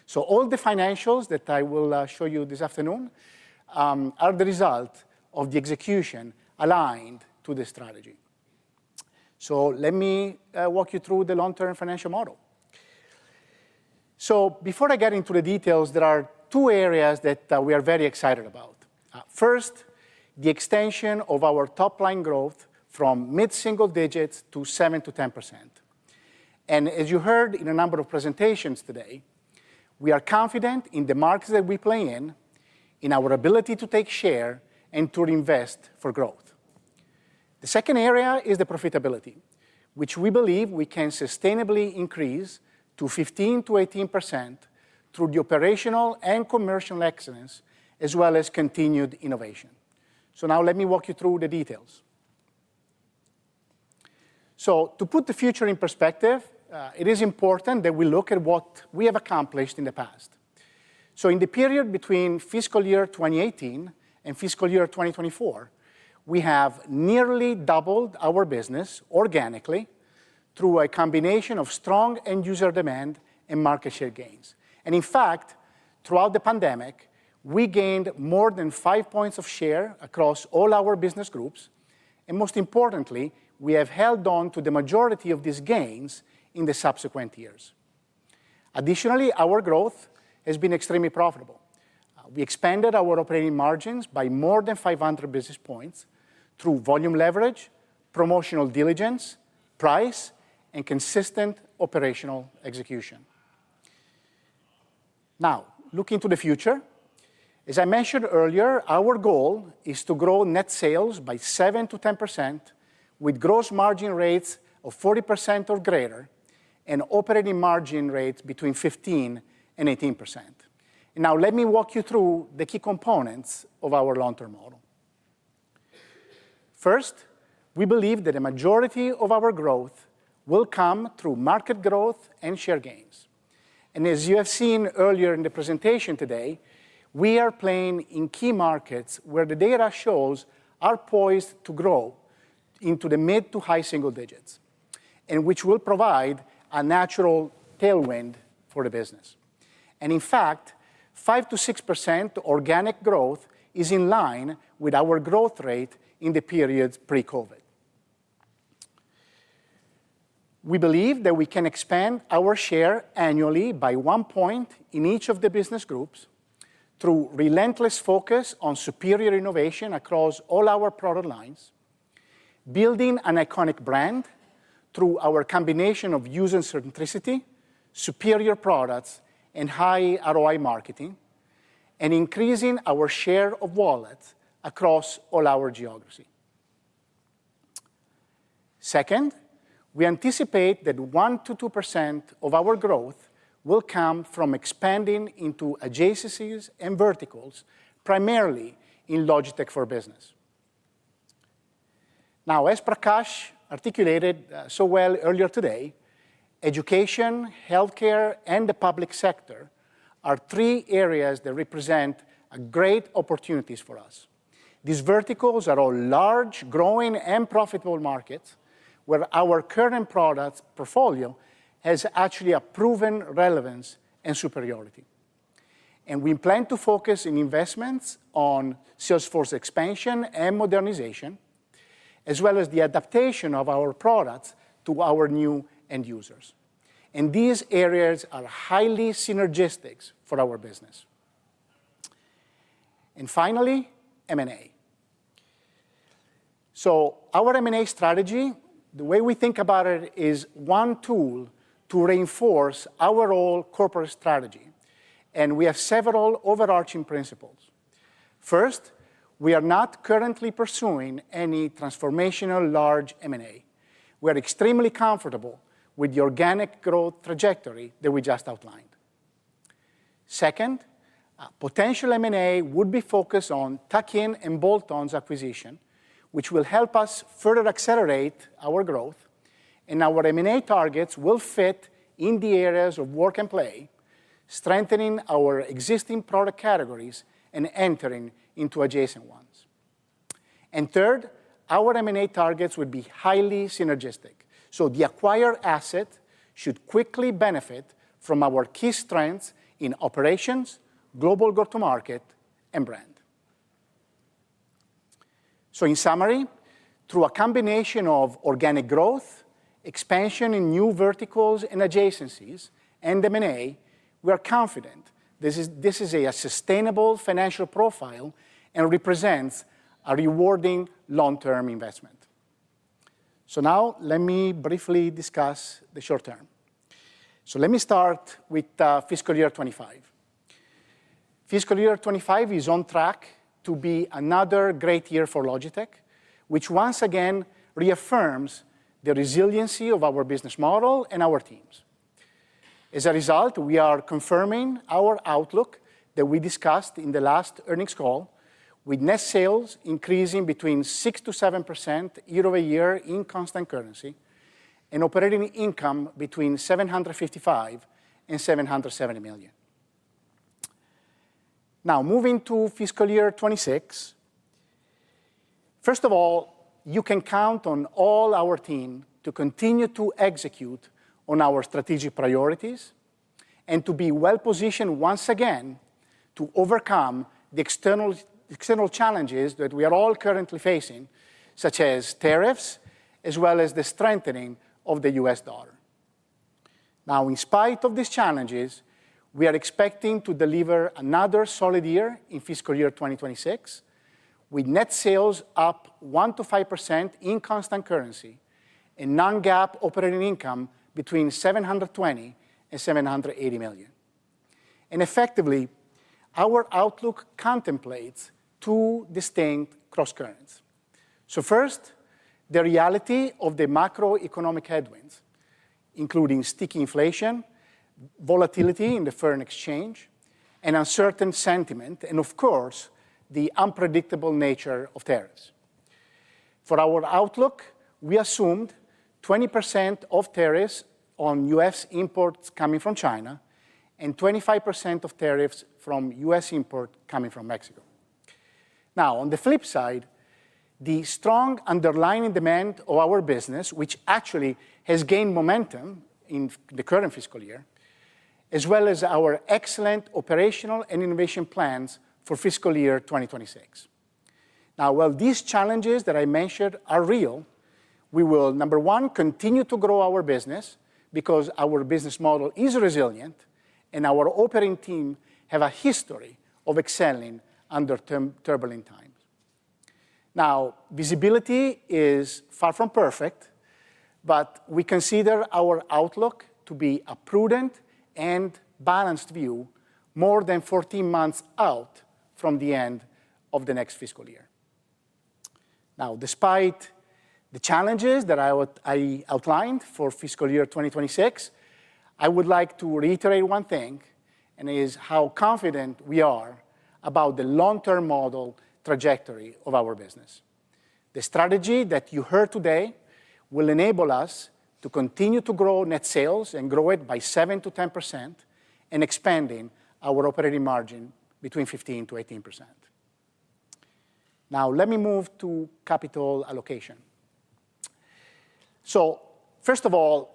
So all the financials that I will show you this afternoon are the result of the execution aligned to the strategy. So let me walk you through the long-term financial model. So before I get into the details, there are two areas that we are very excited about. First, the extension of our top-line growth from mid-single digits to 7%-10%. As you heard in a number of presentations today, we are confident in the markets that we play in, in our ability to take share and to reinvest for growth. The second area is the profitability, which we believe we can sustainably increase to 15%-18% through the operational and commercial excellence, as well as continued innovation. Now let me walk you through the details. To put the future in perspective, it is important that we look at what we have accomplished in the past. In the period between fiscal year 2018 and fiscal year 2024, we have nearly doubled our business organically through a combination of strong end-user demand and market share gains. In fact, throughout the pandemic, we gained more than five points of share across all our business groups. Most importantly, we have held on to the majority of these gains in the subsequent years. Additionally, our growth has been extremely profitable. We expanded our operating margins by more than 500 basis points through volume leverage, promotional diligence, price, and consistent operational execution. Now, looking to the future, as I mentioned earlier, our goal is to grow net sales by 7%-10% with gross margin rates of 40% or greater and operating margin rates between 15% and 18%. Now, let me walk you through the key components of our long-term model. First, we believe that a majority of our growth will come through market growth and share gains. As you have seen earlier in the presentation today, we are playing in key markets where the data shows are poised to grow into the mid to high single digits, and which will provide a natural tailwind for the business. In fact, 5%-6% organic growth is in line with our growth rate in the period pre-COVID. We believe that we can expand our share annually by one point in each of the business groups through relentless focus on superior innovation across all our product lines, building an iconic brand through our combination of user centricity, superior products, and high ROI marketing, and increasing our share of wallets across all our geography. Second, we anticipate that 1%-2% of our growth will come from expanding into adjacencies and verticals, primarily in Logitech for Business. Now, as Prakash articulated so well earlier today, education, healthcare, and the public sector are three areas that represent great opportunities for us. These verticals are all large, growing, and profitable markets where our current product portfolio has actually a proven relevance and superiority. And we plan to focus on investments on sales force expansion and modernization, as well as the adaptation of our products to our new end users. And these areas are highly synergistic for our business. And finally, M&A. So our M&A strategy, the way we think about it, is one tool to reinforce our overall corporate strategy. And we have several overarching principles. First, we are not currently pursuing any transformational large M&A. We are extremely comfortable with the organic growth trajectory that we just outlined. Second, potential M&A would be focused on tuck-in and bolt-on acquisitions, which will help us further accelerate our growth. Our M&A targets will fit in the areas of work and play, strengthening our existing product categories and entering into adjacent ones. Third, our M&A targets would be highly synergistic. So the acquired asset should quickly benefit from our key strengths in operations, global go-to-market, and brand. So in summary, through a combination of organic growth, expansion in new verticals and adjacencies, and M&A, we are confident this is a sustainable financial profile and represents a rewarding long-term investment. So now let me briefly discuss the short term. So let me start with fiscal year 2025. Fiscal year 2025 is on track to be another great year for Logitech, which once again reaffirms the resiliency of our business model and our teams. As a result, we are confirming our outlook that we discussed in the last earnings call, with net sales increasing between 6% to 7% year over year in constant currency and operating income between $755 and $770 million. Now, moving to fiscal year 2026, first of all, you can count on all our team to continue to execute on our strategic priorities and to be well-positioned once again to overcome the external challenges that we are all currently facing, such as tariffs, as well as the strengthening of the U.S. dollar. Now, in spite of these challenges, we are expecting to deliver another solid year in fiscal year 2026, with net sales up 1% to 5% in constant currency and non-GAAP operating income between $720 and $780 million. Effectively, our outlook contemplates two distinct cross-currents. First, the reality of the macroeconomic headwinds, including sticky inflation, volatility in the foreign exchange, and uncertain sentiment, and of course, the unpredictable nature of tariffs. For our outlook, we assumed 20% of tariffs on U.S. imports coming from China and 25% of tariffs from U.S. imports coming from Mexico. Now, on the flip side, the strong underlying demand of our business, which actually has gained momentum in the current fiscal year, as well as our excellent operational and innovation plans for fiscal year 2026. Now, while these challenges that I mentioned are real, we will, number one, continue to grow our business because our business model is resilient and our operating team has a history of excelling under turbulent times. Now, visibility is far from perfect, but we consider our outlook to be a prudent and balanced view more than 14 months out from the end of the next fiscal year. Now, despite the challenges that I outlined for fiscal year 2026, I would like to reiterate one thing, and it is how confident we are about the long-term model trajectory of our business. The strategy that you heard today will enable us to continue to grow net sales and grow it by 7%-10% and expanding our operating margin between 15%-18%. Now, let me move to capital allocation. So first of all,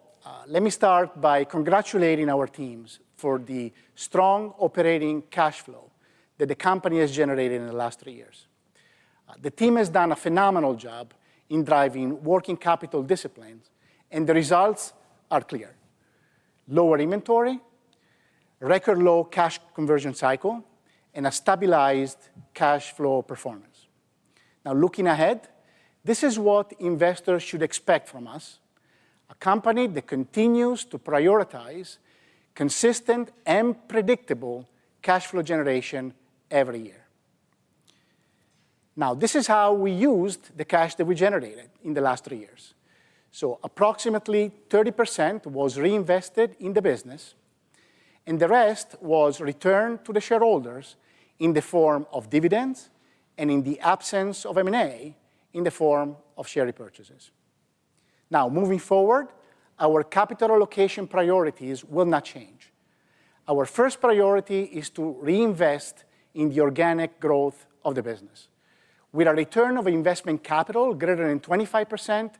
let me start by congratulating our teams for the strong operating cash flow that the company has generated in the last three years. The team has done a phenomenal job in driving working capital disciplines, and the results are clear: lower inventory, record low cash conversion cycle, and a stabilized cash flow performance. Now, looking ahead, this is what investors should expect from us: a company that continues to prioritize consistent and predictable cash flow generation every year. Now, this is how we used the cash that we generated in the last three years. So approximately 30% was reinvested in the business, and the rest was returned to the shareholders in the form of dividends and, in the absence of M&A, in the form of share repurchases. Now, moving forward, our capital allocation priorities will not change. Our first priority is to reinvest in the organic growth of the business. With a return on invested capital greater than 25%,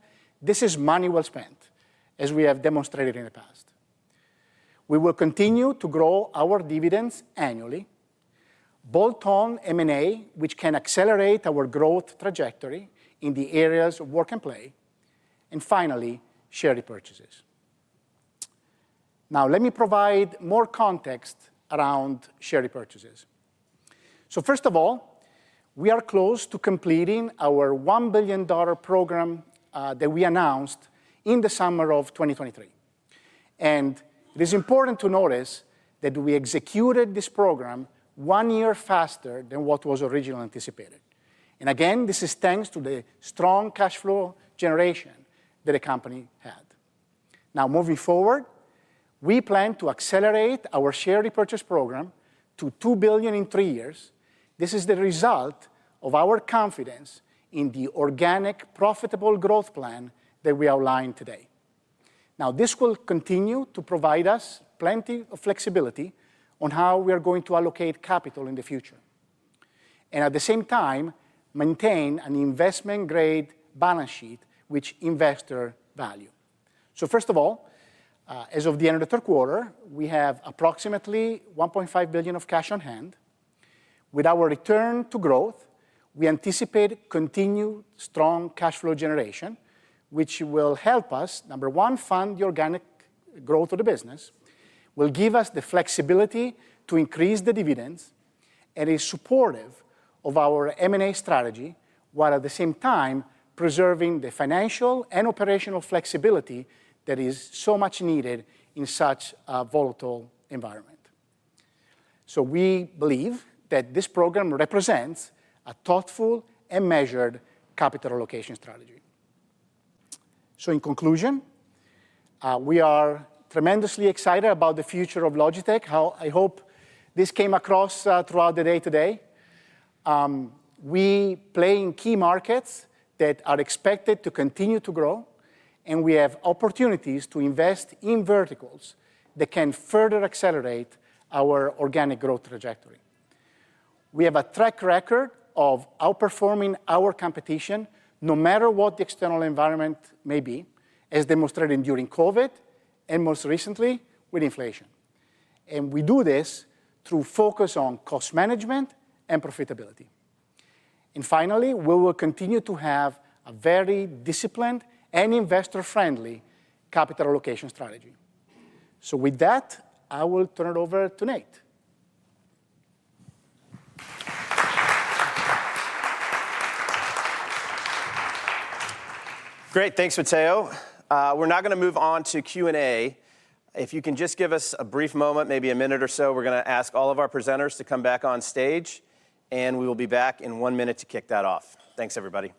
this is money well spent, as we have demonstrated in the past. We will continue to grow our dividends annually, bolt-on M&A, which can accelerate our growth trajectory in the areas of work and play, and finally, share repurchases. Now, let me provide more context around share repurchases. So first of all, we are close to completing our $1 billion program that we announced in the summer of 2023. And it is important to notice that we executed this program one year faster than what was originally anticipated. And again, this is thanks to the strong cash flow generation that the company had. Now, moving forward, we plan to accelerate our share repurchase program to $2 billion in three years. This is the result of our confidence in the organic profitable growth plan that we outlined today. Now, this will continue to provide us plenty of flexibility on how we are going to allocate capital in the future and, at the same time, maintain an investment-grade balance sheet which investors value. So first of all, as of the end of the third quarter, we have approximately $1.5 billion of cash on hand. With our return to growth, we anticipate continued strong cash flow generation, which will help us, number one, fund the organic growth of the business, will give us the flexibility to increase the dividends, and it is supportive of our M&A strategy, while at the same time preserving the financial and operational flexibility that is so much needed in such a volatile environment. So we believe that this program represents a thoughtful and measured capital allocation strategy. So in conclusion, we are tremendously excited about the future of Logitech. I hope this came across throughout the day today. We play in key markets that are expected to continue to grow, and we have opportunities to invest in verticals that can further accelerate our organic growth trajectory. We have a track record of outperforming our competition no matter what the external environment may be, as demonstrated during COVID and most recently with inflation. And we do this through focus on cost management and profitability. And finally, we will continue to have a very disciplined and investor-friendly capital allocation strategy. So with that, I will turn it over to Nate. Great. Thanks, Matteo. We're now going to move on to Q&A. If you can just give us a brief moment, maybe a minute or so, we're going to ask all of our presenters to come back on stage, and we will be back in one minute to kick that off. Thanks, everybody.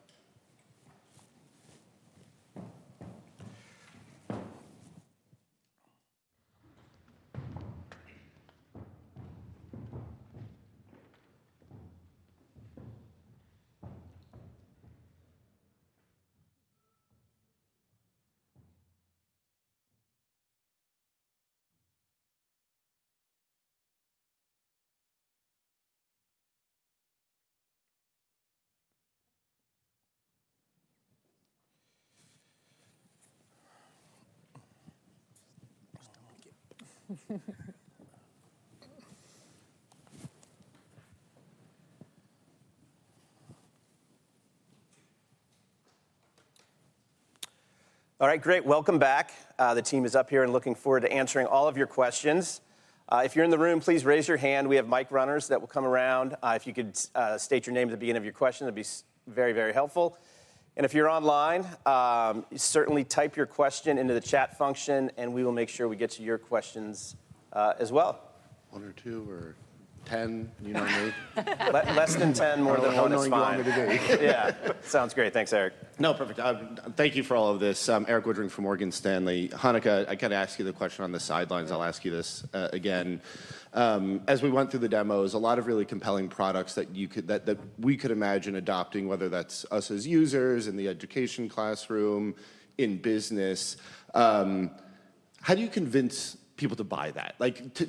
All right, great. Welcome back. The team is up here and looking forward to answering all of your questions. If you're in the room, please raise your hand. We have mic runners that will come around. If you could state your name at the beginning of your question, that'd be very, very helpful. And if you're online, certainly type your question into the chat function, and we will make sure we get to your questions as well. One or two or 10, you know me. Less than 10, more than 1 is fine. Yeah. Sounds great. Thanks, Erik. No, perfect. Thank you for all of this. Erik Woodring from Morgan Stanley. Hanneke, I got to ask you the question on the sidelines. I'll ask you this again. As we went through the demos, a lot of really compelling products that we could imagine adopting, whether that's us as users in the education classroom, in business. How do you convince people to buy that?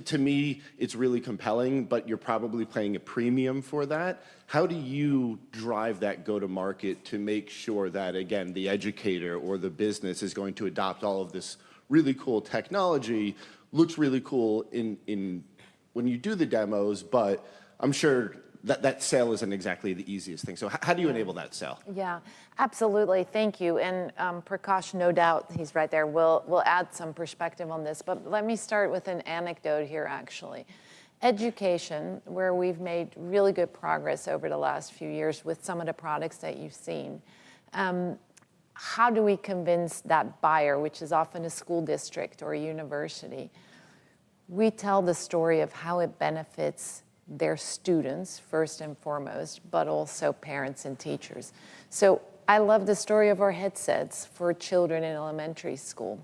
To me, it's really compelling, but you're probably paying a premium for that. How do you drive that go-to-market to make sure that, again, the educator or the business is going to adopt all of this really cool technology, looks really cool when you do the demos, but I'm sure that sale isn't exactly the easiest thing. So how do you enable that sale? Yeah, absolutely. Thank you. And Prakash, no doubt he's right there. We'll add some perspective on this, but let me start with an anecdote here, actually. Education, where we've made really good progress over the last few years with some of the products that you've seen. How do we convince that buyer, which is often a school district or a university? We tell the story of how it benefits their students first and foremost, but also parents and teachers. So I love the story of our headsets for children in elementary school.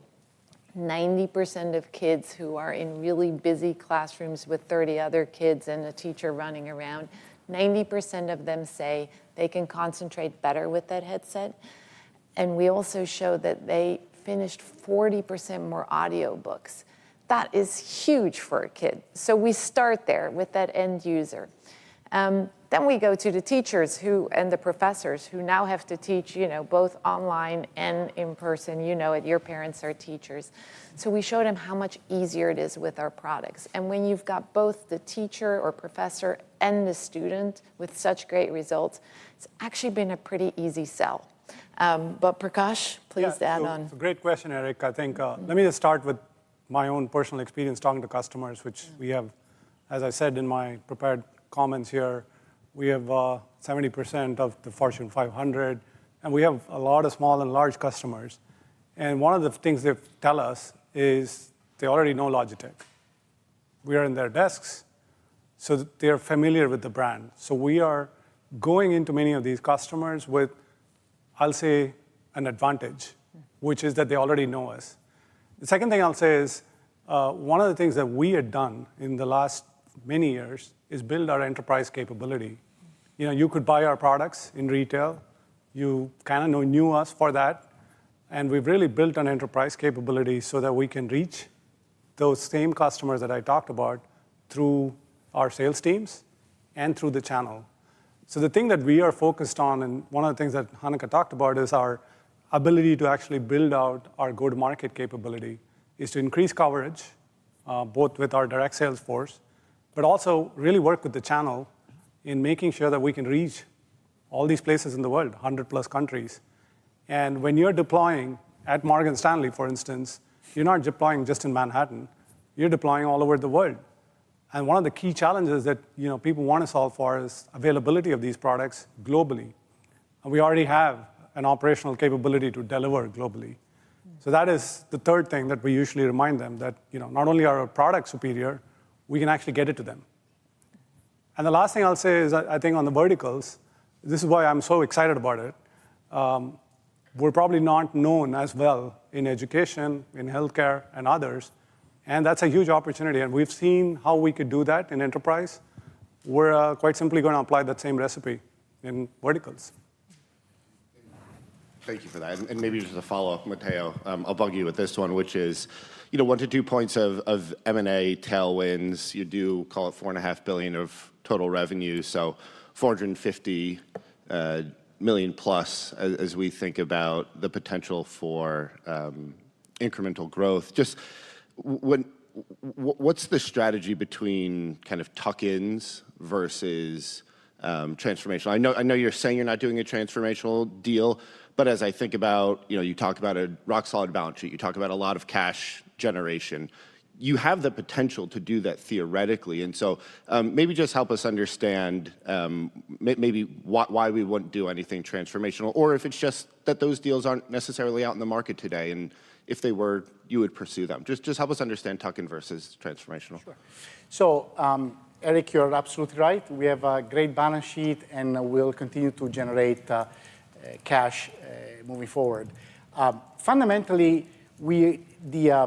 90% of kids who are in really busy classrooms with 30 other kids and a teacher running around, 90% of them say they can concentrate better with that headset. And we also show that they finished 40% more audiobooks. That is huge for a kid. So we start there with that end user. Then we go to the teachers and the professors who now have to teach both online and in person your parents are teachers. So we showed them how much easier it is with our products. And when you've got both the teacher or professor and the student with such great results, it's actually been a pretty easy sell. But Prakash, please add on. Great question, Erik. I think, let me just start with my own personal experience talking to customers, which we have, as I said in my prepared comments here, we have 70% of the Fortune 500, and we have a lot of small and large customers. And one of the things they tell us is they already know Logitech. We are in their desks, so they are familiar with the brand. So we are going into many of these customers with, I'll say, an advantage, which is that they already know us. The second thing I'll say is one of the things that we had done in the last many years is build our enterprise capability. You could buy our products in retail. You kind of knew us for that, and we've really built an enterprise capability so that we can reach those same customers that I talked about through our sales teams and through the channel. The thing that we are focused on, and one of the things that Hanneke talked about, is our ability to actually build out our go-to-market capability is to increase coverage both with our direct sales force, but also really work with the channel in making sure that we can reach all these places in the world, 100-plus countries, and when you're deploying at Morgan Stanley, for instance, you're not deploying just in Manhattan. You're deploying all over the world. And one of the key challenges that people want to solve for is availability of these products globally. We already have an operational capability to deliver globally. So that is the third thing that we usually remind them that not only are our products superior, we can actually get it to them. And the last thing I'll say is, I think on the verticals, this is why I'm so excited about it. We're probably not known as well in education, in healthcare and others, and that's a huge opportunity. And we've seen how we could do that in enterprise. We're quite simply going to apply that same recipe in verticals. Thank you for that. And maybe just a follow-up, Matteo. I'll bug you with this one, which is one-to-two points of M&A tailwinds. You do call it $4.5 billion of total revenue, so $450 million plus as we think about the potential for incremental growth. Just what's the strategy between kind of tuck-ins versus transformation? I know you're saying you're not doing a transformational deal, but as I think about, you talk about a rock-solid balance sheet. You talk about a lot of cash generation. You have the potential to do that theoretically, and so maybe just help us understand maybe why we wouldn't do anything transformational, or if it's just that those deals aren't necessarily out in the market today, and if they were, you would pursue them. Just help us understand tuck-in versus transformational. Sure, so Erik, you're absolutely right. We have a great balance sheet, and we'll continue to generate cash moving forward. Fundamentally, the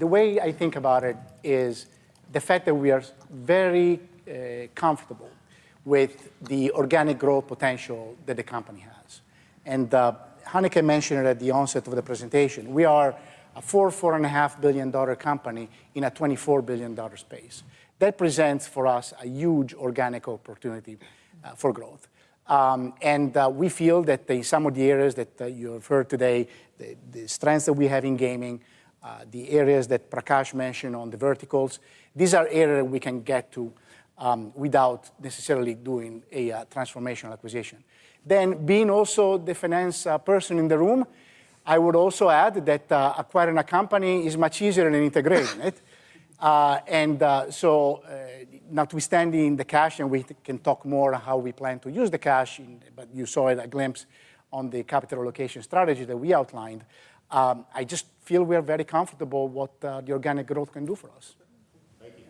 way I think about it is the fact that we are very comfortable with the organic growth potential that the company has. Hanneke mentioned at the onset of the presentation, we are a $4-$4.5 billion company in a $24 billion space. That presents for us a huge organic opportunity for growth. We feel that in some of the areas that you have heard today, the strengths that we have in gaming, the areas that Prakash mentioned on the verticals, these are areas that we can get to without necessarily doing a transformational acquisition. Being also the finance person in the room, I would also add that acquiring a company is much easier than integrating it. And so notwithstanding the cash, and we can talk more on how we plan to use the cash, but you saw a glimpse on the capital allocation strategy that we outlined. I just feel we are very comfortable with what the organic growth can do for us. Thank you.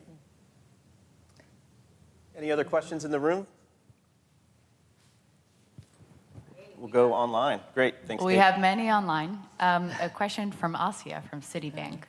Any other questions in the room? We'll go online. Great. Thanks, Dana. We have many online. A question from Asiya from Citibank.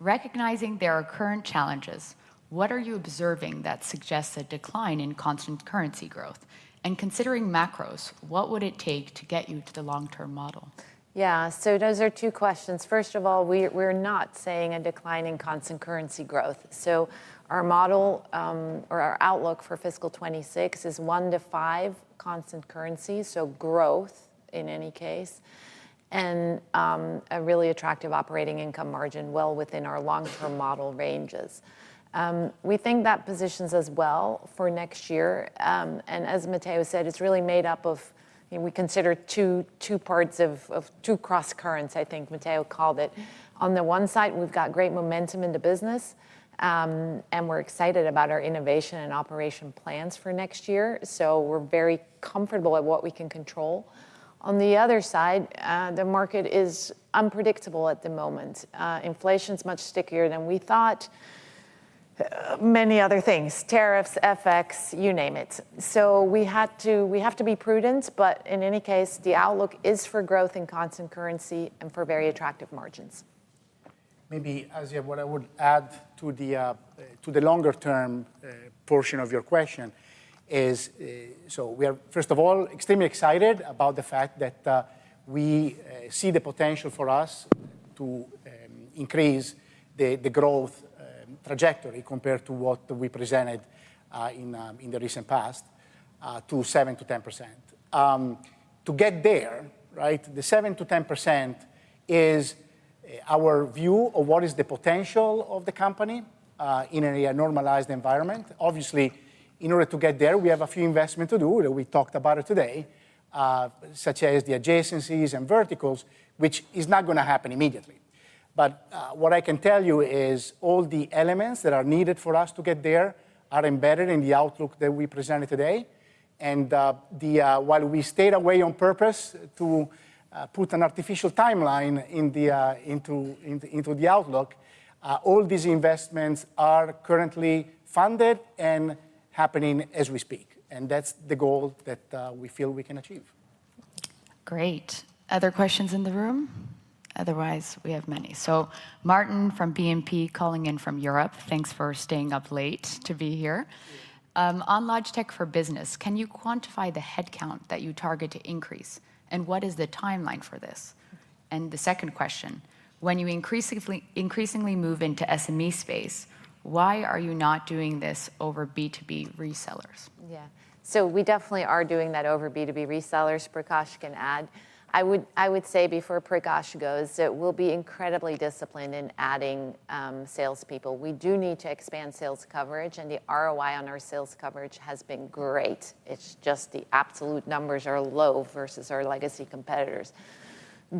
Recognizing there are current challenges, what are you observing that suggests a decline in constant currency growth? And considering macros, what would it take to get you to the long-term model? Yeah, so those are two questions. First of all, we're not seeing a decline in constant currency growth. So our model or our outlook for fiscal 26 is one to five constant currencies, so growth in any case, and a really attractive operating income margin well within our long-term model ranges. We think that positions us well for next year. And as Matteo said, it's really made up of, we consider two parts of two cross currents, I think Matteo called it. On the one side, we've got great momentum in the business, and we're excited about our innovation and operation plans for next year. So we're very comfortable at what we can control. On the other side, the market is unpredictable at the moment. Inflation's much stickier than we thought. Many other things, tariffs, FX, you name it. So we have to be prudent, but in any case, the outlook is for growth in constant currency and for very attractive margins. Maybe, Asiya, what I would add to the longer-term portion of your question is, so we are, first of all, extremely excited about the fact that we see the potential for us to increase the growth trajectory compared to what we presented in the recent past to 7%-10%. To get there, right, the 7%-10% is our view of what is the potential of the company in a normalized environment. Obviously, in order to get there, we have a few investments to do. We talked about it today, such as the adjacencies and verticals, which is not going to happen immediately. But what I can tell you is all the elements that are needed for us to get there are embedded in the outlook that we presented today. While we stayed away on purpose to put an artificial timeline into the outlook, all these investments are currently funded and happening as we speak. That's the goal that we feel we can achieve. Great. Other questions in the room? Otherwise, we have many. Martin from BNP calling in from Europe. Thanks for staying up late to be here. On Logitech for Business, can you quantify the headcount that you target to increase, and what is the timeline for this? And the second question, when you increasingly move into SME space, why are you not doing this over B2B resellers? Yeah, so we definitely are doing that over B2B resellers. Prakash can add. I would say before Prakash goes, that we'll be incredibly disciplined in adding salespeople. We do need to expand sales coverage, and the ROI on our sales coverage has been great. It's just the absolute numbers are low versus our legacy competitors.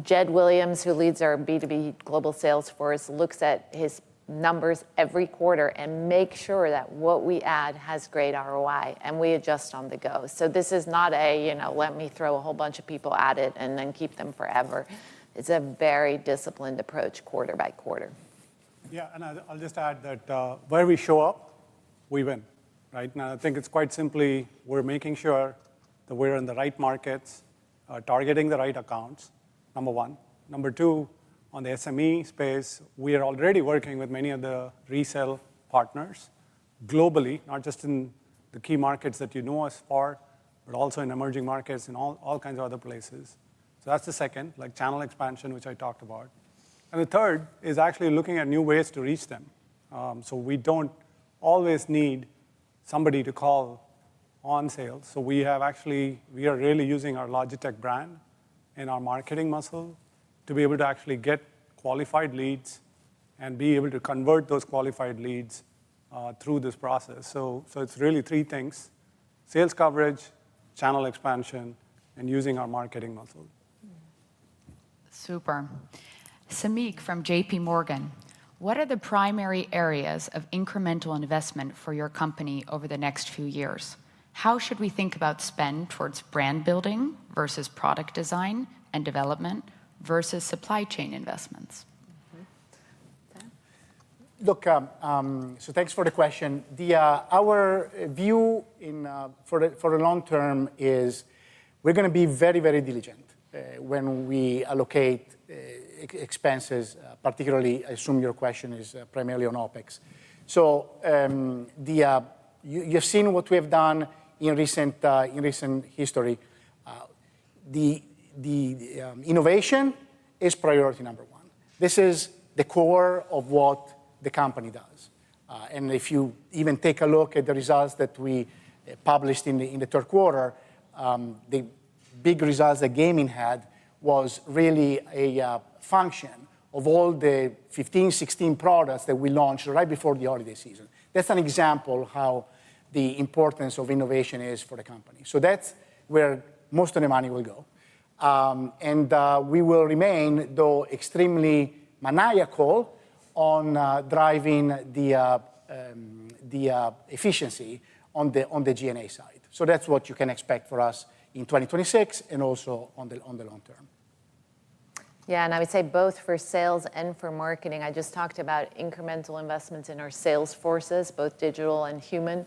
Jedd Williams, who leads our B2B global sales force, looks at his numbers every quarter and makes sure that what we add has great ROI, and we adjust on the go. So this is not a let me throw a whole bunch of people at it and then keep them forever. It's a very disciplined approach quarter by quarter. Yeah, and I'll just add that where we show up, we win. Now, I think it's quite simply, we're making sure that we're in the right markets, targeting the right accounts, number one. Number two, on the SME space, we are already working with many of the resale partners globally, not just in the key markets that you know us for, but also in emerging markets and all kinds of other places. So that's the second, like channel expansion, which I talked about. And the third is actually looking at new ways to reach them. So we don't always need somebody to call on sales. So we have actually, we are really using our Logitech brand and our marketing muscle to be able to actually get qualified leads and be able to convert those qualified leads through this process. So it's really three things: sales coverage, channel expansion, and using our marketing muscle. Super. Samik from JPMorgan, what are the primary areas of incremental investment for your company over the next few years? How should we think about spend towards brand building versus product design and development versus supply chain investments? Look, so thanks for the question. Our view for the long term is we're going to be very, very diligent when we allocate expenses, particularly. I assume your question is primarily on OpEx. So you've seen what we have done in recent history. The innovation is priority number one. This is the core of what the company does. And if you even take a look at the results that we published in the third quarter, the big results that gaming had was really a function of all the 15-16 products that we launched right before the holiday season. That's an example of how the importance of innovation is for the company. So that's where most of the money will go. And we will remain, though extremely maniacal on driving the efficiency on the G&A side. So that's what you can expect for us in 2026 and also on the long term. Yeah, and I would say both for sales and for marketing, I just talked about incremental investments in our sales forces, both digital and human.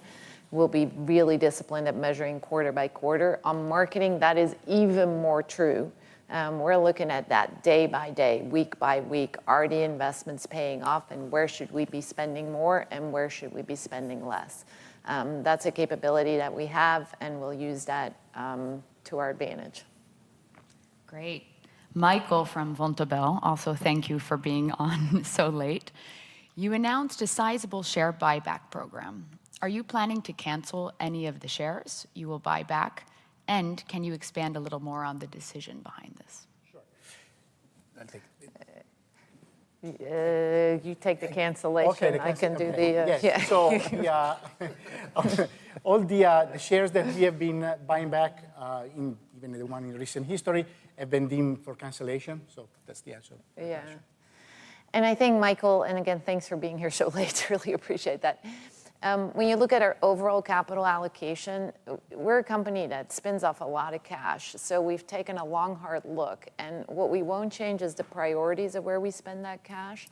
We'll be really disciplined at measuring quarter by quarter. On marketing, that is even more true. We're looking at that day by day, week by week, are the investments paying off, and where should we be spending more, and where should we be spending less? That's a capability that we have, and we'll use that to our advantage. Great. Michael from Vontobel, also thank you for being on so late. You announced a sizable share buyback program. Are you planning to cancel any of the shares you will buy back, and can you expand a little more on the decision behind this? Sure. You take the cancellation. I can do the yeah. So all the shares that we have been buying back, even the ones in recent history, have been deemed for cancellation. So that's the answer. Yeah. And I think, Michael, and again, thanks for being here so late. Really appreciate that. When you look at our overall capital allocation, we're a company that throws off a lot of cash. So we've taken a long, hard look, and what we won't change is the priorities of where we spend that cash.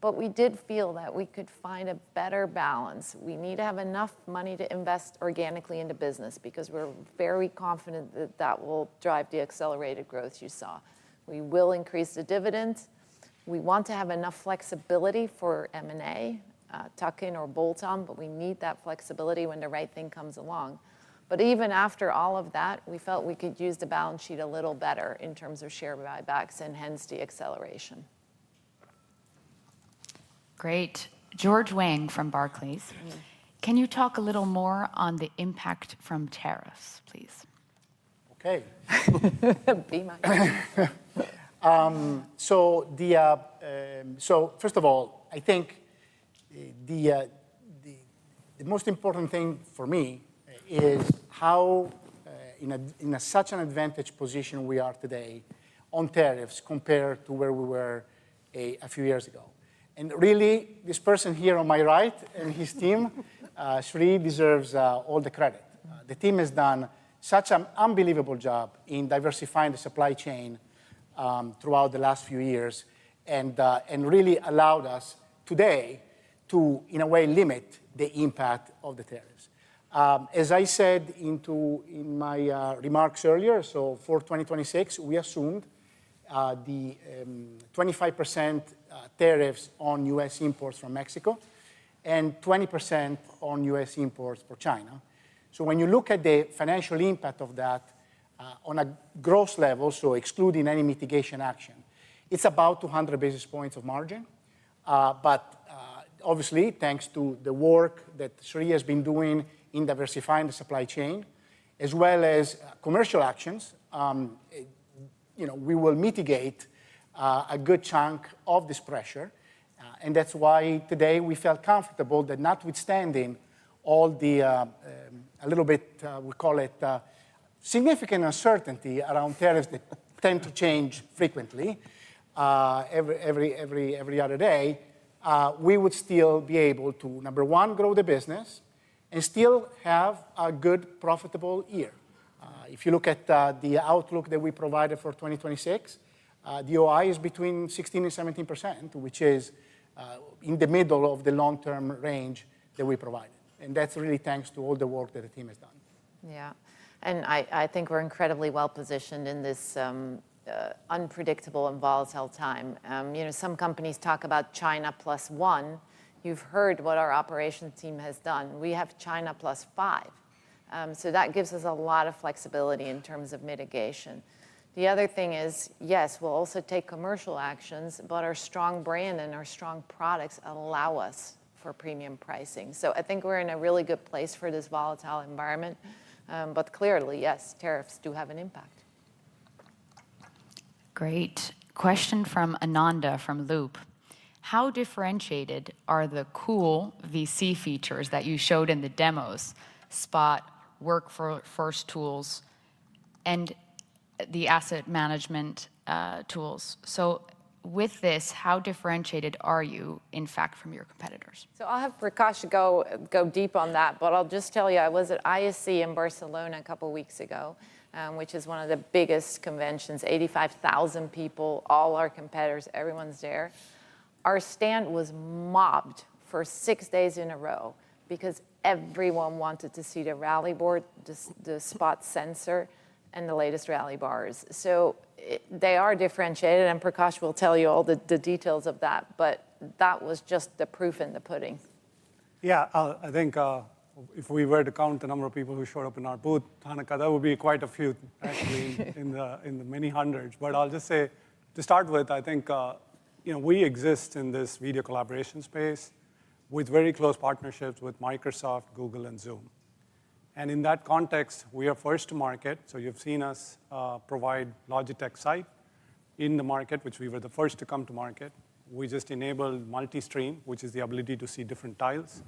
But we did feel that we could find a better balance. We need to have enough money to invest organically into the business because we're very confident that that will drive the accelerated growth you saw. We will increase the dividends. We want to have enough flexibility for M&A, tuck-in or bolt-on, but we need that flexibility when the right thing comes along. But even after all of that, we felt we could use the balance sheet a little better in terms of share buybacks and hence the acceleration. Great. George Wang from Barclays. Can you talk a little more on the impact from tariffs, please? So first of all, I think the most important thing for me is how in such an advantageous position we are today on tariffs compared to where we were a few years ago. And really, this person here on my right and his team, Sree, deserves all the credit. The team has done such an unbelievable job in diversifying the supply chain throughout the last few years and really allowed us today to, in a way, limit the impact of the tariffs. As I said in my remarks earlier, so for 2026, we assumed the 25% tariffs on U.S. imports from Mexico and 20% on U.S. imports for China. So when you look at the financial impact of that on a gross level, so excluding any mitigation action, it's about 200 basis points of margin. But obviously, thanks to the work that Sree has been doing in diversifying the supply chain, as well as commercial actions, we will mitigate a good chunk of this pressure. And that's why today we felt comfortable that notwithstanding all the, a little bit, we call it significant uncertainty around tariffs that tend to change frequently every other day, we would still be able to, number one, grow the business and still have a good, profitable year. If you look at the outlook that we provided for 2026, the OI is between 16% and 17%, which is in the middle of the long-term range that we provided. That's really thanks to all the work that the team has done. Yeah. I think we're incredibly well positioned in this unpredictable and volatile time. Some companies talk about China Plus One. You've heard what our operations team has done. We have China Plus Five. That gives us a lot of flexibility in terms of mitigation. The other thing is, yes, we'll also take commercial actions, but our strong brand and our strong products allow us for premium pricing. I think we're in a really good place for this volatile environment. Clearly, yes, tariffs do have an impact. Great. Question from Ananda from Loop. How differentiated are the cool VC features that you showed in the demos, Spot, Workspace tools, and the asset management tools? With this, how differentiated are you, in fact, from your competitors? So I'll have Prakash go deep on that, but I'll just tell you, I was at ISE in Barcelona a couple of weeks ago, which is one of the biggest conventions, 85,000 people, all our competitors, everyone's there. Our stand was mobbed for six days in a row because everyone wanted to see the Rally Bar, the Spot sensor, and the latest Rally Bars. So they are differentiated, and Prakash will tell you all the details of that, but that was just the proof in the pudding. Yeah, I think if we were to count the number of people who showed up in our booth, Hanneke, that would be quite a few, actually, in the many hundreds. But I'll just say, to start with, I think we exist in this video collaboration space with very close partnerships with Microsoft, Google, and Zoom. In that context, we are first to market. So you've seen us provide Logitech Sight in the market, which we were the first to come to market. We just enabled multi-stream, which is the ability to see different tiles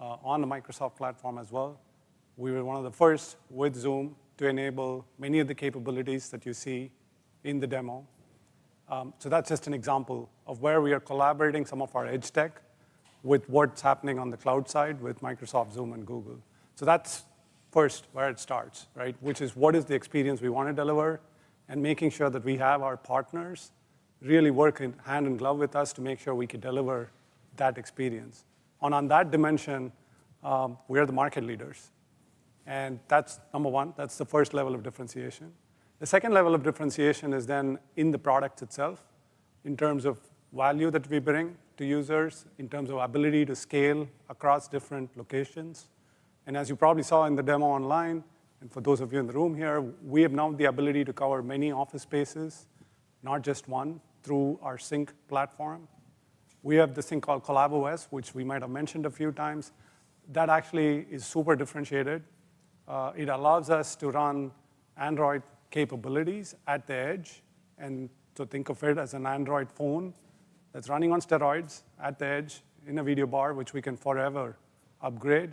on the Microsoft platform as well. We were one of the first with Zoom to enable many of the capabilities that you see in the demo. So that's just an example of where we are collaborating some of our edge tech with what's happening on the cloud side with Microsoft, Zoom, and Google. So that's first where it starts, which is what is the experience we want to deliver and making sure that we have our partners really work hand in glove with us to make sure we can deliver that experience. On that dimension, we are the market leaders. And that's number one. That's the first level of differentiation. The second level of differentiation is then in the product itself in terms of value that we bring to users, in terms of ability to scale across different locations. And as you probably saw in the demo online, and for those of you in the room here, we have now the ability to cover many office spaces, not just one, through our Sync platform. We have this thing called CollabOS, which we might have mentioned a few times. That actually is super differentiated. It allows us to run Android capabilities at the edge and to think of it as an Android phone that's running on steroids at the edge in a video bar, which we can forever upgrade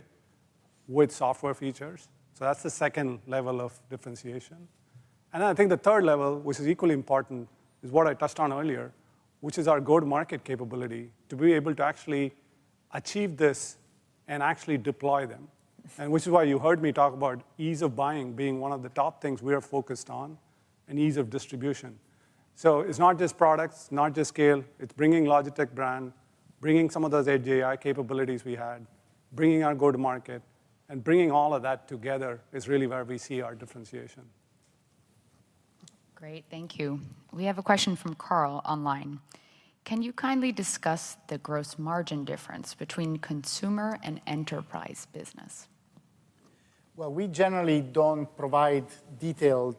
with software features. So that's the second level of differentiation. Then I think the third level, which is equally important, is what I touched on earlier, which is our go-to-market capability to be able to actually achieve this and actually deploy them, which is why you heard me talk about ease of buying being one of the top things we are focused on and ease of distribution. It's not just products, not just scale. It's bringing Logitech brand, bringing some of those edge AI capabilities we had, bringing our go-to-market, and bringing all of that together is really where we see our differentiation. Great. Thank you. We have a question from Carl online. Can you kindly discuss the gross margin difference between consumer and enterprise business? We generally don't provide detailed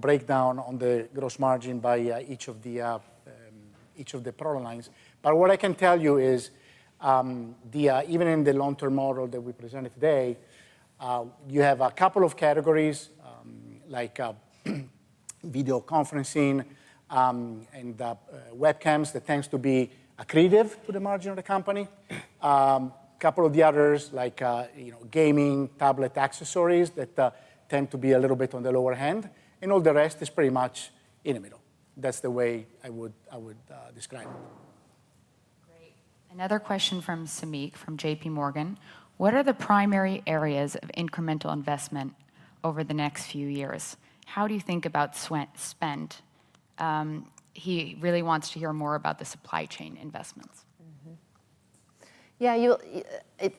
breakdown on the gross margin by each of the product lines. But what I can tell you is, even in the long-term model that we presented today, you have a couple of categories like video conferencing and webcams that tend to be accretive to the margin of the company. A couple of the others, like gaming, tablet accessories that tend to be a little bit on the lower hand. And all the rest is pretty much in the middle. That's the way I would describe it. Great. Another question from Samik from JPMorgan. What are the primary areas of incremental investment over the next few years? How do you think about spend? He really wants to hear more about the supply chain investments. Yeah,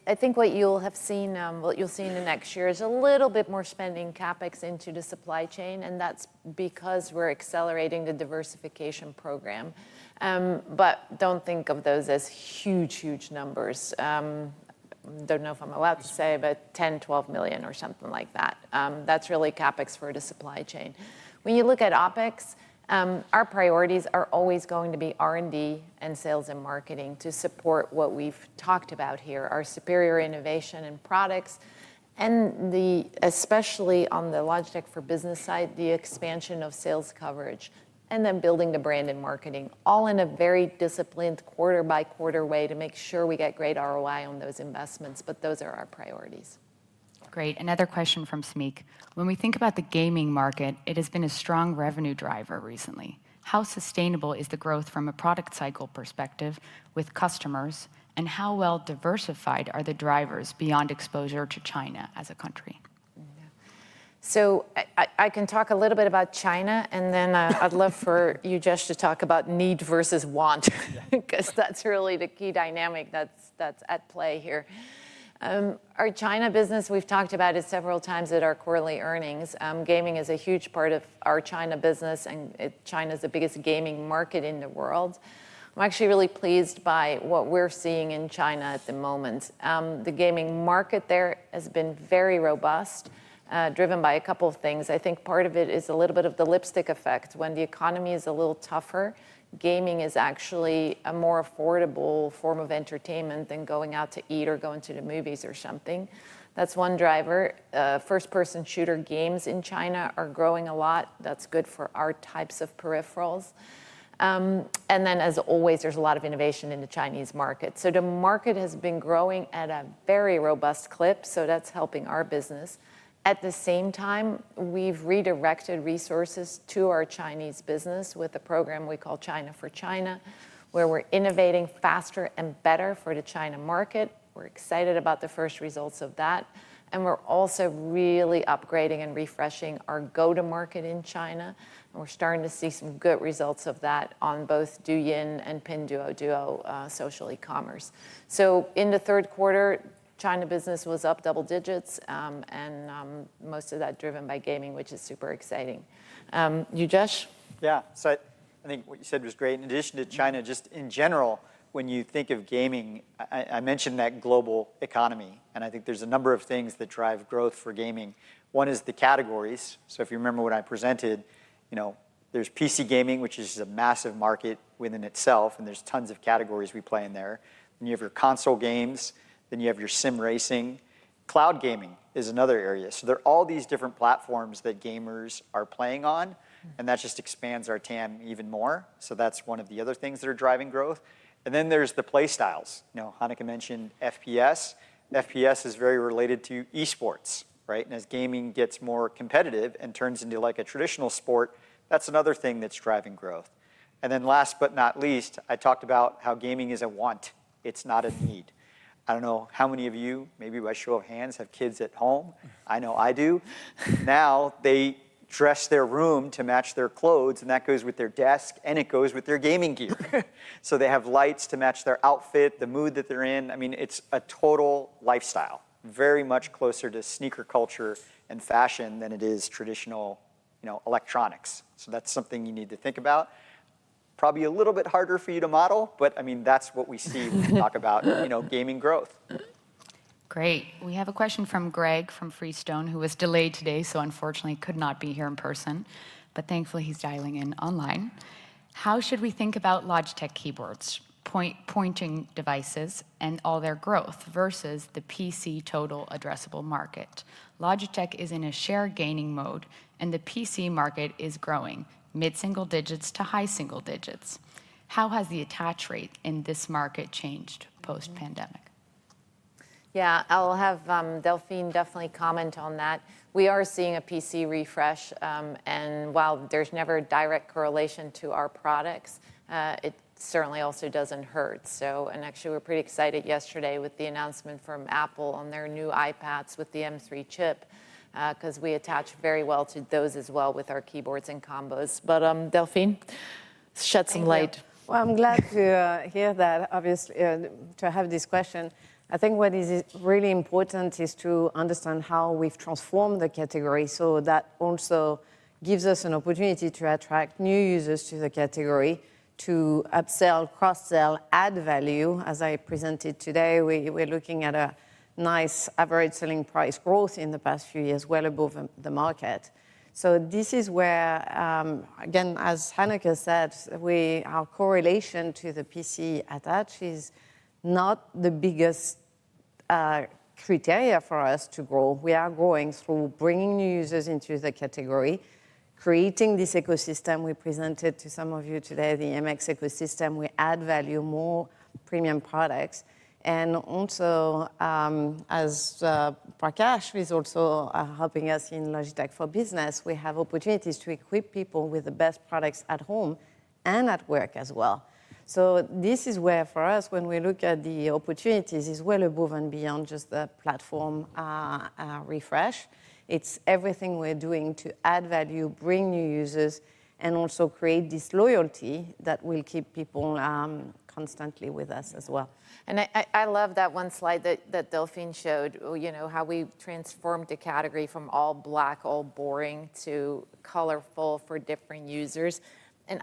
I think what you'll have seen, what you'll see in the next year is a little bit more spending CapEx into the supply chain, and that's because we're accelerating the diversification program. But don't think of those as huge, huge numbers. I don't know if I'm allowed to say, but $10-$12 million or something like that. That's really CapEx for the supply chain. When you look at OpEx, our priorities are always going to be R&D and sales and marketing to support what we've talked about here, our superior innovation and products, and especially on the Logitech for Business side, the expansion of sales coverage, and then building the brand and marketing, all in a very disciplined quarter-by-quarter way to make sure we get great ROI on those investments. But those are our priorities. Great. Another question from Samik. When we think about the gaming market, it has been a strong revenue driver recently. How sustainable is the growth from a product cycle perspective with customers, and how well diversified are the drivers beyond exposure to China as a country? I can talk a little bit about China, and then I'd love for Ujesh to talk about need versus want because that's really the key dynamic that's at play here. Our China business, we've talked about it several times at our quarterly earnings. Gaming is a huge part of our China business, and China is the biggest gaming market in the world. I'm actually really pleased by what we're seeing in China at the moment. The gaming market there has been very robust, driven by a couple of things. I think part of it is a little bit of the lipstick effect. When the economy is a little tougher, gaming is actually a more affordable form of entertainment than going out to eat or going to the movies or something. That's one driver. First-person shooter games in China are growing a lot. That's good for our types of peripherals. And then, as always, there's a lot of innovation in the Chinese market. So the market has been growing at a very robust clip, so that's helping our business. At the same time, we've redirected resources to our Chinese business with a program we call China for China, where we're innovating faster and better for the China market. We're excited about the first results of that. And we're also really upgrading and refreshing our go-to-market in China. And we're starting to see some good results of that on both Douyin and Pinduoduo social e-commerce. So in the third quarter, China business was up double digits, and most of that driven by gaming, which is super exciting. Ujesh? Yeah. So I think what you said was great. In addition to China, just in general, when you think of gaming, I mentioned that global economy, and I think there's a number of things that drive growth for gaming. One is the categories. So if you remember when I presented, there's PC gaming, which is a massive market within itself, and there's tons of categories we play in there. Then you have your console games, then you have your sim racing. Cloud gaming is another area. So there are all these different platforms that gamers are playing on, and that just expands our TAM even more. So that's one of the other things that are driving growth. And then there's the play styles. Hanneke mentioned FPS. FPS is very related to esports. And as gaming gets more competitive and turns into a traditional sport, that's another thing that's driving growth. And then last but not least, I talked about how gaming is a want. It's not a need. I don't know how many of you, maybe by show of hands, have kids at home. I know I do. Now they dress their room to match their clothes, and that goes with their desk, and it goes with their gaming gear. So they have lights to match their outfit, the mood that they're in. I mean, it's a total lifestyle, very much closer to sneaker culture and fashion than it is traditional electronics. So that's something you need to think about. Probably a little bit harder for you to model, but I mean, that's what we see when we talk about gaming growth. Great. We have a question from Greg from Freestone, who was delayed today, so unfortunately could not be here in person. But thankfully, he's dialing in online. How should we think about Logitech keyboards, pointing devices, and all their growth versus the PC total addressable market? Logitech is in a share gaining mode, and the PC market is growing, mid-single digits to high single digits. How has the attach rate in this market changed post-pandemic? Yeah, I'll have Delphine definitely comment on that. We are seeing a PC refresh, and while there's never a direct correlation to our products, it certainly also doesn't hurt. And actually, we're pretty excited yesterday with the announcement from Apple on their new iPads with the M3 chip because we attach very well to those as well with our keyboards and combos. But Delphine, shed some light. Well, I'm glad to hear that, obviously, to have this question. I think what is really important is to understand how we've transformed the category so that also gives us an opportunity to attract new users to the category, to upsell, cross-sell, add value. As I presented today, we're looking at a nice average selling price growth in the past few years, well above the market. So this is where, again, as Hanneke said, our correlation to the PC attach is not the biggest criteria for us to grow. We are growing through bringing new users into the category, creating this ecosystem we presented to some of you today, the MX ecosystem. We add value more premium products. And also, as Prakash is also helping us in Logitech for Business, we have opportunities to equip people with the best products at home and at work as well. This is where for us, when we look at the opportunities, it's well above and beyond just the platform refresh. It's everything we're doing to add value, bring new users, and also create this loyalty that will keep people constantly with us as well. I love that one slide that Delphine showed, how we transformed the category from all black, all boring, to colorful for different users.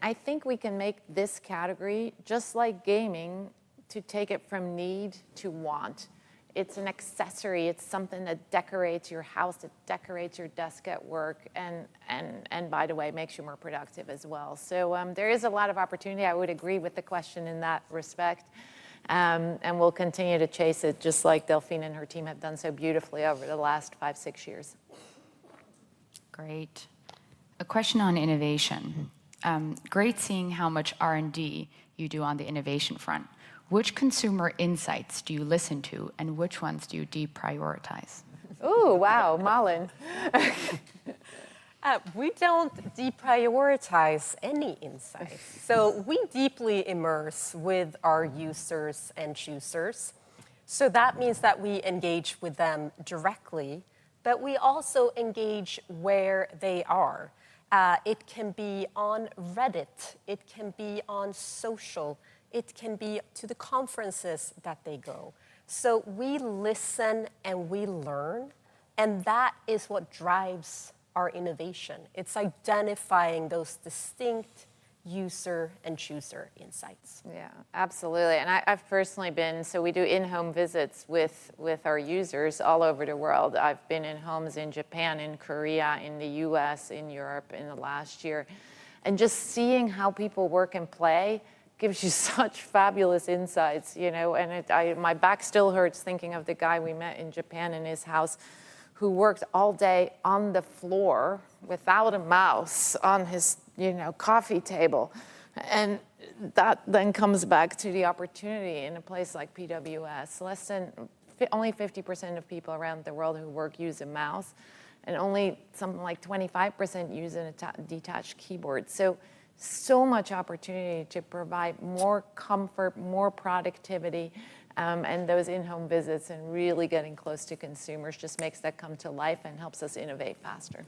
I think we can make this category, just like gaming, to take it from need to want. It's an accessory. It's something that decorates your house, that decorates your desk at work, and by the way, makes you more productive as well. There is a lot of opportunity. I would agree with the question in that respect, and we'll continue to chase it just like Delphine and her team have done so beautifully over the last five, six years. Great. A question on innovation. Great seeing how much R&D you do on the innovation front. Which consumer insights do you listen to, and which ones do you deprioritize? Ooh, wow, Malin. We don't deprioritize any insights. So we deeply immerse with our users and choosers. So that means that we engage with them directly, but we also engage where they are. It can be on Reddit. It can be on social. It can be to the conferences that they go. So we listen and we learn, and that is what drives our innovation. It's identifying those distinct user and chooser insights. Yeah, absolutely. And I've personally been, so we do in-home visits with our users all over the world. I've been in homes in Japan, in Korea, in the U.S., in Europe in the last year. And just seeing how people work and play gives you such fabulous insights. And my back still hurts thinking of the guy we met in Japan in his house who worked all day on the floor without a mouse on his coffee table, and that then comes back to the opportunity in a place like PWS. Less than only 50% of people around the world who work use a mouse, and only something like 25% use a detached keyboard. So much opportunity to provide more comfort, more productivity, and those in-home visits and really getting close to consumers just makes that come to life and helps us innovate faster.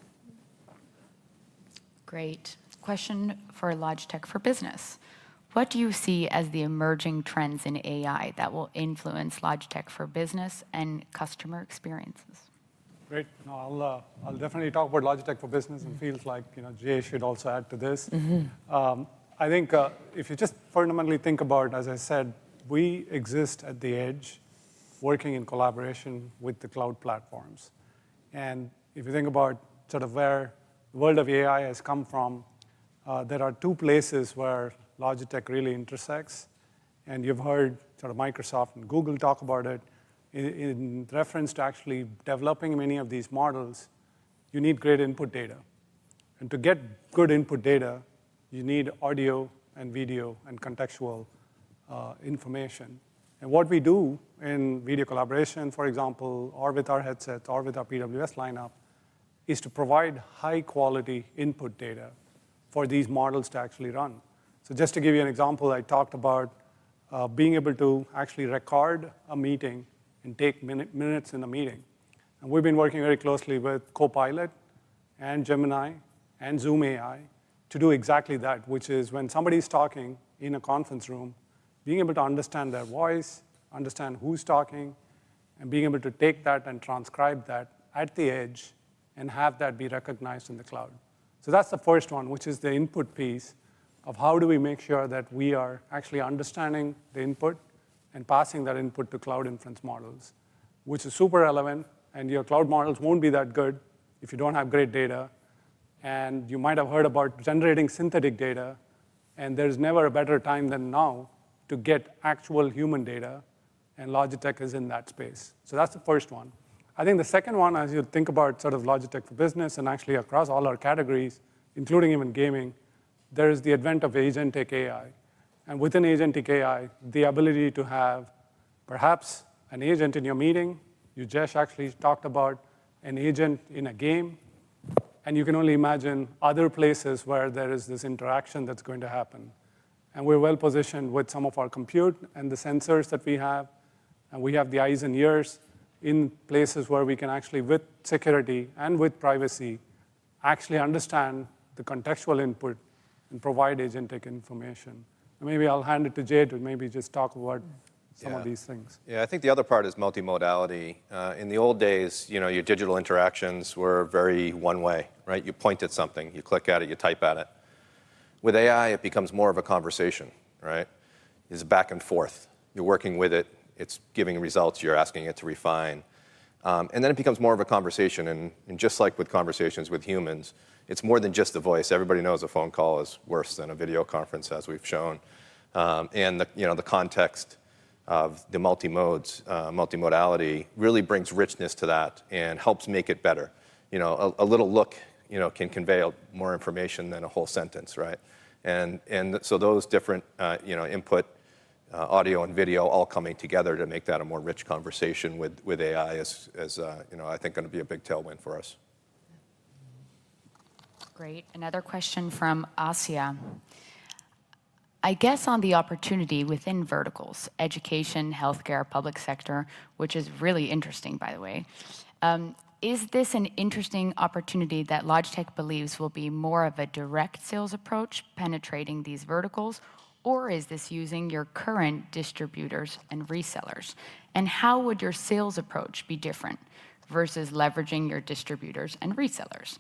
Great. Question for Logitech for Business. What do you see as the emerging trends in AI that will influence Logitech for Business and customer experiences? Great. I'll definitely talk about Logitech for Business and feels like Jay should also add to this. I think if you just fundamentally think about, as I said, we exist at the edge working in collaboration with the cloud platforms, and if you think about sort of where the world of AI has come from, there are two places where Logitech really intersects, and you've heard Microsoft and Google talk about it. In reference to actually developing many of these models, you need great input data, and to get good input data, you need audio and video and contextual information, and what we do in video collaboration, for example, or with our headsets or with our PWS lineup, is to provide high-quality input data for these models to actually run, so just to give you an example, I talked about being able to actually record a meeting and take minutes in a meeting. And we've been working very closely with Copilot and Gemini and Zoom AI to do exactly that, which is when somebody's talking in a conference room, being able to understand their voice, understand who's talking, and being able to take that and transcribe that at the edge and have that be recognized in the cloud. So that's the first one, which is the input piece of how do we make sure that we are actually understanding the input and passing that input to cloud inference models, which is super relevant. And your cloud models won't be that good if you don't have great data. And you might have heard about generating synthetic data, and there's never a better time than now to get actual human data, and Logitech is in that space. So that's the first one. I think the second one, as you think about sort of Logitech for Business and actually across all our categories, including even gaming, there is the advent of Agentic AI, and within Agentic AI, the ability to have perhaps an agent in your meeting. You, Jess, actually talked about an agent in a game, and you can only imagine other places where there is this interaction that's going to happen. We're well positioned with some of our compute and the sensors that we have, and we have the eyes and ears in places where we can actually, with security and with privacy, actually understand the contextual input and provide agentic information. Maybe I'll hand it to Jay to maybe just talk about some of these things. Yeah, I think the other part is multimodality. In the old days, your digital interactions were very one-way. You point at something, you click at it, you type at it. With AI, it becomes more of a conversation. It's back and forth. You're working with it. It's giving results. You're asking it to refine. And then it becomes more of a conversation. And just like with conversations with humans, it's more than just the voice. Everybody knows a phone call is worse than a video conference, as we've shown. And the context of the multimodality really brings richness to that and helps make it better. A little look can convey more information than a whole sentence. And so those different input, audio and video, all coming together to make that a more rich conversation with AI is, I think, going to be a big tailwind for us. Great. Another question from Asiya. I guess on the opportunity within verticals, education, healthcare, public sector, which is really interesting, by the way. Is this an interesting opportunity that Logitech believes will be more of a direct sales approach penetrating these verticals, or is this using your current distributors and resellers? And how would your sales approach be different versus leveraging your distributors and resellers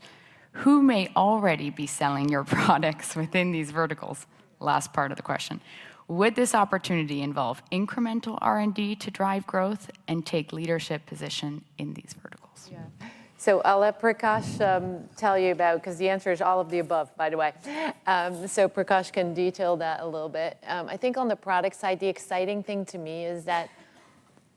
who may already be selling your products within these verticals? Last part of the question. Would this opportunity involve incremental R&D to drive growth and take leadership position in these verticals? Yeah. I'll let Prakash tell you about it, because the answer is all of the above, by the way. Prakash can detail that a little bit. I think on the product side, the exciting thing to me is that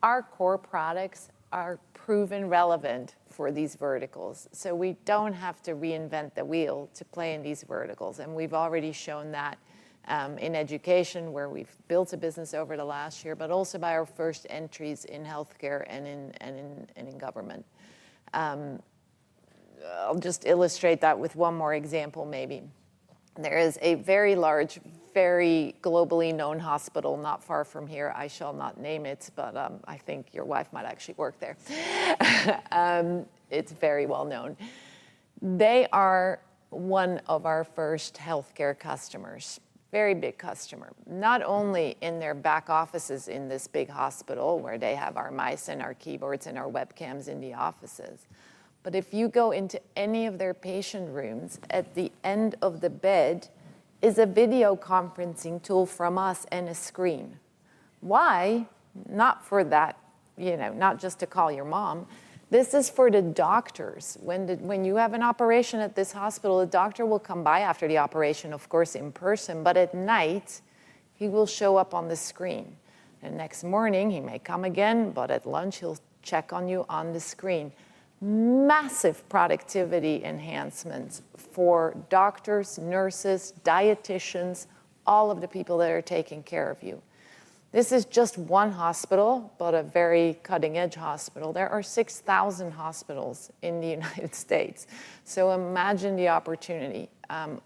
our core products are proven relevant for these verticals. So we don't have to reinvent the wheel to play in these verticals. And we've already shown that in education where we've built a business over the last year, but also by our first entries in healthcare and in government. I'll just illustrate that with one more example, maybe. There is a very large, very globally known hospital not far from here. I shall not name it, but I think your wife might actually work there. It's very well known. They are one of our first healthcare customers, very big customer, not only in their back offices in this big hospital where they have our mice and our keyboards and our webcams in the offices. But if you go into any of their patient rooms, at the end of the bed is a video conferencing tool from us and a screen. Why? Not for that, not just to call your mom. This is for the doctors. When you have an operation at this hospital, a doctor will come by after the operation, of course, in person, but at night, he will show up on the screen. The next morning, he may come again, but at lunch, he'll check on you on the screen. Massive productivity enhancements for doctors, nurses, dietitians, all of the people that are taking care of you. This is just one hospital, but a very cutting-edge hospital. There are 6,000 hospitals in the United States. So imagine the opportunity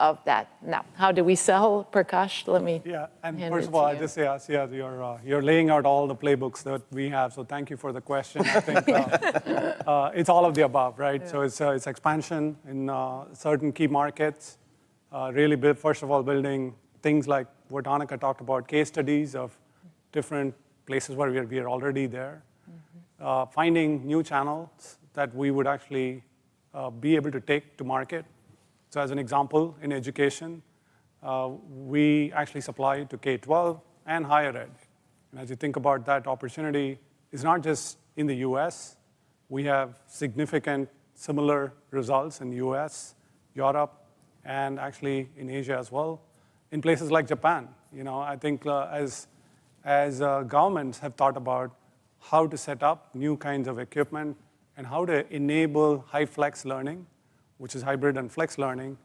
of that. Now, how do we sell, Prakash? Let me answer. Yeah, and first of all, I just say, Asiya, you're laying out all the playbooks that we have. So thank you for the question. I think it's all of the above. So it's expansion in certain key markets, really, first of all, building things like what Hanneke talked about, case studies of different places where we are already there, finding new channels that we would actually be able to take to market. So as an example, in education, we actually supply to K-12 and higher ed. And as you think about that opportunity, it's not just in the U.S. We have significant similar results in the U.S., Europe, and actually in Asia as well, in places like Japan. I think as governments have thought about how to set up new kinds of equipment and how to enable HyFlex learning, which is hybrid and flex learning,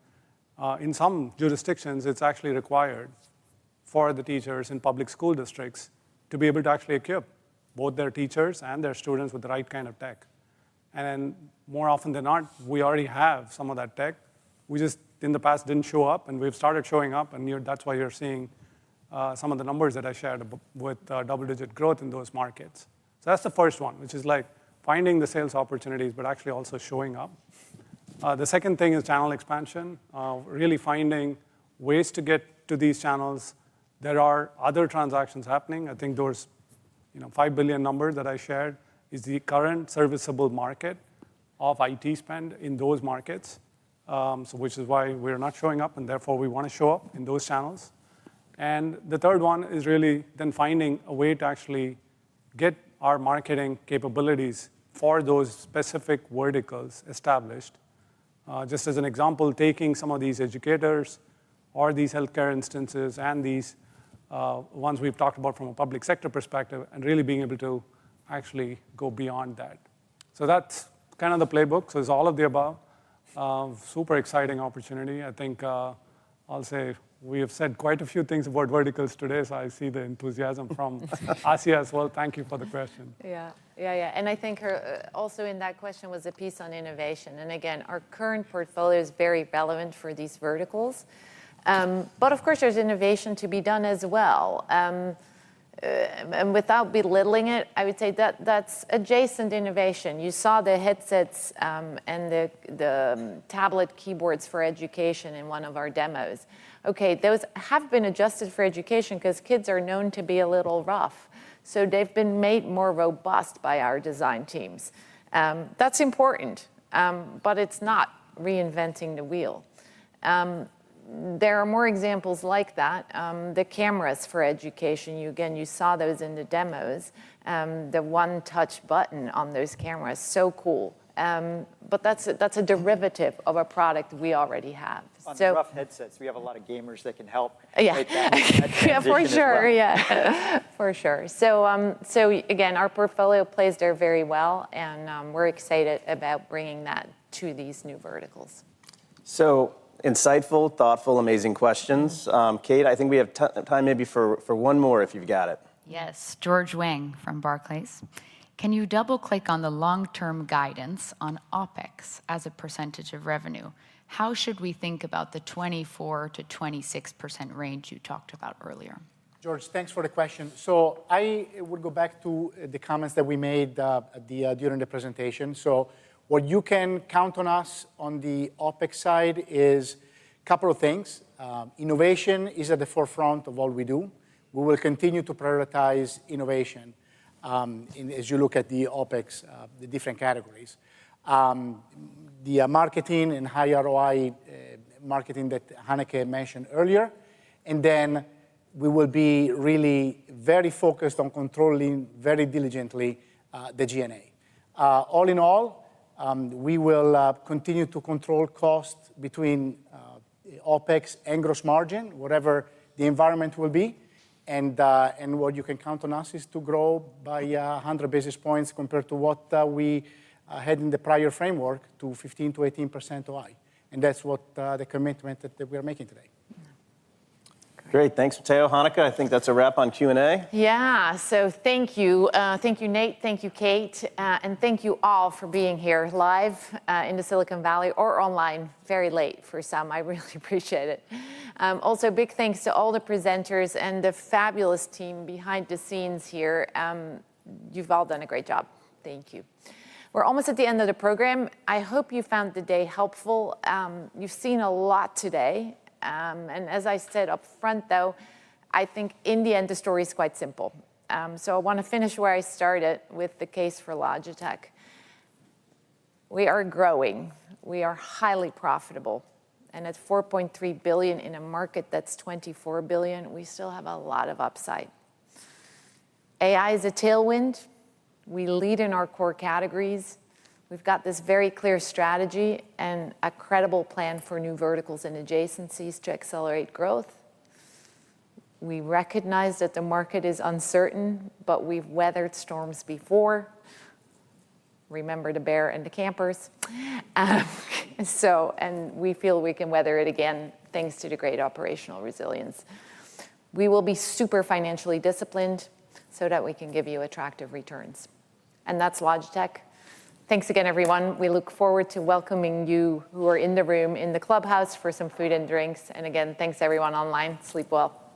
in some jurisdictions, it's actually required for the teachers in public school districts to be able to actually equip both their teachers and their students with the right kind of tech. And more often than not, we already have some of that tech. We just, in the past, didn't show up, and we've started showing up. And that's why you're seeing some of the numbers that I shared with double-digit growth in those markets. So that's the first one, which is like finding the sales opportunities, but actually also showing up. The second thing is channel expansion, really finding ways to get to these channels. There are other transactions happening. I think those $5 billion number that I shared is the current serviceable market of IT spend in those markets, which is why we're not showing up, and therefore, we want to show up in those channels. And the third one is really then finding a way to actually get our marketing capabilities for those specific verticals established. Just as an example, taking some of these educators or these healthcare instances and these ones we've talked about from a public sector perspective and really being able to actually go beyond that, so that's kind of the playbook, so it's all of the above. Super exciting opportunity. I think I'll say we have said quite a few things about verticals today, so I see the enthusiasm from Asiya as well. Thank you for the question. Yeah, yeah, yeah. And I think also in that question was a piece on innovation, and again, our current portfolio is very relevant for these verticals. But of course, there's innovation to be done as well, and without belittling it, I would say that that's adjacent innovation. You saw the headsets and the tablet keyboards for education in one of our demos. Okay, those have been adjusted for education because kids are known to be a little rough. So they've been made more robust by our design teams. That's important, but it's not reinventing the wheel. There are more examples like that. The cameras for education, again, you saw those in the demos. The one-touch button on those cameras, so cool. But that's a derivative of a product we already have. On the rough headsets, we have a lot of gamers that can help create that. Yeah, for sure. Yeah, for sure. So again, our portfolio plays there very well, and we're excited about bringing that to these new verticals. So insightful, thoughtful, amazing questions. Kate, I think we have time maybe for one more if you've got it. Yes. George Wang from Barclays. Can you double-click on the long-term guidance on OpEx as a percentage of revenue? How should we think about the 24%-26% range you talked about earlier? George, thanks for the question. I would go back to the comments that we made during the presentation. What you can count on us on the OpEx side is a couple of things. Innovation is at the forefront of all we do. We will continue to prioritize innovation as you look at the OpEx, the different categories, the marketing and high ROI marketing that Hanneke mentioned earlier. Then we will be really very focused on controlling very diligently the G&A. All in all, we will continue to control cost between OpEx and gross margin, whatever the environment will be. What you can count on us is to grow by 100 basis points compared to what we had in the prior framework, to 15%-18% OI. That's what the commitment that we are making today. Great. Thanks, Matteo, Hanneke. I think that's a wrap on Q&A. Yeah. So thank you. Thank you, Nate. Thank you, Kate. And thank you all for being here live in the Silicon Valley or online very late for some. I really appreciate it. Also, big thanks to all the presenters and the fabulous team behind the scenes here. You've all done a great job. Thank you. We're almost at the end of the program. I hope you found the day helpful. You've seen a lot today. As I said upfront, though, I think in the end, the story is quite simple. So I want to finish where I started with the case for Logitech. We are growing. We are highly profitable. At $4.3 billion in a market that's $24 billion, we still have a lot of upside. AI is a tailwind. We lead in our core categories. We've got this very clear strategy and a credible plan for new verticals and adjacencies to accelerate growth. We recognize that the market is uncertain, but we've weathered storms before. Remember the bear and the campers. And we feel we can weather it again, thanks to the great operational resilience. We will be super financially disciplined so that we can give you attractive returns. And that's Logitech. Thanks again, everyone. We look forward to welcoming you who are in the room, in the clubhouse, for some food and drinks. And again, thanks, everyone online. Sleep well.